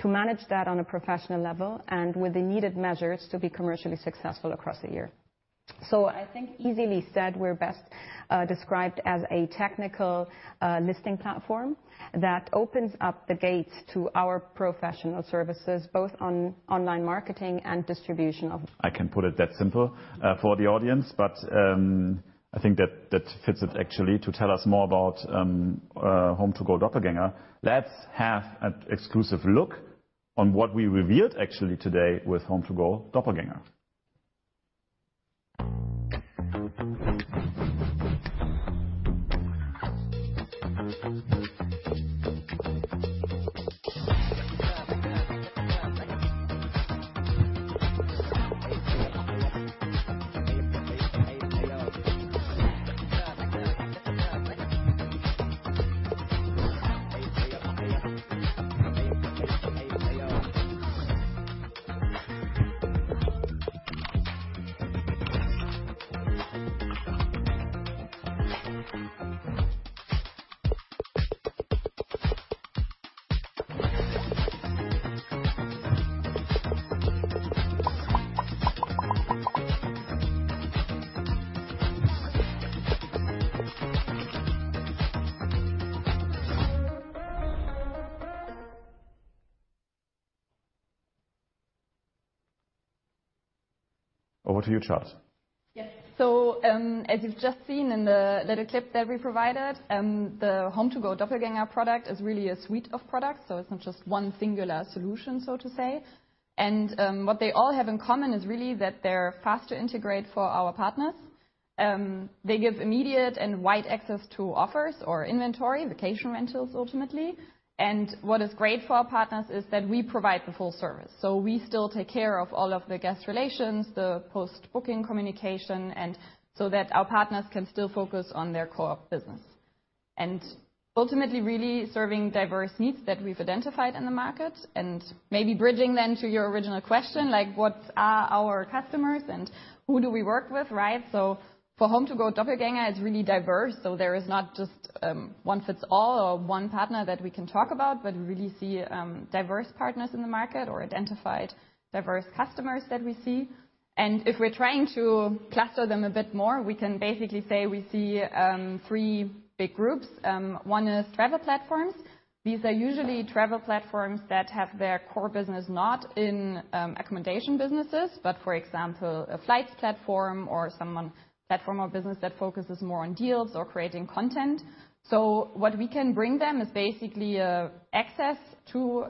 to manage that on a professional level and with the needed measures to be commercially successful across the year. So I think easily said, we're best described as a technical listing platform that opens up the gates to our professional services, both on online marketing and distribution of- I can put it that simple for the audience, but I think that that fits it actually. To tell us more about HomeToGo Doppelgänger, let's have an exclusive look on what we revealed actually today with HomeToGo Doppelgänger. Over to you, Charlotte. Yes. So, as you've just seen in the little clip that we provided, the HomeToGo Doppelgänger product is really a suite of products, so it's not just one singular solution, so to say. And, what they all have in common is really that they're fast to integrate for our partners. They give immediate and wide access to offers or inventory, vacation rentals, ultimately. And what is great for our partners is that we provide the full service, so we still take care of all of the guest relations, the post-booking communication, and so that our partners can still focus on their core business. And ultimately, really serving diverse needs that we've identified in the market, and maybe bridging then to your original question, like, what are our customers and who do we work with, right? So for HomeToGo Doppelgänger, it's really diverse, so there is not just, one fits all or one partner that we can talk about, but we really see, diverse partners in the market or identified diverse customers that we see.... If we're trying to cluster them a bit more, we can basically say we see, three big groups. One is travel platforms. These are usually travel platforms that have their core business not in, accommodation businesses, but, for example, a flights platform or platform or business that focuses more on deals or creating content. So what we can bring them is basically access to,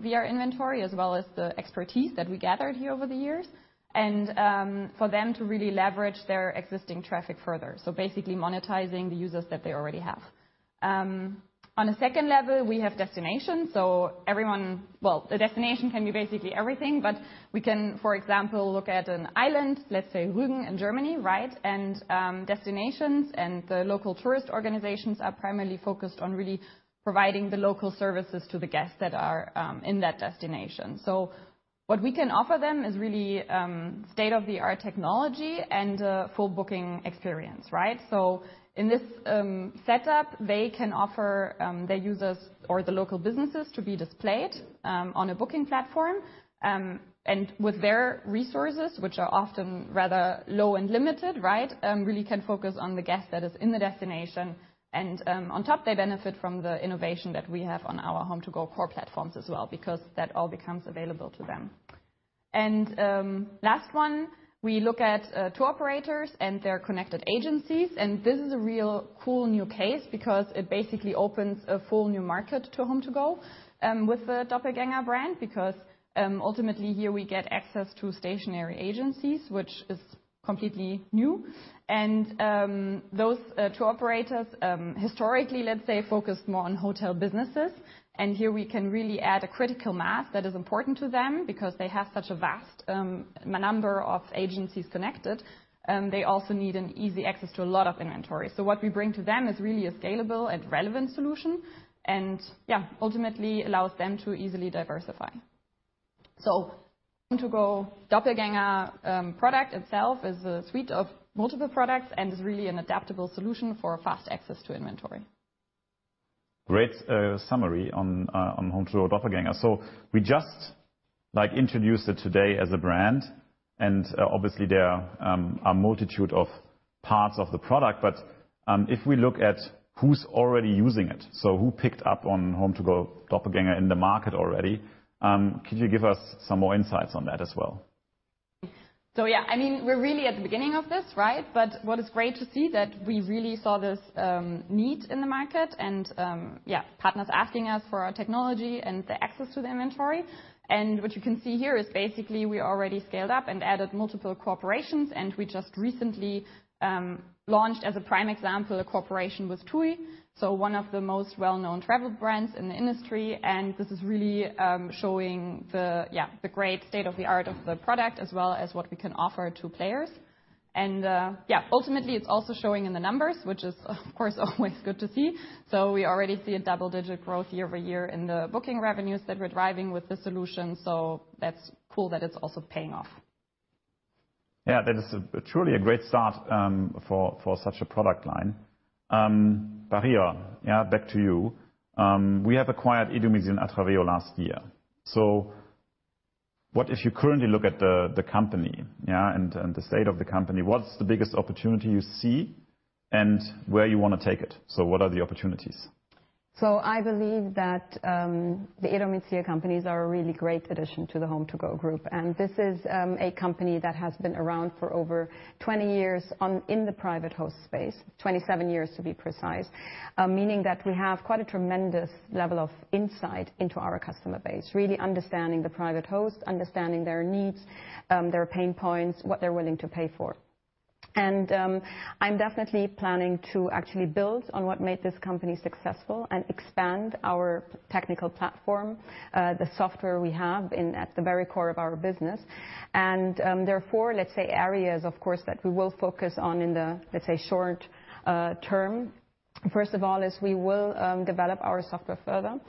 via inventory, as well as the expertise that we gathered here over the years, and, for them to really leverage their existing traffic further. So basically monetizing the users that they already have. On a second level, we have destinations. The destination can be basically everything, but we can, for example, look at an island, let's say, Rügen in Germany, right? And destinations and the local tourist organizations are primarily focused on really providing the local services to the guests that are in that destination. So what we can offer them is really state-of-the-art technology and a full booking experience, right? So in this setup, they can offer their users or the local businesses to be displayed on a booking platform. And with their resources, which are often rather low and limited, right? Really can focus on the guest that is in the destination, and on top, they benefit from the innovation that we have on our HomeToGo core platforms as well, because that all becomes available to them. Last one, we look at tour operators and their connected agencies, and this is a real cool new case because it basically opens a full new market to HomeToGo with the Doppelgänger brand. Because ultimately, here we get access to stationary agencies, which is completely new. Those two operators historically, let's say, focused more on hotel businesses. And here we can really add a critical mass that is important to them because they have such a vast number of agencies connected, and they also need an easy access to a lot of inventory. So what we bring to them is really a scalable and relevant solution, and yeah, ultimately allows them to easily diversify. So HomeToGo Doppelgänger product itself is a suite of multiple products and is really an adaptable solution for fast access to inventory. Great, summary on, on HomeToGo Doppelgänger. So we just, like, introduced it today as a brand, and obviously there are, a multitude of parts of the product. But, if we look at who's already using it, so who picked up on HomeToGo Doppelgänger in the market already, could you give us some more insights on that as well? So, yeah, I mean, we're really at the beginning of this, right? But what is great to see that we really saw this need in the market, and yeah, partners asking us for our technology and the access to the inventory. What you can see here is basically, we already scaled up and added multiple corporations, and we just recently launched as a prime example, a cooperation with TUI, so one of the most well-known travel brands in the industry. This is really showing the great state-of-the-art of the product, as well as what we can offer to players. Yeah, ultimately, it's also showing in the numbers, which is, of course, always good to see. We already see a double-digit growth year-over-year in the booking revenues that we're driving with the solution, so that's cool that it's also paying off. Yeah, that is truly a great start for such a product line. Maria, yeah, back to you. We have acquired e-domizil and atraveo last year. So what if you currently look at the company and the state of the company, what's the biggest opportunity you see and where you want to take it? So what are the opportunities? So I believe that, the e-domizil companies are a really great addition to the HomeToGo group, and this is, a company that has been around for over 20 years in the private host space. 27 years, to be precise. Meaning that we have quite a tremendous level of insight into our customer base, really understanding the private host, understanding their needs, their pain points, what they're willing to pay for. And, I'm definitely planning to actually build on what made this company successful and expand our technical platform, the software we have at the very core of our business. And, there are four, let's say, areas, of course, that we will focus on in the, let's say, short term. First of all, we will develop our software further,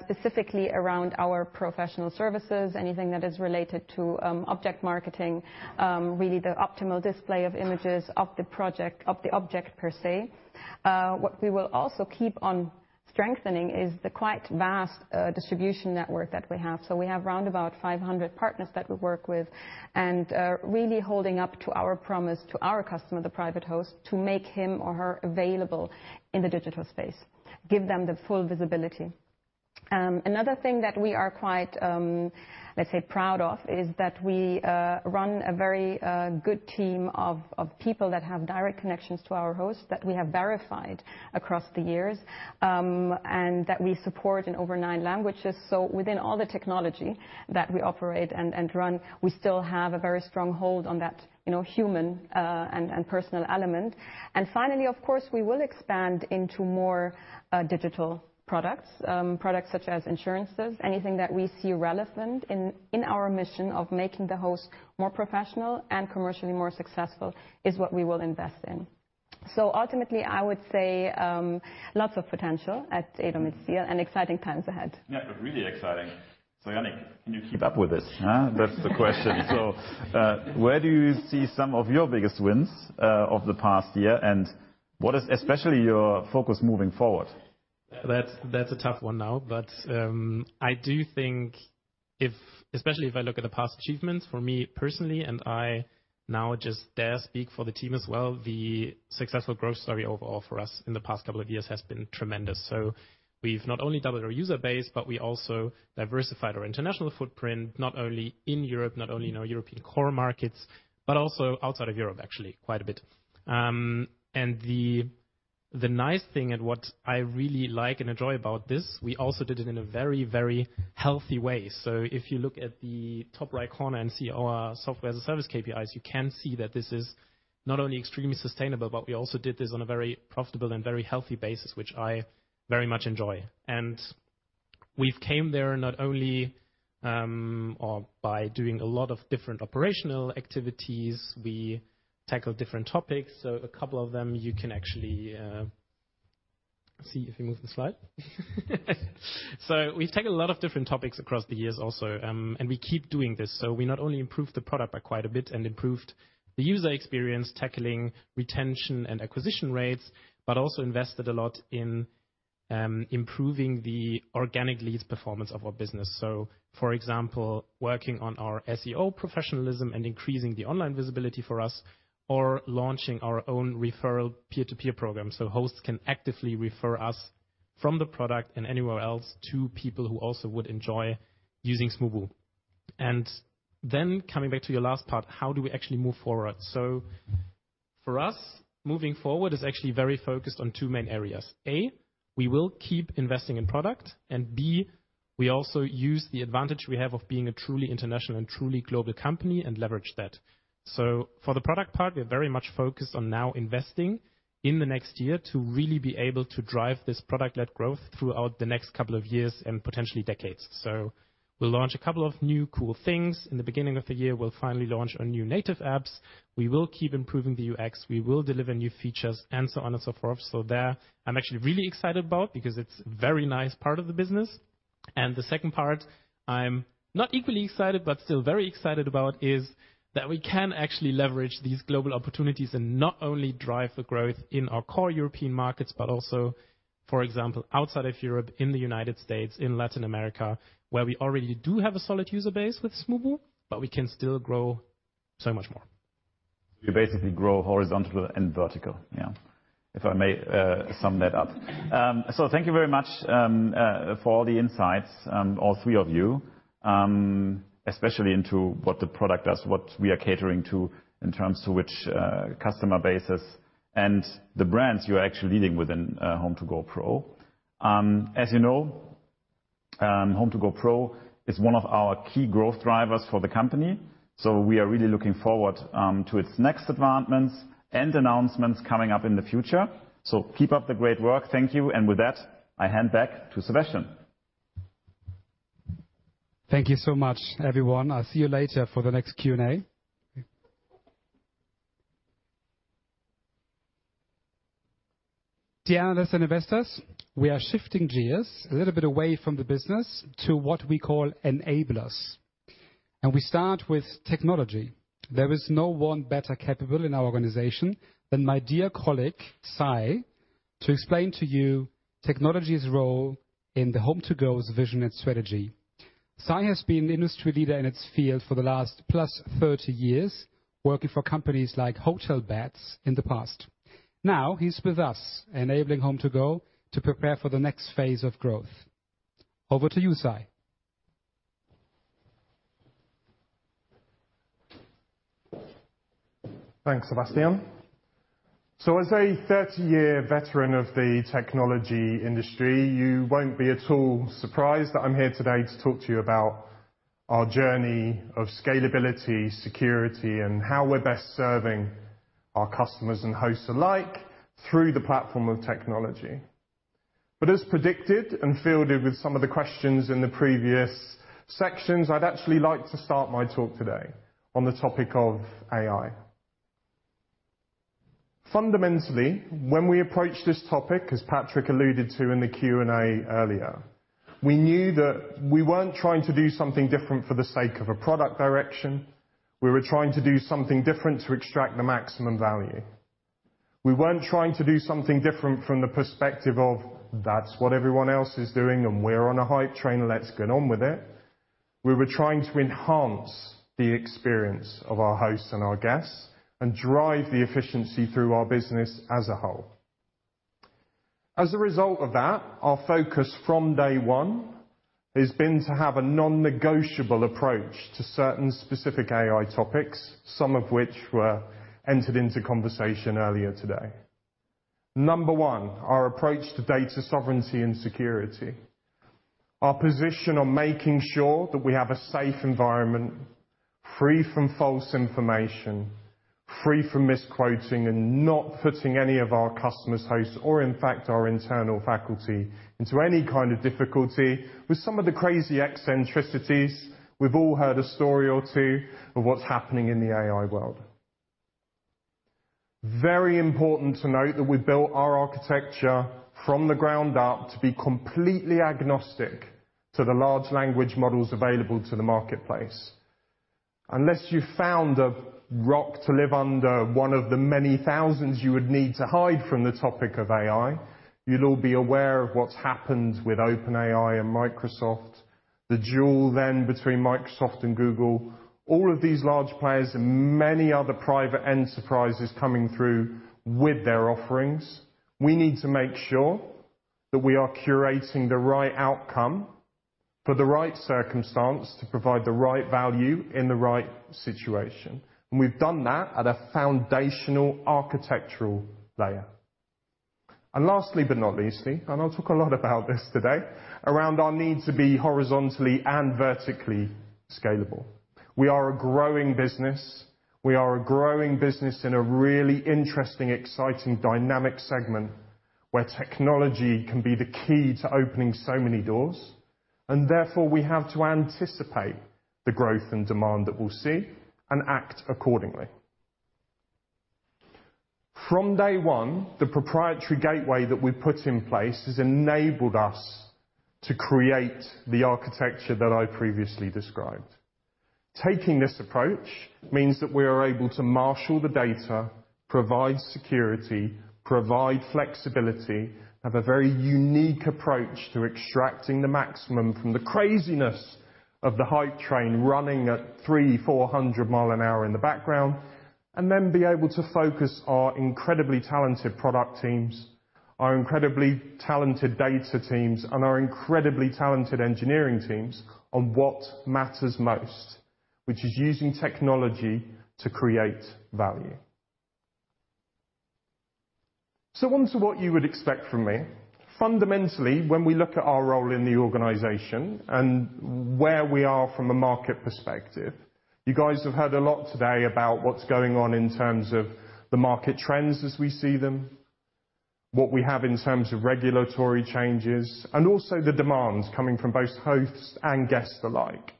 specifically around our professional services, anything that is related to object marketing, really the optimal display of images of the project, of the object per se. What we will also keep on strengthening is the quite vast distribution network that we have. So we have about 500 partners that we work with, and really holding up to our promise to our customer, the private host, to make him or her available in the digital space, give them the full visibility. Another thing that we are quite, let's say, proud of, is that we run a very good team of people that have direct connections to our host, that we have verified across the years, and that we support in over nine languages. So within all the technology that we operate and run, we still have a very strong hold on that, you know, human and personal element. And finally, of course, we will expand into more digital products. Products such as insurances, anything that we see relevant in our mission of making the host more professional and commercially more successful, is what we will invest in. So ultimately, I would say, lots of potential at e-domizil and exciting times ahead. Yeah, really exciting. So Yannick, can you keep up with this? Huh, that's the question. So, where do you see some of your biggest wins of the past year, and what is especially your focus moving forward? ... That's, that's a tough one now, but, I do think if, especially if I look at the past achievements, for me personally, and I now just dare speak for the team as well, the successful growth story overall for us in the past couple of years has been tremendous. So we've not only doubled our user base, but we also diversified our international footprint, not only in Europe, not only in our European core markets, but also outside of Europe, actually, quite a bit. And the nice thing, and what I really like and enjoy about this, we also did it in a very, very healthy way. So if you look at the top right corner and see our software-as-a-service KPIs, you can see that this is not only extremely sustainable, but we also did this on a very profitable and very healthy basis, which I very much enjoy. And we've came there not only, or by doing a lot of different operational activities, we tackled different topics. So a couple of them you can actually see if you move the slide. So we've tackled a lot of different topics across the years also, and we keep doing this. So we not only improved the product by quite a bit and improved the user experience, tackling retention and acquisition rates, but also invested a lot in improving the organic leads performance of our business. So, for example, working on our SEO professionalism and increasing the online visibility for us, or launching our own referral peer-to-peer program, so hosts can actively refer us from the product and anywhere else to people who also would enjoy using Smoobu. And then coming back to your last part, how do we actually move forward? So for us, moving forward is actually very focused on two main areas: A, we will keep investing in product, and B, we also use the advantage we have of being a truly international and truly global company, and leverage that. So for the product part, we are very much focused on now investing in the next year to really be able to drive this product-led growth throughout the next couple of years and potentially decades. So we'll launch a couple of new cool things. In the beginning of the year, we'll finally launch our new native apps. We will keep improving the UX, we will deliver new features, and so on and so forth. So there, I'm actually really excited about because it's a very nice part of the business. And the second part, I'm not equally excited, but still very excited about, is that we can actually leverage these global opportunities and not only drive the growth in our core European markets, but also, for example, outside of Europe, in the United States, in Latin America, where we already do have a solid user base with Smoobu, but we can still grow so much more. We basically grow horizontal and vertical, yeah, if I may, sum that up. So thank you very much, for all the insights, all three of you, especially into what the product does, what we are catering to in terms to which, customer bases and the brands you are actually leading within, HomeToGo Pro. As you know, HomeToGo Pro is one of our key growth drivers for the company, so we are really looking forward, to its next advancements and announcements coming up in the future. So keep up the great work. Thank you. And with that, I hand back to Sebastian. Thank you so much, everyone. I'll see you later for the next Q&A. Dear analysts and investors, we are shifting gears a little bit away from the business to what we call enablers, and we start with technology. There is no one better capable in our organization than my dear colleague, Sai, to explain to you technology's role in the HomeToGo's vision and strategy. Sai has been an industry leader in its field for the last +30 years, working for companies like Hotelbeds in the past. Now he's with us, enabling HomeToGo to prepare for the next phase of growth. Over to you, Sai. Thanks, Sebastian. So as a 30-year veteran of the technology industry, you won't be at all surprised that I'm here today to talk to you about our journey of scalability, security, and how we're best serving our customers and hosts alike through the platform of technology. But as predicted and fielded with some of the questions in the previous sections, I'd actually like to start my talk today on the topic of AI. Fundamentally, when we approached this topic, as Patrick alluded to in the Q&A earlier, we knew that we weren't trying to do something different for the sake of a product direction. We were trying to do something different to extract the maximum value. We weren't trying to do something different from the perspective of, "That's what everyone else is doing, and we're on a hype train, let's get on with it." We were trying to enhance the experience of our hosts and our guests and drive the efficiency through our business as a whole. As a result of that, our focus from day one has been to have a non-negotiable approach to certain specific AI topics, some of which were entered into conversation earlier today. Number one, our approach to data sovereignty and security. Our position on making sure that we have a safe environment, free from false information, free from misquoting, and not putting any of our customers, hosts, or in fact, our internal faculty, into any kind of difficulty with some of the crazy eccentricities. We've all heard a story or two of what's happening in the AI world. Very important to note that we built our architecture from the ground up to be completely agnostic to the large language models available to the marketplace. Unless you've found a rock to live under, one of the many thousands you would need to hide from the topic of AI, you'll all be aware of what's happened with OpenAI and Microsoft, the duel then between Microsoft and Google, all of these large players and many other private and enterprises coming through with their offerings. We need to make sure that we are curating the right outcome for the right circumstance to provide the right value in the right situation, and we've done that at a foundational architectural layer. And lastly, but not least, and I'll talk a lot about this today, around our need to be horizontally and vertically scalable. We are a growing business. We are a growing business in a really interesting, exciting, dynamic segment, where technology can be the key to opening so many doors, and therefore, we have to anticipate the growth and demand that we'll see and act accordingly. From day one, the proprietary gateway that we put in place has enabled us to create the architecture that I previously described. Taking this approach means that we are able to marshal the data, provide security, provide flexibility, have a very unique approach to extracting the maximum from the craziness of the hype train running at 300-400 miles an hour in the background, and then be able to focus our incredibly talented product teams, our incredibly talented data teams, and our incredibly talented engineering teams on what matters most, which is using technology to create value. On to what you would expect from me. Fundamentally, when we look at our role in the organization and where we are from a market perspective, you guys have heard a lot today about what's going on in terms of the market trends as we see them, what we have in terms of regulatory changes, and also the demands coming from both hosts and guests alike.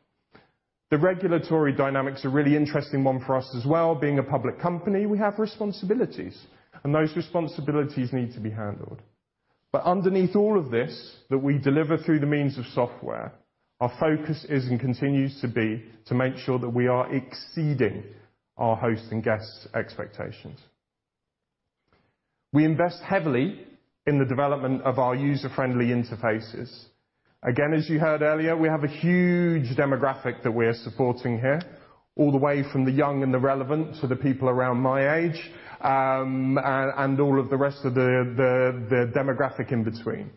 The regulatory dynamics are a really interesting one for us as well. Being a public company, we have responsibilities, and those responsibilities need to be handled. But underneath all of this, that we deliver through the means of software, our focus is and continues to be, to make sure that we are exceeding our hosts' and guests' expectations. We invest heavily in the development of our user-friendly interfaces. Again, as you heard earlier, we have a huge demographic that we are supporting here, all the way from the young and the relevant to the people around my age, and all of the rest of the demographic in between.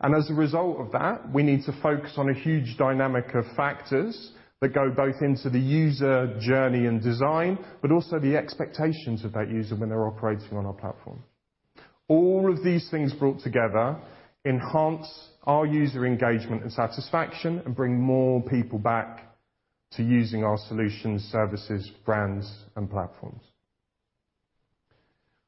As a result of that, we need to focus on a huge dynamic of factors that go both into the user journey and design, but also the expectations of that user when they're operating on our platform. All of these things brought together enhance our user engagement and satisfaction and bring more people back to using our solutions, services, brands, and platforms.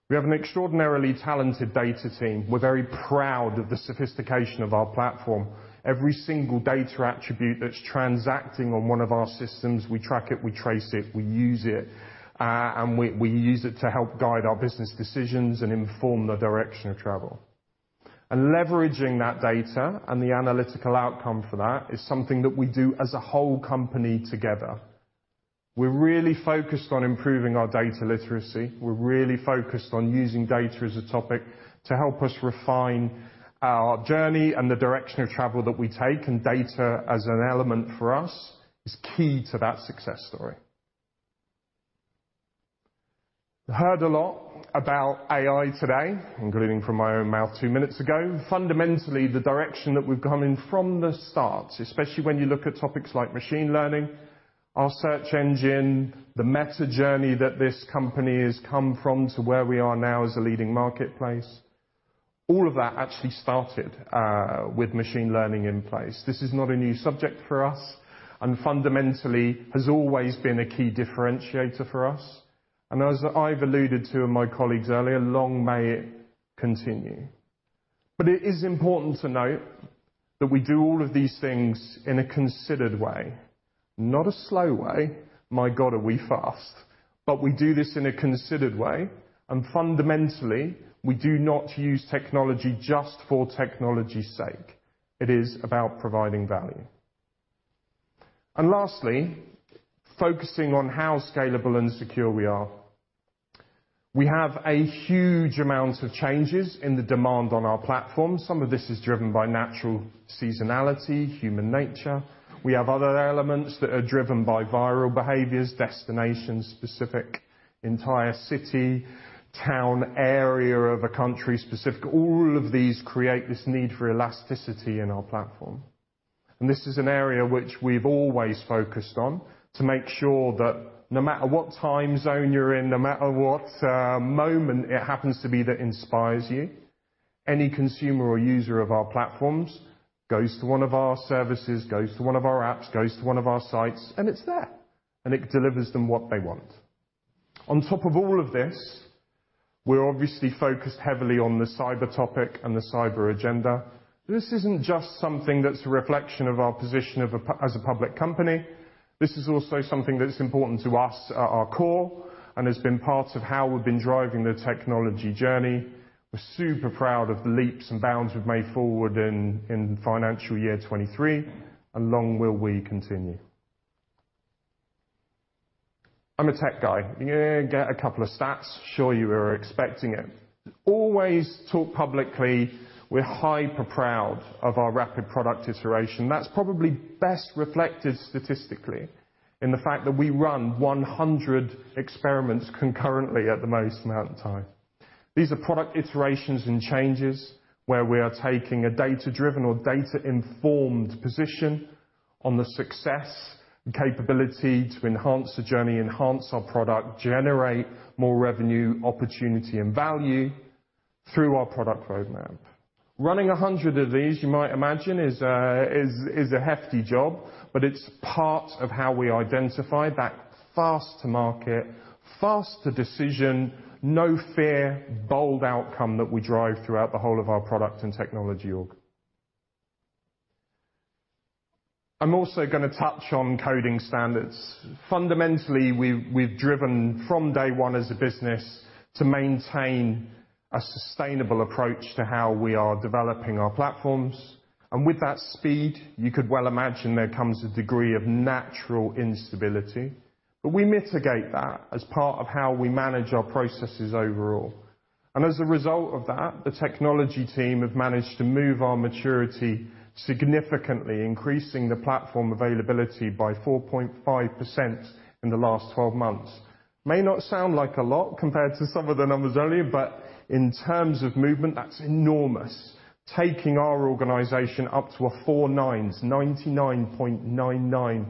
We have an extraordinarily talented data team. We're very proud of the sophistication of our platform. Every single data attribute that's transacting on one of our systems, we track it, we trace it, we use it, and we use it to help guide our business decisions and inform the direction of travel. And leveraging that data and the analytical outcome for that is something that we do as a whole company together. We're really focused on improving our data literacy. We're really focused on using data as a topic to help us refine our journey and the direction of travel that we take, and data as an element for us is key to that success story. Heard a lot about AI today, including from my own mouth two minutes ago. Fundamentally, the direction that we've come in from the start, especially when you look at topics like machine learning, our search engine, the meta journey that this company has come from to where we are now as a leading marketplace, all of that actually started with machine learning in place. This is not a new subject for us, and fundamentally, has always been a key differentiator for us. And as I've alluded to and my colleagues earlier, long may it continue. But it is important to note that we do all of these things in a considered way, not a slow way. My God, are we fast! But we do this in a considered way, and fundamentally, we do not use technology just for technology's sake. It is about providing value. And lastly, focusing on how scalable and secure we are. We have a huge amount of changes in the demand on our platform. Some of this is driven by natural seasonality, human nature. We have other elements that are driven by viral behaviors, destination-specific, entire city, town, area of a country specific. All of these create this need for elasticity in our platform. This is an area which we've always focused on, to make sure that no matter what time zone you're in, no matter what moment it happens to be that inspires you, any consumer or user of our platforms goes to one of our services, goes to one of our apps, goes to one of our sites, and it's there, and it delivers them what they want. On top of all of this, we're obviously focused heavily on the cyber topic and the cyber agenda. This isn't just something that's a reflection of our position as a public company. This is also something that's important to us at our core and has been part of how we've been driving the technology journey. We're super proud of the leaps and bounds we've made forward in financial year 2023, and long will we continue. I'm a tech guy. You're gonna get a couple of stats. Sure, you were expecting it. Always talk publicly, we're hyper proud of our rapid product iteration. That's probably best reflected statistically in the fact that we run 100 experiments concurrently at the most amount of time. These are product iterations and changes where we are taking a data-driven or data-informed position on the success and capability to enhance the journey, enhance our product, generate more revenue, opportunity, and value through our product roadmap. Running 100 of these, you might imagine, is a hefty job, but it's part of how we identify that fast to market, fast to decision, no fear, bold outcome that we drive throughout the whole of our product and technology org. I'm also gonna touch on coding standards. Fundamentally, we've driven from day one as a business to maintain a sustainable approach to how we are developing our platforms, and with that speed, you could well imagine there comes a degree of natural instability. But we mitigate that as part of how we manage our processes overall. And as a result of that, the technology team have managed to move our maturity, significantly increasing the platform availability by 4.5% in the last 12 months. May not sound like a lot compared to some of the numbers earlier, but in terms of movement, that's enormous, taking our organization up to four nines, 99.99%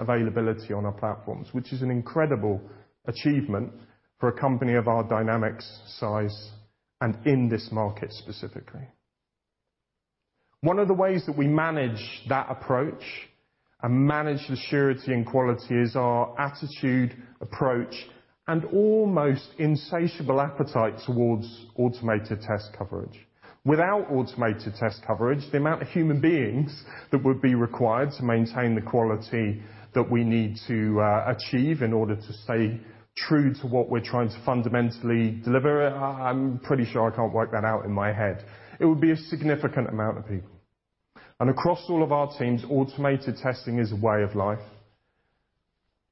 availability on our platforms, which is an incredible achievement for a company of our dynamics, size, and in this market, specifically. One of the ways that we manage that approach and manage the surety and quality is our attitude, approach, and almost insatiable appetite towards automated test coverage. Without automated test coverage, the amount of human beings that would be required to maintain the quality that we need to achieve in order to stay true to what we're trying to fundamentally deliver, I'm pretty sure I can't work that out in my head. It would be a significant amount of people. And across all of our teams, automated testing is a way of life.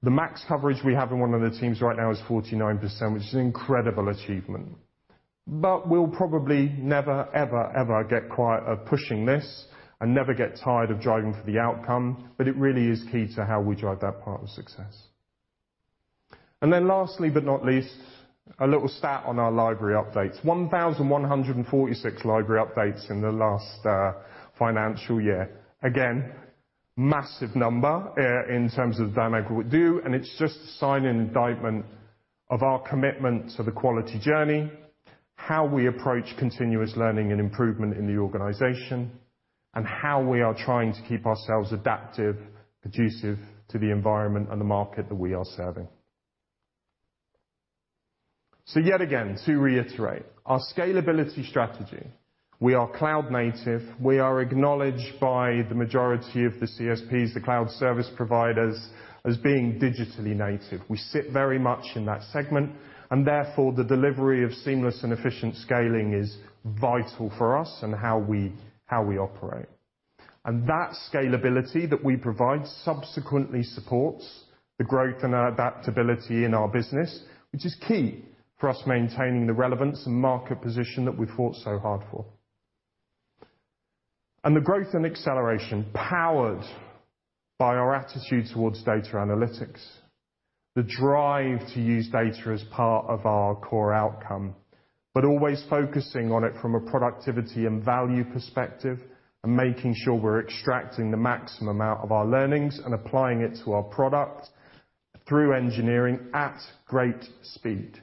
The max coverage we have in one of the teams right now is 49%, which is an incredible achievement. But we'll probably never, ever, ever get quit of pushing this and never get tired of driving for the outcome. But it really is key to how we drive that part of success. And then lastly, but not least, a little stat on our library updates. 1,146 library updates in the last financial year. Again, massive number in terms of the dynamic we do, and it's just a sign and indication of our commitment to the quality journey, how we approach continuous learning and improvement in the organization, and how we are trying to keep ourselves adaptive, conducive to the environment and the market that we are serving. So yet again, to reiterate, our scalability strategy, we are cloud native, we are acknowledged by the majority of the CSPs, the cloud service providers, as being digitally native. We sit very much in that segment, and therefore, the delivery of seamless and efficient scaling is vital for us and how we, how we operate. And that scalability that we provide subsequently supports the growth and our adaptability in our business, which is key for us maintaining the relevance and market position that we've fought so hard for. And the growth and acceleration, powered by our attitude towards data analytics, the drive to use data as part of our core outcome, but always focusing on it from a productivity and value perspective, and making sure we're extracting the maximum amount of our learnings and applying it to our product through engineering at great speed.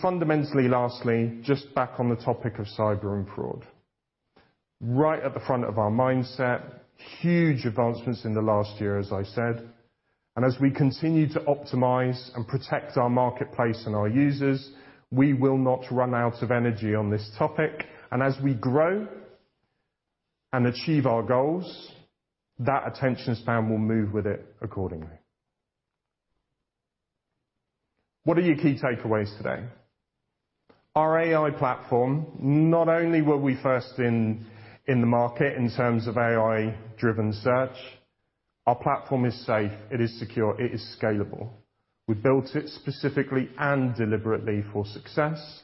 Fundamentally, lastly, just back on the topic of cyber and fraud. Right at the front of our mindset, huge advancements in the last year, as I said, and as we continue to optimize and protect our marketplace and our users, we will not run out of energy on this topic, and as we grow and achieve our goals, that attention span will move with it accordingly. What are your key takeaways today? Our AI platform, not only were we first in the market in terms of AI-driven search, our platform is safe, it is secure, it is scalable. We built it specifically and deliberately for success.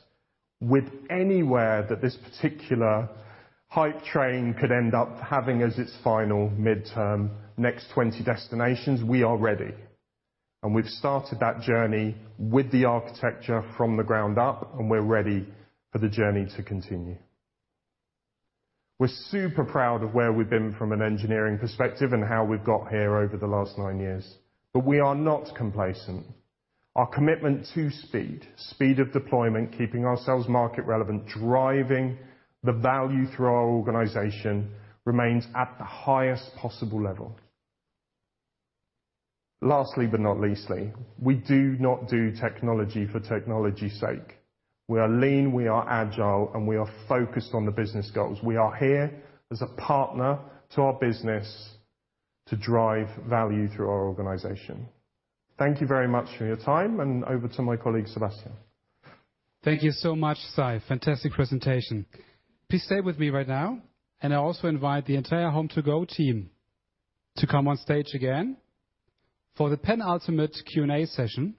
With anywhere that this particular hype train could end up having as its final mid-term, next 20 destinations, we are ready, and we've started that journey with the architecture from the ground up, and we're ready for the journey to continue. We're super proud of where we've been from an engineering perspective and how we've got here over the last nine years, but we are not complacent. Our commitment to speed, speed of deployment, keeping ourselves market relevant, driving the value through our organization, remains at the highest possible level. Lastly, but not leastly, we do not do technology for technology's sake. We are lean, we are agile, and we are focused on the business goals. We are here as a partner to our business to drive value through our organization. Thank you very much for your time, and over to my colleague, Sebastian.... Thank you so much, Sai. Fantastic presentation. Please stay with me right now, and I also invite the entire HomeToGo team to come on stage again for the penultimate Q&A session.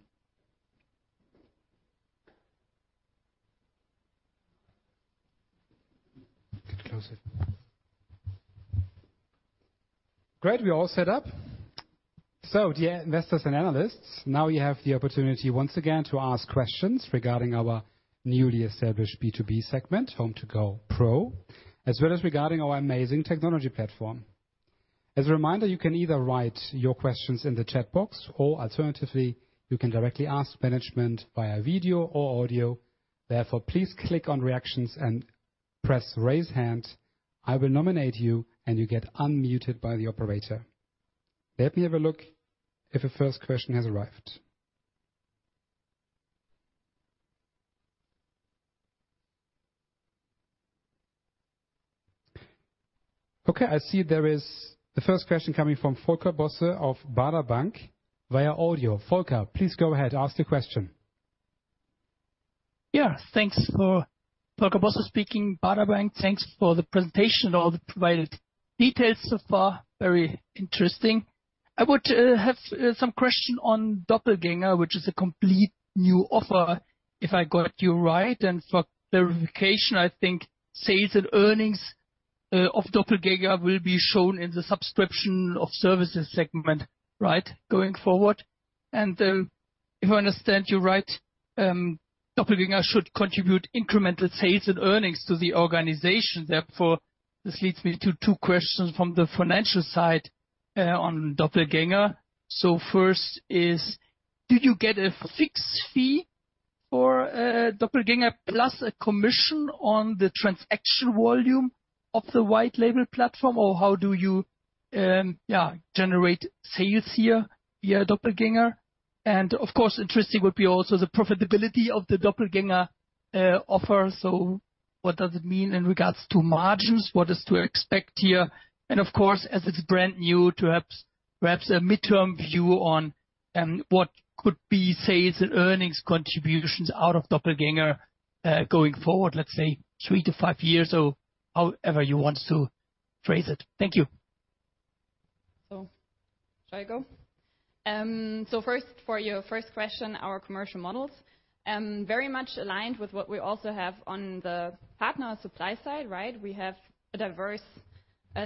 Get closer. Great, we're all set up. So dear investors and analysts, now you have the opportunity once again to ask questions regarding our newly established B2B segment, HomeToGo Pro, as well as regarding our amazing technology platform. As a reminder, you can either write your questions in the chat box, or alternatively, you can directly ask management via video or audio. Therefore, please click on Reactions and press Raise Hand. I will nominate you, and you get unmuted by the operator. Let me have a look if a first question has arrived. Okay, I see there is the first question coming from Volker Bosse of Baader Bank via audio. Volker, please go ahead, ask the question. Yeah, thanks for... Volker Bosse speaking, Baader Bank. Thanks for the presentation, all the provided details so far, very interesting. I would have some question on Doppelgänger, which is a complete new offer, if I got you right. And for verification, I think sales and earnings of Doppelgänger will be shown in the subscription of services segment, right, going forward? And, if I understand you right, Doppelgänger should contribute incremental sales and earnings to the organization. Therefore, this leads me to two questions from the financial side on Doppelgänger. So first is, did you get a fixed fee for Doppelgänger, plus a commission on the transaction volume of the white label platform? Or how do you, yeah, generate sales here via Doppelgänger? And of course, interesting would be also the profitability of the Doppelgänger offer. What does it mean in regards to margins? What is to expect here? And of course, as it's brand new, to perhaps, perhaps a mid-term view on what could be sales and earnings contributions out of Doppelgänger going forward, let's say 3-5 years, or however you want to phrase it. Thank you. So shall I go? So first, for your first question, our commercial models very much aligned with what we also have on the partner supply side, right? We have a diverse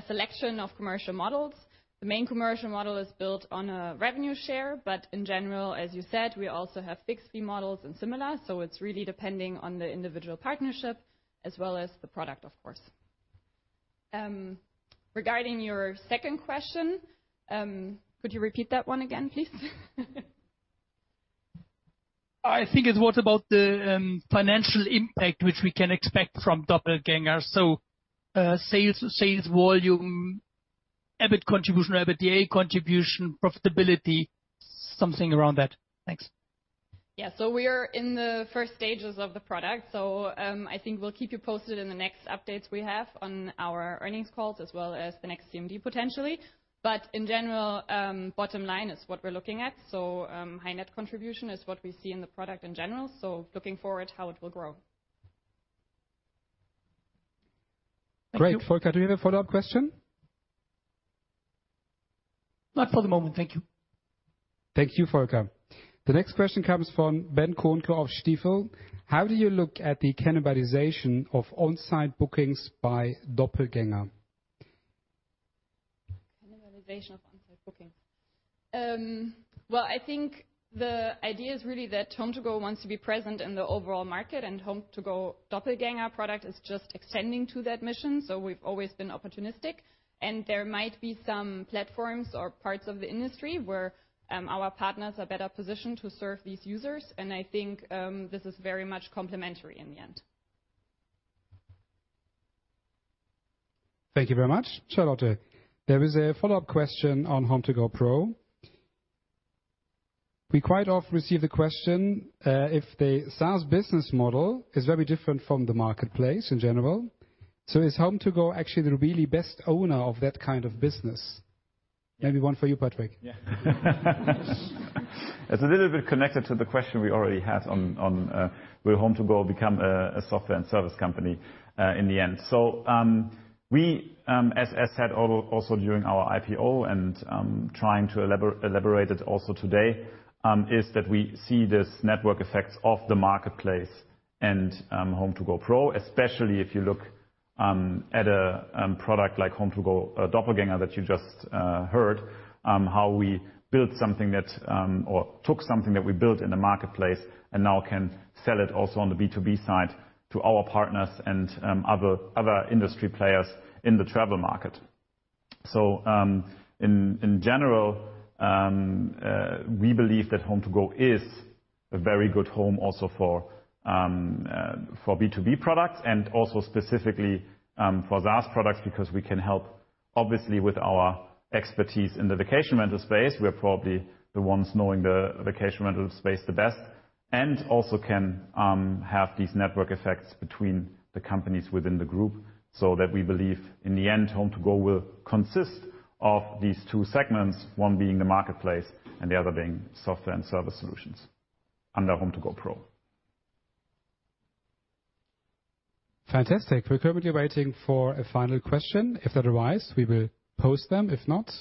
selection of commercial models. The main commercial model is built on a revenue share, but in general, as you said, we also have fixed fee models and similar. So it's really depending on the individual partnership as well as the product, of course. Regarding your second question, could you repeat that one again, please? I think it's what about the financial impact, which we can expect from Doppelgänger? So, sales, sales volume, EBIT contribution, EBITDA contribution, profitability, something around that. Thanks. Yeah. So we are in the first stages of the product, so, I think we'll keep you posted in the next updates we have on our earnings calls, as well as the next CMD, potentially. But in general, bottom line is what we're looking at. So, high net contribution is what we see in the product in general, so looking forward to how it will grow. Thank you. Great. Volker, do you have a follow-up question? Not for the moment. Thank you. Thank you, Volker. The next question comes from Ben Kohnke of Stifel. How do you look at the cannibalization of on-site bookings by Doppelgänger? Cannibalization of on-site booking. Well, I think the idea is really that HomeToGo wants to be present in the overall market, and HomeToGo Doppelgänger product is just extending to that mission, so we've always been opportunistic. And there might be some platforms or parts of the industry where our partners are better positioned to serve these users, and I think this is very much complementary in the end. Thank you very much, Charlotte. There is a follow-up question on HomeToGo Pro. We quite often receive the question if the SaaS business model is very different from the marketplace in general. So is HomeToGo actually the really best owner of that kind of business? Maybe one for you, Patrick. Yeah. It's a little bit connected to the question we already had on will HomeToGo become a software and service company in the end. So, as said, also during our IPO and trying to elaborate it also today, is that we see this network effects of the marketplace and HomeToGo Pro, especially if you look at a product like HomeToGo Doppelgänger, that you just heard how we built something that or took something that we built in the marketplace and now can sell it also on the B2B side to our partners and other industry players in the travel market. So, in general, we believe that HomeToGo is a very good home also for B2B products and also specifically for SaaS products, because we can help obviously with our expertise in the vacation rental space. We are probably the ones knowing the vacation rental space the best, and also can have these network effects between the companies within the group, so that we believe in the end, HomeToGo will consist of these two segments, one being the marketplace and the other being software and service solutions under HomeToGo Pro.... Fantastic! We're currently waiting for a final question. If that arise, we will post them. If not,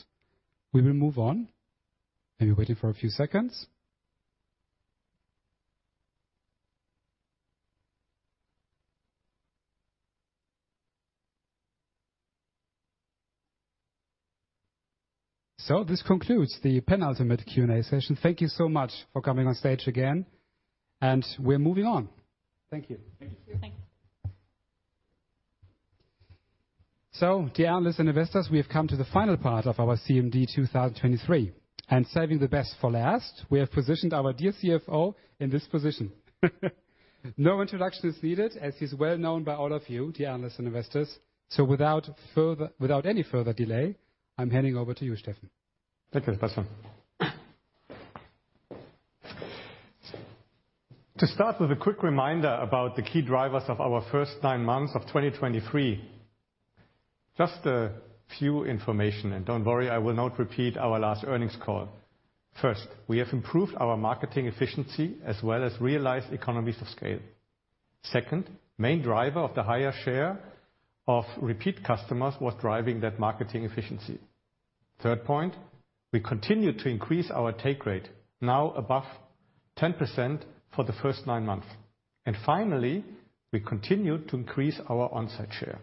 we will move on. Maybe waiting for a few seconds. So this concludes the penultimate Q&A session. Thank you so much for coming on stage again, and we're moving on. Thank you. Thank you. Thank you. So, dear analysts and investors, we have come to the final part of our CMD 2023, and saving the best for last, we have positioned our dear CFO in this position. No introduction is needed, as he's well known by all of you, dear analysts and investors. So, without any further delay, I'm handing over to you, Steffen. Thank you, Sebastian. To start with a quick reminder about the key drivers of our first nine months of 2023. Just a few information, and don't worry, I will not repeat our last earnings call. First, we have improved our marketing efficiency as well as realized economies of scale. Second, main driver of the higher share of repeat customers was driving that marketing efficiency. Third point, we continued to increase our take rate, now above 10% for the first nine months. And finally, we continued to increase our on-site share.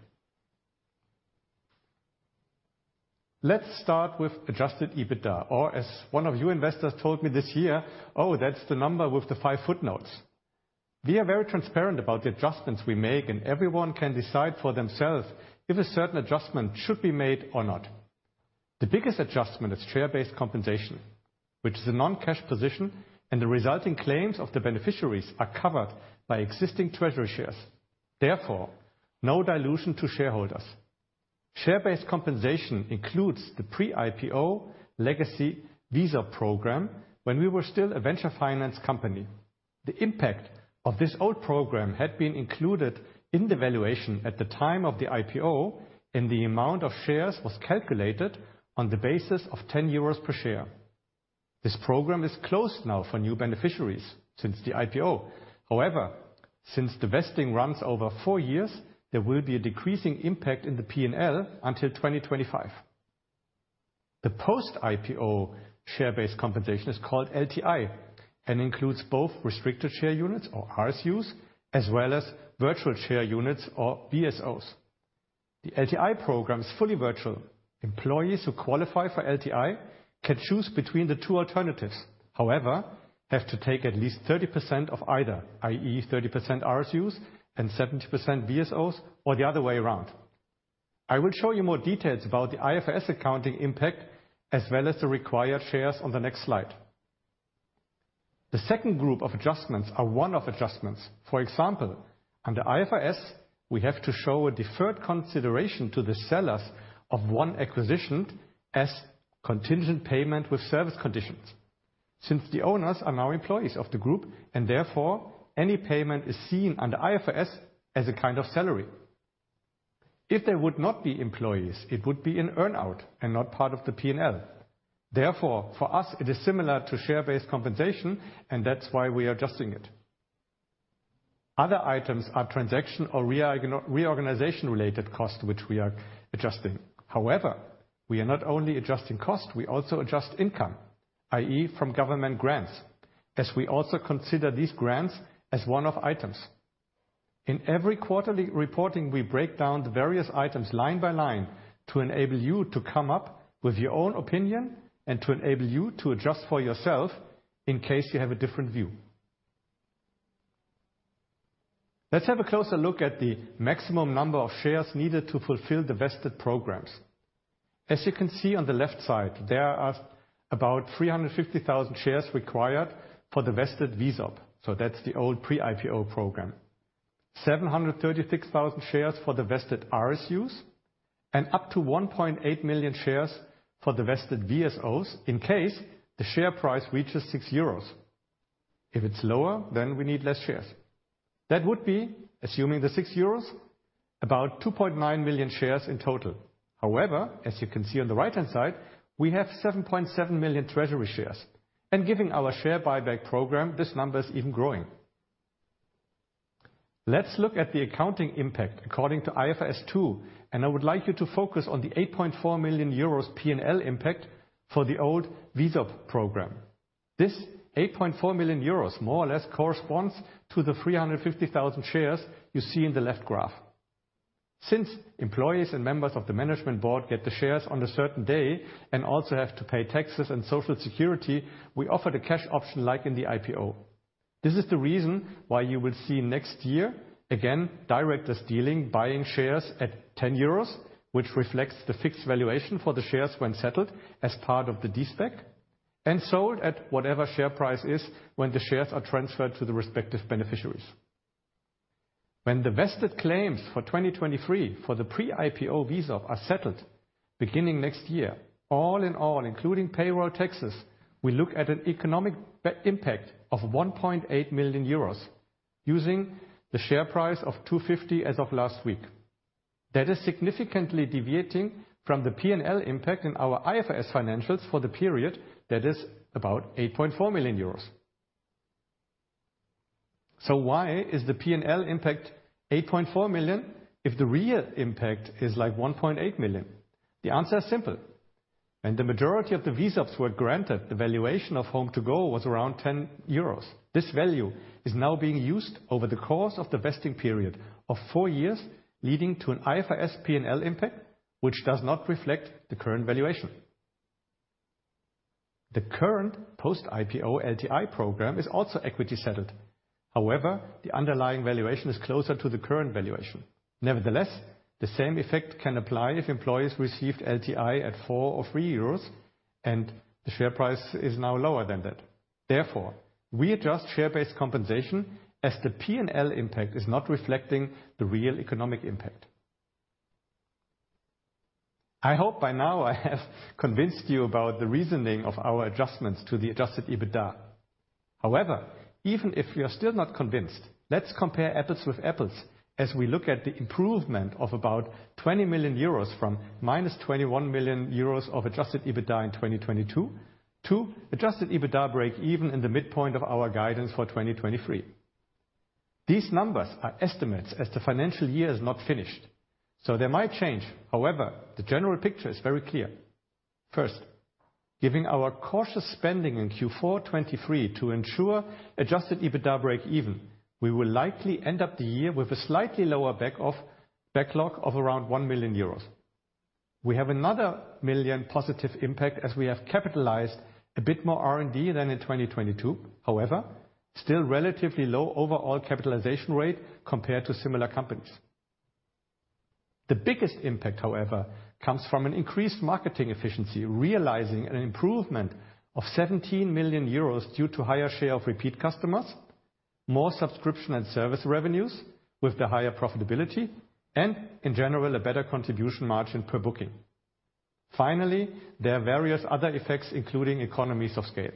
Let's start with adjusted EBITDA, or as one of you investors told me this year, "Oh, that's the number with the five footnotes." We are very transparent about the adjustments we make, and everyone can decide for themselves if a certain adjustment should be made or not. The biggest adjustment is share-based compensation, which is a non-cash position, and the resulting claims of the beneficiaries are covered by existing treasury shares, therefore, no dilution to shareholders. Share-based compensation includes the pre-IPO legacy VSOP program when we were still a venture finance company. The impact of this old program had been included in the valuation at the time of the IPO, and the amount of shares was calculated on the basis of 10 euros per share. This program is closed now for new beneficiaries since the IPO. However, since the vesting runs over four years, there will be a decreasing impact in the P&L until 2025. The post-IPO share-based compensation is called LTI and includes both restricted share units or RSUs, as well as virtual share units or VSOs. The LTI program is fully virtual. Employees who qualify for LTI can choose between the two alternatives, however, have to take at least 30% of either, i.e., 30% RSUs and 70% VSOs, or the other way around. I will show you more details about the IFRS accounting impact, as well as the required shares on the next slide. The second group of adjustments are one-off adjustments. For example, under IFRS, we have to show a deferred consideration to the sellers of one acquisition as contingent payment with service conditions. Since the owners are now employees of the group, and therefore any payment is seen under IFRS as a kind of salary. If they would not be employees, it would be an earn-out and not part of the P&L. Therefore, for us, it is similar to share-based compensation, and that's why we are adjusting it. Other items are transaction or reorg-reorganization-related costs, which we are adjusting. However, we are not only adjusting cost, we also adjust income, i.e., from government grants, as we also consider these grants as one-off items. In every quarterly reporting, we break down the various items line by line to enable you to come up with your own opinion and to enable you to adjust for yourself in case you have a different view. Let's have a closer look at the maximum number of shares needed to fulfill the vested programs. As you can see on the left side, there are about 350,000 shares required for the vested VESOP, so that's the old pre-IPO program. 736,000 shares for the vested RSUs, and up to 1.8 million shares for the vested VSOs in case the share price reaches 6 euros. If it's lower, then we need less shares. That would be, assuming the 6 euros, about 2.9 million shares in total. However, as you can see on the right-hand side, we have 7.7 million treasury shares, and given our share buyback program, this number is even growing. Let's look at the accounting impact according to IFRS 2, and I would like you to focus on the 8.4 million euros P&L impact for the old VESOP program. This 8.4 million euros more or less corresponds to the 350,000 shares you see in the left graph. Since employees and members of the management board get the shares on a certain day and also have to pay taxes and social security, we offer the cash option like in the IPO. This is the reason why you will see next year, again, directors dealing, buying shares at 10 euros, which reflects the fixed valuation for the shares when settled as part of the VESOP, and sold at whatever share price is when the shares are transferred to the respective beneficiaries. When the vested claims for 2023 for the pre-IPO VESOP are settled, beginning next year, all in all, including payroll taxes, we look at an economic net impact of 1.8 million euros using the share price of 250 as of last week. That is significantly deviating from the P&L impact in our IFRS financials for the period that is about 8.4 million euros. So why is the P&L impact 8.4 million if the real impact is like 1.8 million? The answer is simple: when the majority of the VESOPs were granted, the valuation of HomeToGo was around 10 euros. This value is now being used over the course of the vesting period of four years, leading to an IFRS P&L impact, which does not reflect the current valuation. The current post-IPO LTI program is also equity settled. However, the underlying valuation is closer to the current valuation. Nevertheless, the same effect can apply if employees received LTI at 4 or 3 euros, and the share price is now lower than that. Therefore, we adjust share-based compensation as the P&L impact is not reflecting the real economic impact. I hope by now I have convinced you about the reasoning of our adjustments to the adjusted EBITDA. However, even if you are still not convinced, let's compare apples with apples, as we look at the improvement of about 20 million euros from -21 million euros of adjusted EBITDA in 2022, to adjusted EBITDA break-even in the midpoint of our guidance for 2023. These numbers are estimates as the financial year is not finished, so they might change. However, the general picture is very clear. First, given our cautious spending in Q4 2023 to ensure adjusted EBITDA break-even, we will likely end up the year with a slightly lower backlog of around 1 million euros. We have another 1 million+ impact as we have capitalized a bit more R&D than in 2022. However, still relatively low overall capitalization rate compared to similar companies. The biggest impact, however, comes from an increased marketing efficiency, realizing an improvement of 17 million euros due to higher share of repeat customers, more subscription and service revenues with the higher profitability, and in general, a better contribution margin per booking. Finally, there are various other effects, including economies of scale.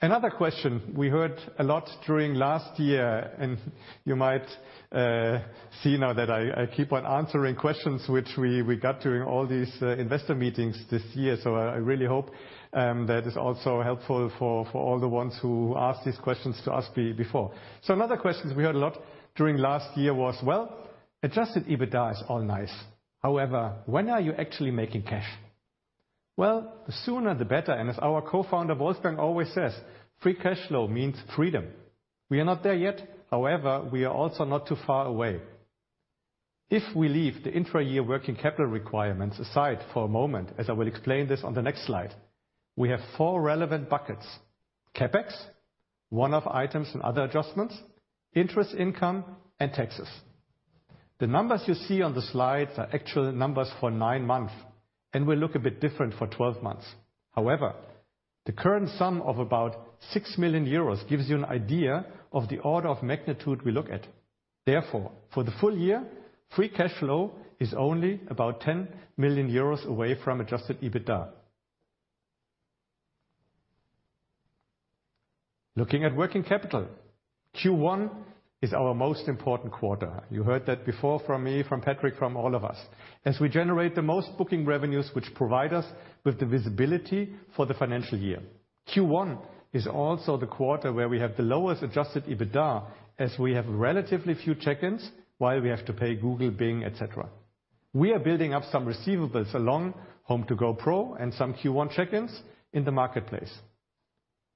Another question we heard a lot during last year, and you might see now that I keep on answering questions which we got during all these investor meetings this year. So I really hope that is also helpful for all the ones who asked these questions to ask me before. So another question we heard a lot during last year was: well, adjusted EBITDA is all nice. However, when are you actually making cash? Well, the sooner, the better, and as our co-founder, Wolfgang, always says: "Free cash flow means freedom." We are not there yet, however, we are also not too far away. If we leave the intra-year working capital requirements aside for a moment, as I will explain this on the next slide, we have four relevant buckets: CapEx, one-off items and other adjustments, interest income, and taxes. The numbers you see on the slide are actual numbers for nine months, and will look a bit different for 12 months. However, the current sum of about 6 million euros gives you an idea of the order of magnitude we look at. Therefore, for the full-year, free cash flow is only about 10 million euros away from adjusted EBITDA. Looking at working capital, Q1 is our most important quarter. You heard that before from me, from Patrick, from all of us. As we generate the most booking revenues, which provide us with the visibility for the financial year. Q1 is also the quarter where we have the lowest adjusted EBITDA, as we have relatively few check-ins while we have to pay Google, Bing, et cetera. We are building up some receivables along HomeToGo Pro and some Q1 check-ins in the marketplace.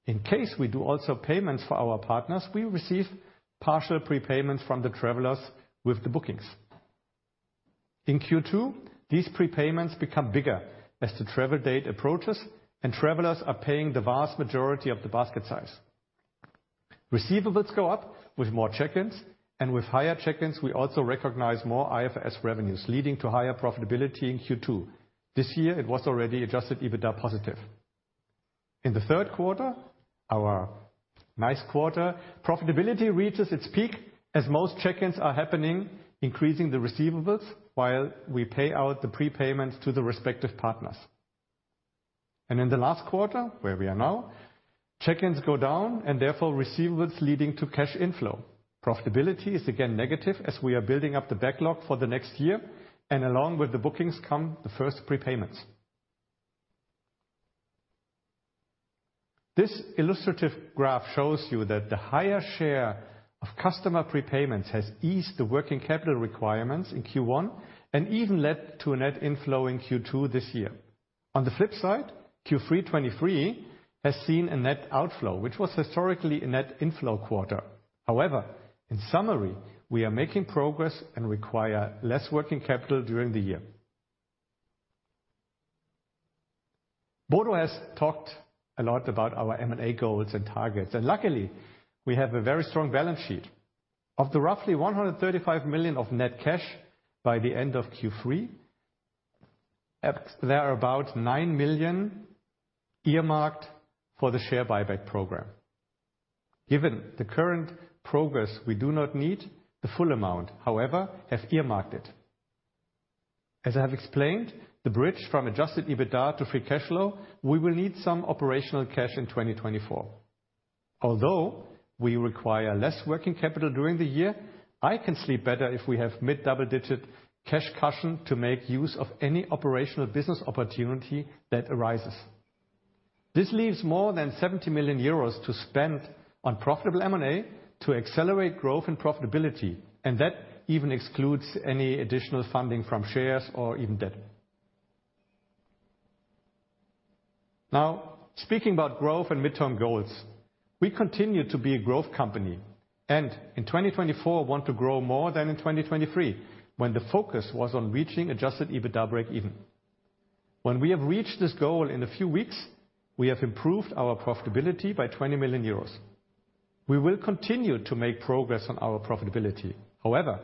In case we do also payments for our partners, we receive partial prepayments from the travelers with the bookings. In Q2, these prepayments become bigger as the travel date approaches, and travelers are paying the vast majority of the basket size. Receivables go up with more check-ins, and with higher check-ins, we also recognize more IFRS revenues, leading to higher profitability in Q2. This year, it was already adjusted EBITDA positive. In the third quarter, our nice quarter, profitability reaches its peak as most check-ins are happening, increasing the receivables while we pay out the prepayments to the respective partners. In the last quarter, where we are now, check-ins go down, and therefore receivables, leading to cash inflow. Profitability is again negative, as we are building up the backlog for the next year, and along with the bookings come the first prepayments. This illustrative graph shows you that the higher share of customer prepayments has eased the working capital requirements in Q1, and even led to a net inflow in Q2 this year. On the flip side, Q3 2023 has seen a net outflow, which was historically a net inflow quarter. However, in summary, we are making progress and require less working capital during the year. Bodo has talked a lot about our M&A goals and targets, and luckily, we have a very strong balance sheet. Of the roughly 135 million of net cash by the end of Q3, there are about 9 million earmarked for the share buyback program. Given the current progress, we do not need the full amount, however, have earmarked it. As I have explained, the bridge from adjusted EBITDA to free cash flow, we will need some operational cash in 2024. Although we require less working capital during the year, I can sleep better if we have mid-double-digit cash cushion to make use of any operational business opportunity that arises. This leaves more than 70 million euros to spend on profitable M&A, to accelerate growth and profitability, and that even excludes any additional funding from shares or even debt. Now, speaking about growth and mid-term goals, we continue to be a growth company, and in 2024 want to grow more than in 2023, when the focus was on reaching adjusted EBITDA breakeven. When we have reached this goal in a few weeks, we have improved our profitability by 20 million euros. We will continue to make progress on our profitability. However,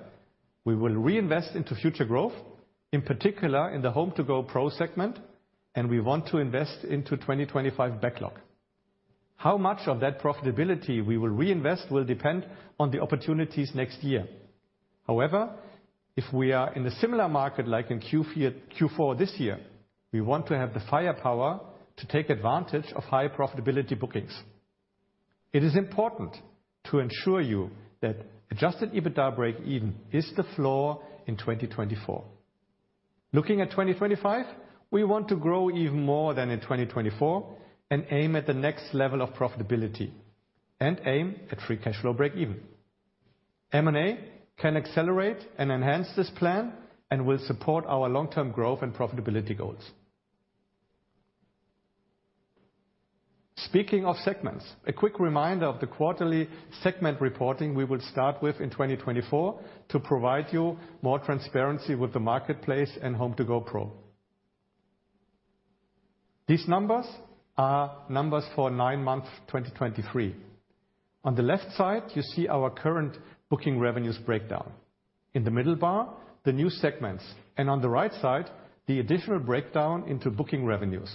we will reinvest into future growth, in particular in the HomeToGo Pro segment, and we want to invest into 2025 backlog. How much of that profitability we will reinvest will depend on the opportunities next year. However, if we are in a similar market, like in Q4 this year, we want to have the firepower to take advantage of high profitability bookings. It is important to ensure you that adjusted EBITDA breakeven is the floor in 2024. Looking at 2025, we want to grow even more than in 2024, and aim at the next level of profitability, and aim at free cash flow breakeven. M&A can accelerate and enhance this plan, and will support our long-term growth and profitability goals. Speaking of segments, a quick reminder of the quarterly segment reporting we will start with in 2024, to provide you more transparency with the Marketplace and HomeToGo Pro. These numbers are numbers for nine months, 2023. On the left side, you see our current booking revenues breakdown. In the middle bar, the new segments, and on the right side, the additional breakdown into booking revenues.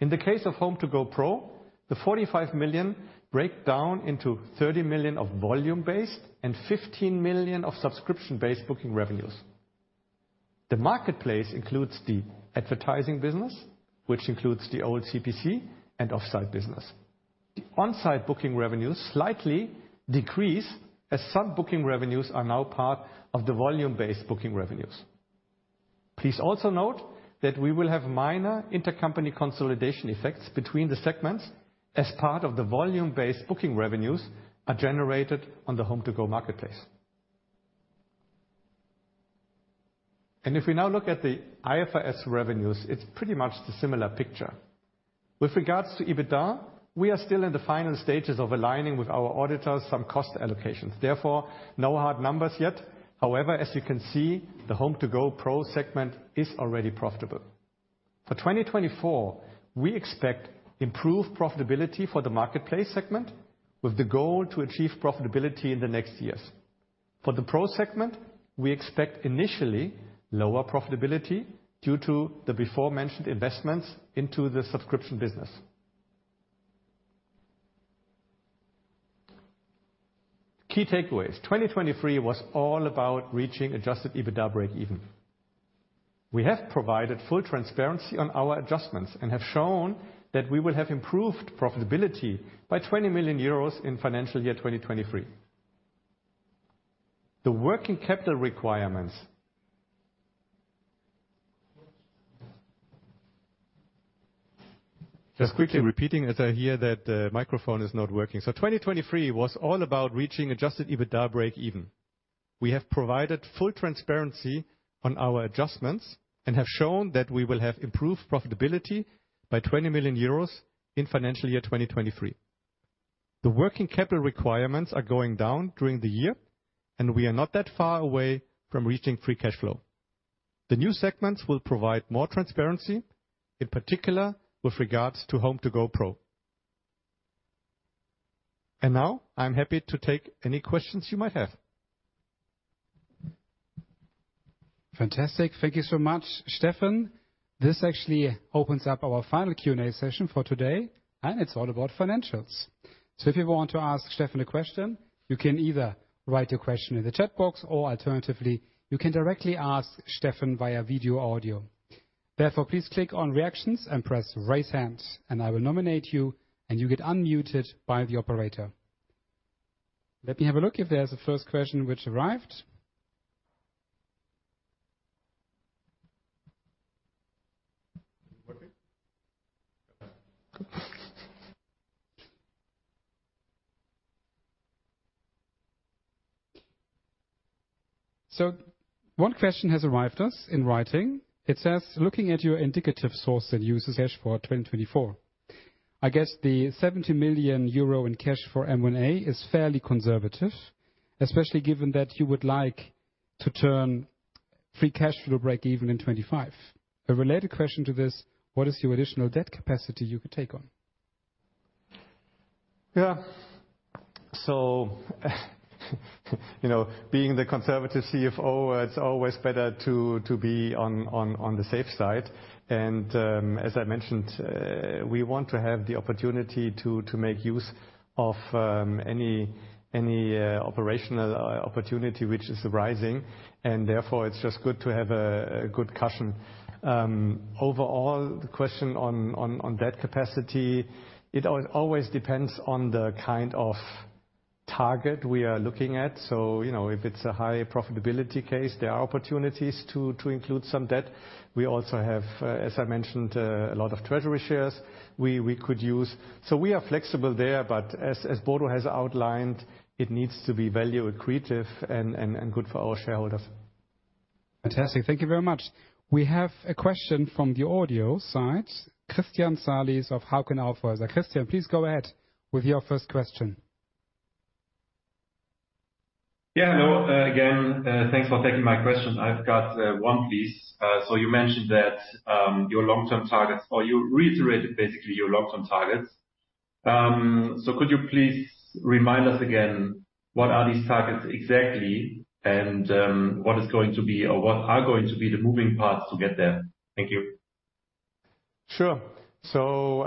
In the case of HomeToGo Pro, the 45 million break down into 30 million of volume-based and 15 million of subscription-based booking revenues. The Marketplace includes the advertising business, which includes the old CPC and off-site business. The on-site booking revenues slightly decrease, as some booking revenues are now part of the volume-based booking revenues. Please also note that we will have minor intercompany consolidation effects between the segments, as part of the volume-based booking revenues are generated on the HomeToGo Marketplace. If we now look at the IFRS revenues, it's pretty much the similar picture. With regards to EBITDA, we are still in the final stages of aligning with our auditors some cost allocations, therefore, no hard numbers yet. However, as you can see, the HomeToGo Pro segment is already profitable. For 2024, we expect improved profitability for the Marketplace segment, with the goal to achieve profitability in the next years. For the Pro segment, we expect initially lower profitability due to the beforementioned investments into the subscription business. Key takeaways. 2023 was all about reaching adjusted EBITDA breakeven. We have provided full transparency on our adjustments, and have shown that we will have improved profitability by 20 million euros in financial year 2023. The working capital requirements... Just quickly repeating, as I hear that the microphone is not working. 2023 was all about reaching adjusted EBITDA breakeven. We have provided full transparency on our adjustments and have shown that we will have improved profitability by 20 million euros in financial year 2023. The working capital requirements are going down during the year, and we are not that far away from reaching free cash flow. The new segments will provide more transparency, in particular, with regards to HomeToGo Pro. Now, I'm happy to take any questions you might have. Fantastic. Thank you so much, Steffen. This actually opens up our final Q&A session for today, and it's all about financials. So if you want to ask Steffen a question, you can either write your question in the chat box, or alternatively, you can directly ask Steffen via video-audio. Therefore, please click on Reactions and press Raise Hand, and I will nominate you, and you get unmuted by the operator. Let me have a look if there's a first question which arrived. Okay. One question has arrived to us in writing. It says: Looking at your indicative sources and uses cash for 2024, I guess the 70 million euro in cash for M&A is fairly conservative, especially given that you would like to turn free cash flow breakeven in 2025. A related question to this, what is your additional debt capacity you could take on? Yeah. So, you know, being the conservative CFO, it's always better to be on the safe side. And, as I mentioned, we want to have the opportunity to make use of any operational opportunity which is arising, and therefore, it's just good to have a good cushion. Overall, the question on debt capacity, it always depends on the kind of target we are looking at. So, you know, if it's a high profitability case, there are opportunities to include some debt. We also have, as I mentioned, a lot of treasury shares we could use. So we are flexible there, but as Bodo has outlined, it needs to be value accretive and good for our shareholders. Fantastic. Thank you very much. We have a question from the audio side. Christian Salis of Hauck & Aufhäuser. Christian, please go ahead with your first question. Yeah, hello, again, thanks for taking my question. I've got, one, please. So you mentioned that, your long-term targets or you reiterated basically your long-term targets. So could you please remind us again, what are these targets exactly, and, what is going to be or what are going to be the moving parts to get there? Thank you. Sure. So,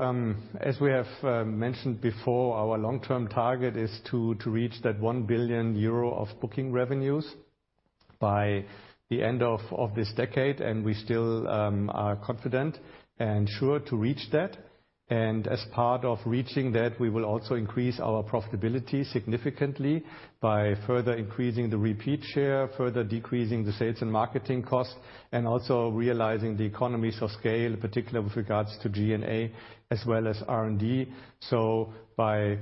as we have mentioned before, our long-term target is to reach that 1 billion euro of booking revenues by the end of this decade, and we still are confident and sure to reach that. And as part of reaching that, we will also increase our profitability significantly by further increasing the repeat share, further decreasing the sales and marketing costs, and also realizing the economies of scale, in particular with regards to G&A as well as R&D. So by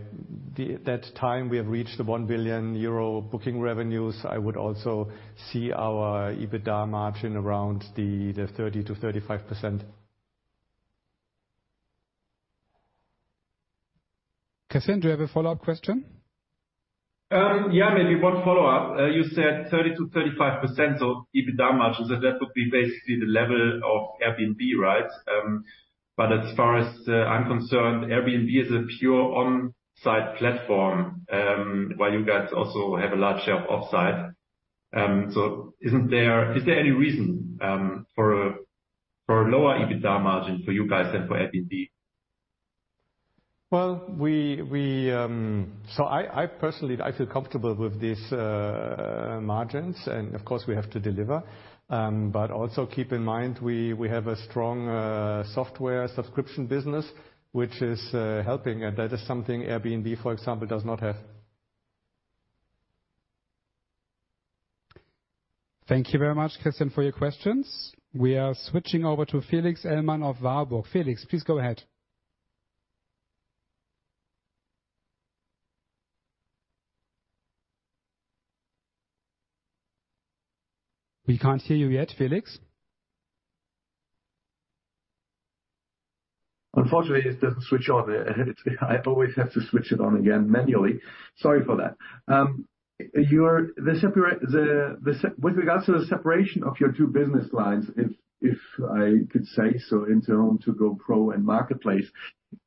the time we have reached the 1 billion euro booking revenues, I would also see our EBITDA margin around the 30%-35%. Christian, do you have a follow-up question? Yeah, maybe one follow-up. You said 30%-35% of EBITDA margin, so that would be basically the level of Airbnb, right? But as far as I'm concerned, Airbnb is a pure on-site platform, while you guys also have a large share of off-site. So is there any reason for a lower EBITDA margin for you guys than for Airbnb? Well, so I personally feel comfortable with these margins, and of course we have to deliver. But also keep in mind, we have a strong software subscription business, which is helping, and that is something Airbnb, for example, does not have. Thank you very much, Christian, for your questions. We are switching over to Felix Ellmann of Warburg. Felix, please go ahead. We can't hear you yet, Felix. Unfortunately, it doesn't switch on. I always have to switch it on again manually. Sorry for that. With regards to the separation of your two business lines, if I could say so, into HomeToGo Pro and Marketplace,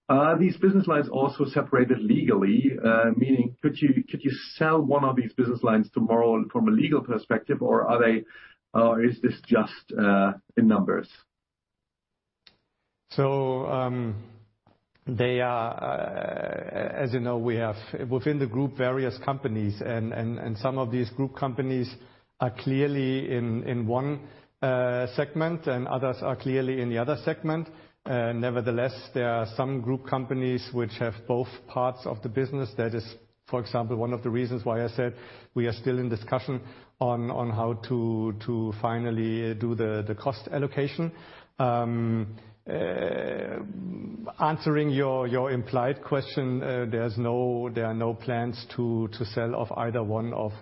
are these business lines also separated legally? Meaning, could you sell one of these business lines tomorrow from a legal perspective, or are they, is this just in numbers? So, as you know, we have within the group various companies, and some of these group companies are clearly in one segment, and others are clearly in the other segment. Nevertheless, there are some group companies which have both parts of the business. That is, for example, one of the reasons why I said we are still in discussion on how to finally do the cost allocation. Answering your implied question, there are no plans to sell off either one of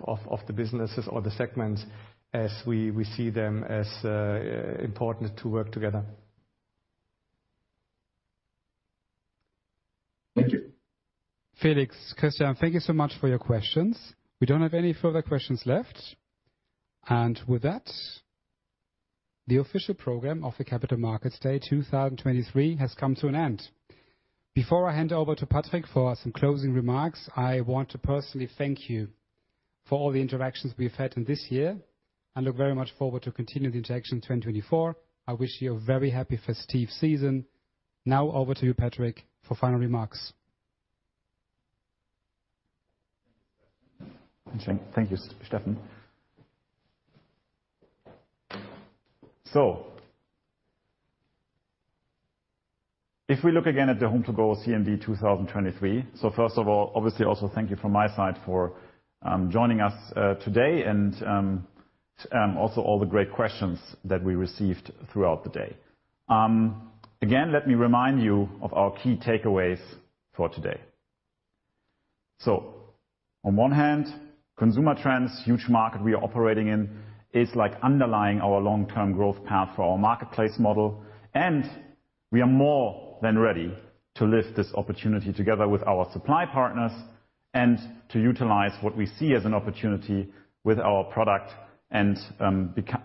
the businesses or the segments, as we see them as important to work together. Thank you. Felix, Christian, thank you so much for your questions. We don't have any further questions left. And with that, the official program of the Capital Markets Day 2023 has come to an end. Before I hand over to Patrick for some closing remarks, I want to personally thank you for all the interactions we've had in this year. I look very much forward to continue the interaction in 2024. I wish you a very happy festive season. Now over to you, Patrick, for final remarks. Thank you, Steffen. So if we look again at the HomeToGo CMD 2023, so first of all, obviously, also thank you from my side for joining us today, and also all the great questions that we received throughout the day. Again, let me remind you of our key takeaways for today. So on one hand, consumer trends, huge market we are operating in, is like underlying our long-term growth path for our marketplace model, and we are more than ready to lift this opportunity together with our supply partners, and to utilize what we see as an opportunity with our product and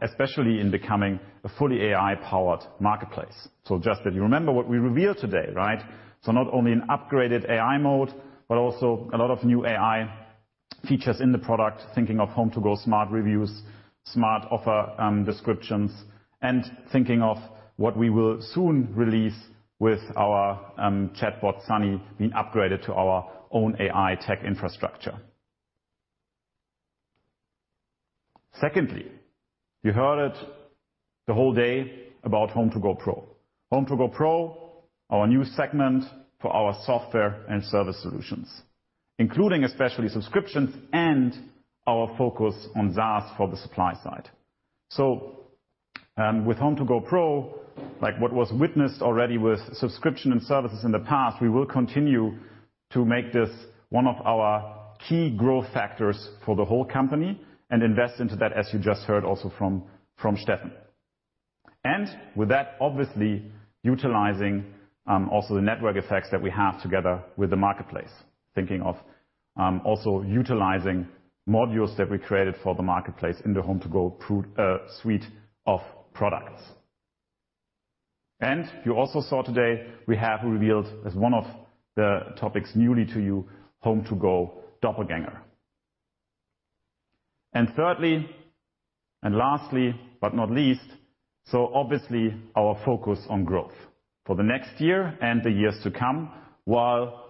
especially in becoming a fully AI-powered marketplace. So just that you remember what we revealed today, right? So not only an upgraded AI Mode, but also a lot of new AI features in the product, thinking of HomeToGo Smart Reviews, smart offer descriptions, and thinking of what we will soon release with our chatbot, Sunny, being upgraded to our own AI tech infrastructure. Second, you heard it the whole day about HomeToGo Pro. HomeToGo Pro, our new segment for our software and service solutions, including especially subscriptions and our focus on SaaS for the supply side. So, with HomeToGo Pro, like what was witnessed already with subscription and services in the past, we will continue to make this one of our key growth factors for the whole company and invest into that, as you just heard also from Stefan. And with that, obviously, utilizing also the network effects that we have together with the marketplace. Thinking of also utilizing modules that we created for the marketplace in the HomeToGo Pro suite of products. You also saw today, we have revealed as one of the topics newly to you, HomeToGo Doppelgänger. And thirdly, and lastly, but not least, so obviously our focus on growth for the next year and the years to come, while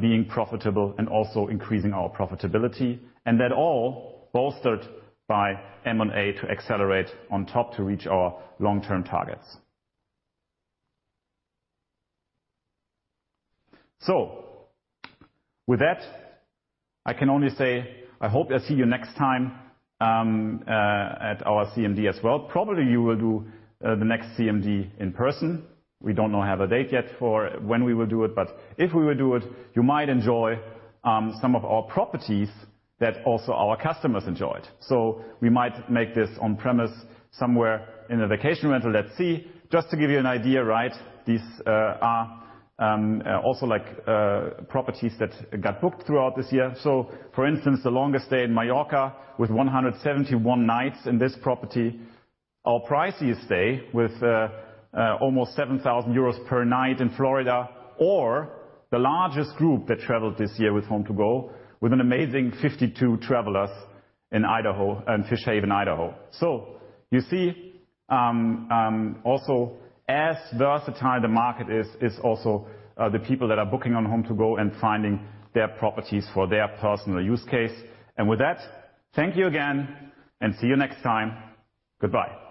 being profitable and also increasing our profitability, and that all bolstered by M&A to accelerate on top to reach our long-term targets. So with that, I can only say, I hope I see you next time at our CMD as well. Probably you will do the next CMD in person. We don't know have a date yet for when we will do it, but if we will do it, you might enjoy some of our properties that also our customers enjoyed. So we might make this on-premise somewhere in a vacation rental at sea. Just to give you an idea, right, these are also like properties that got booked throughout this year. So for instance, the longest stay in Mallorca with 171 nights in this property. Our priciest stay with almost 7,000 euros per night in Florida, or the largest group that traveled this year with HomeToGo, with an amazing 52 travelers in Idaho, in Fish Haven, Idaho. So you see, also, as versatile the market is, is also the people that are booking on HomeToGo and finding their properties for their personal use case. And with that, thank you again, and see you next time. Goodbye.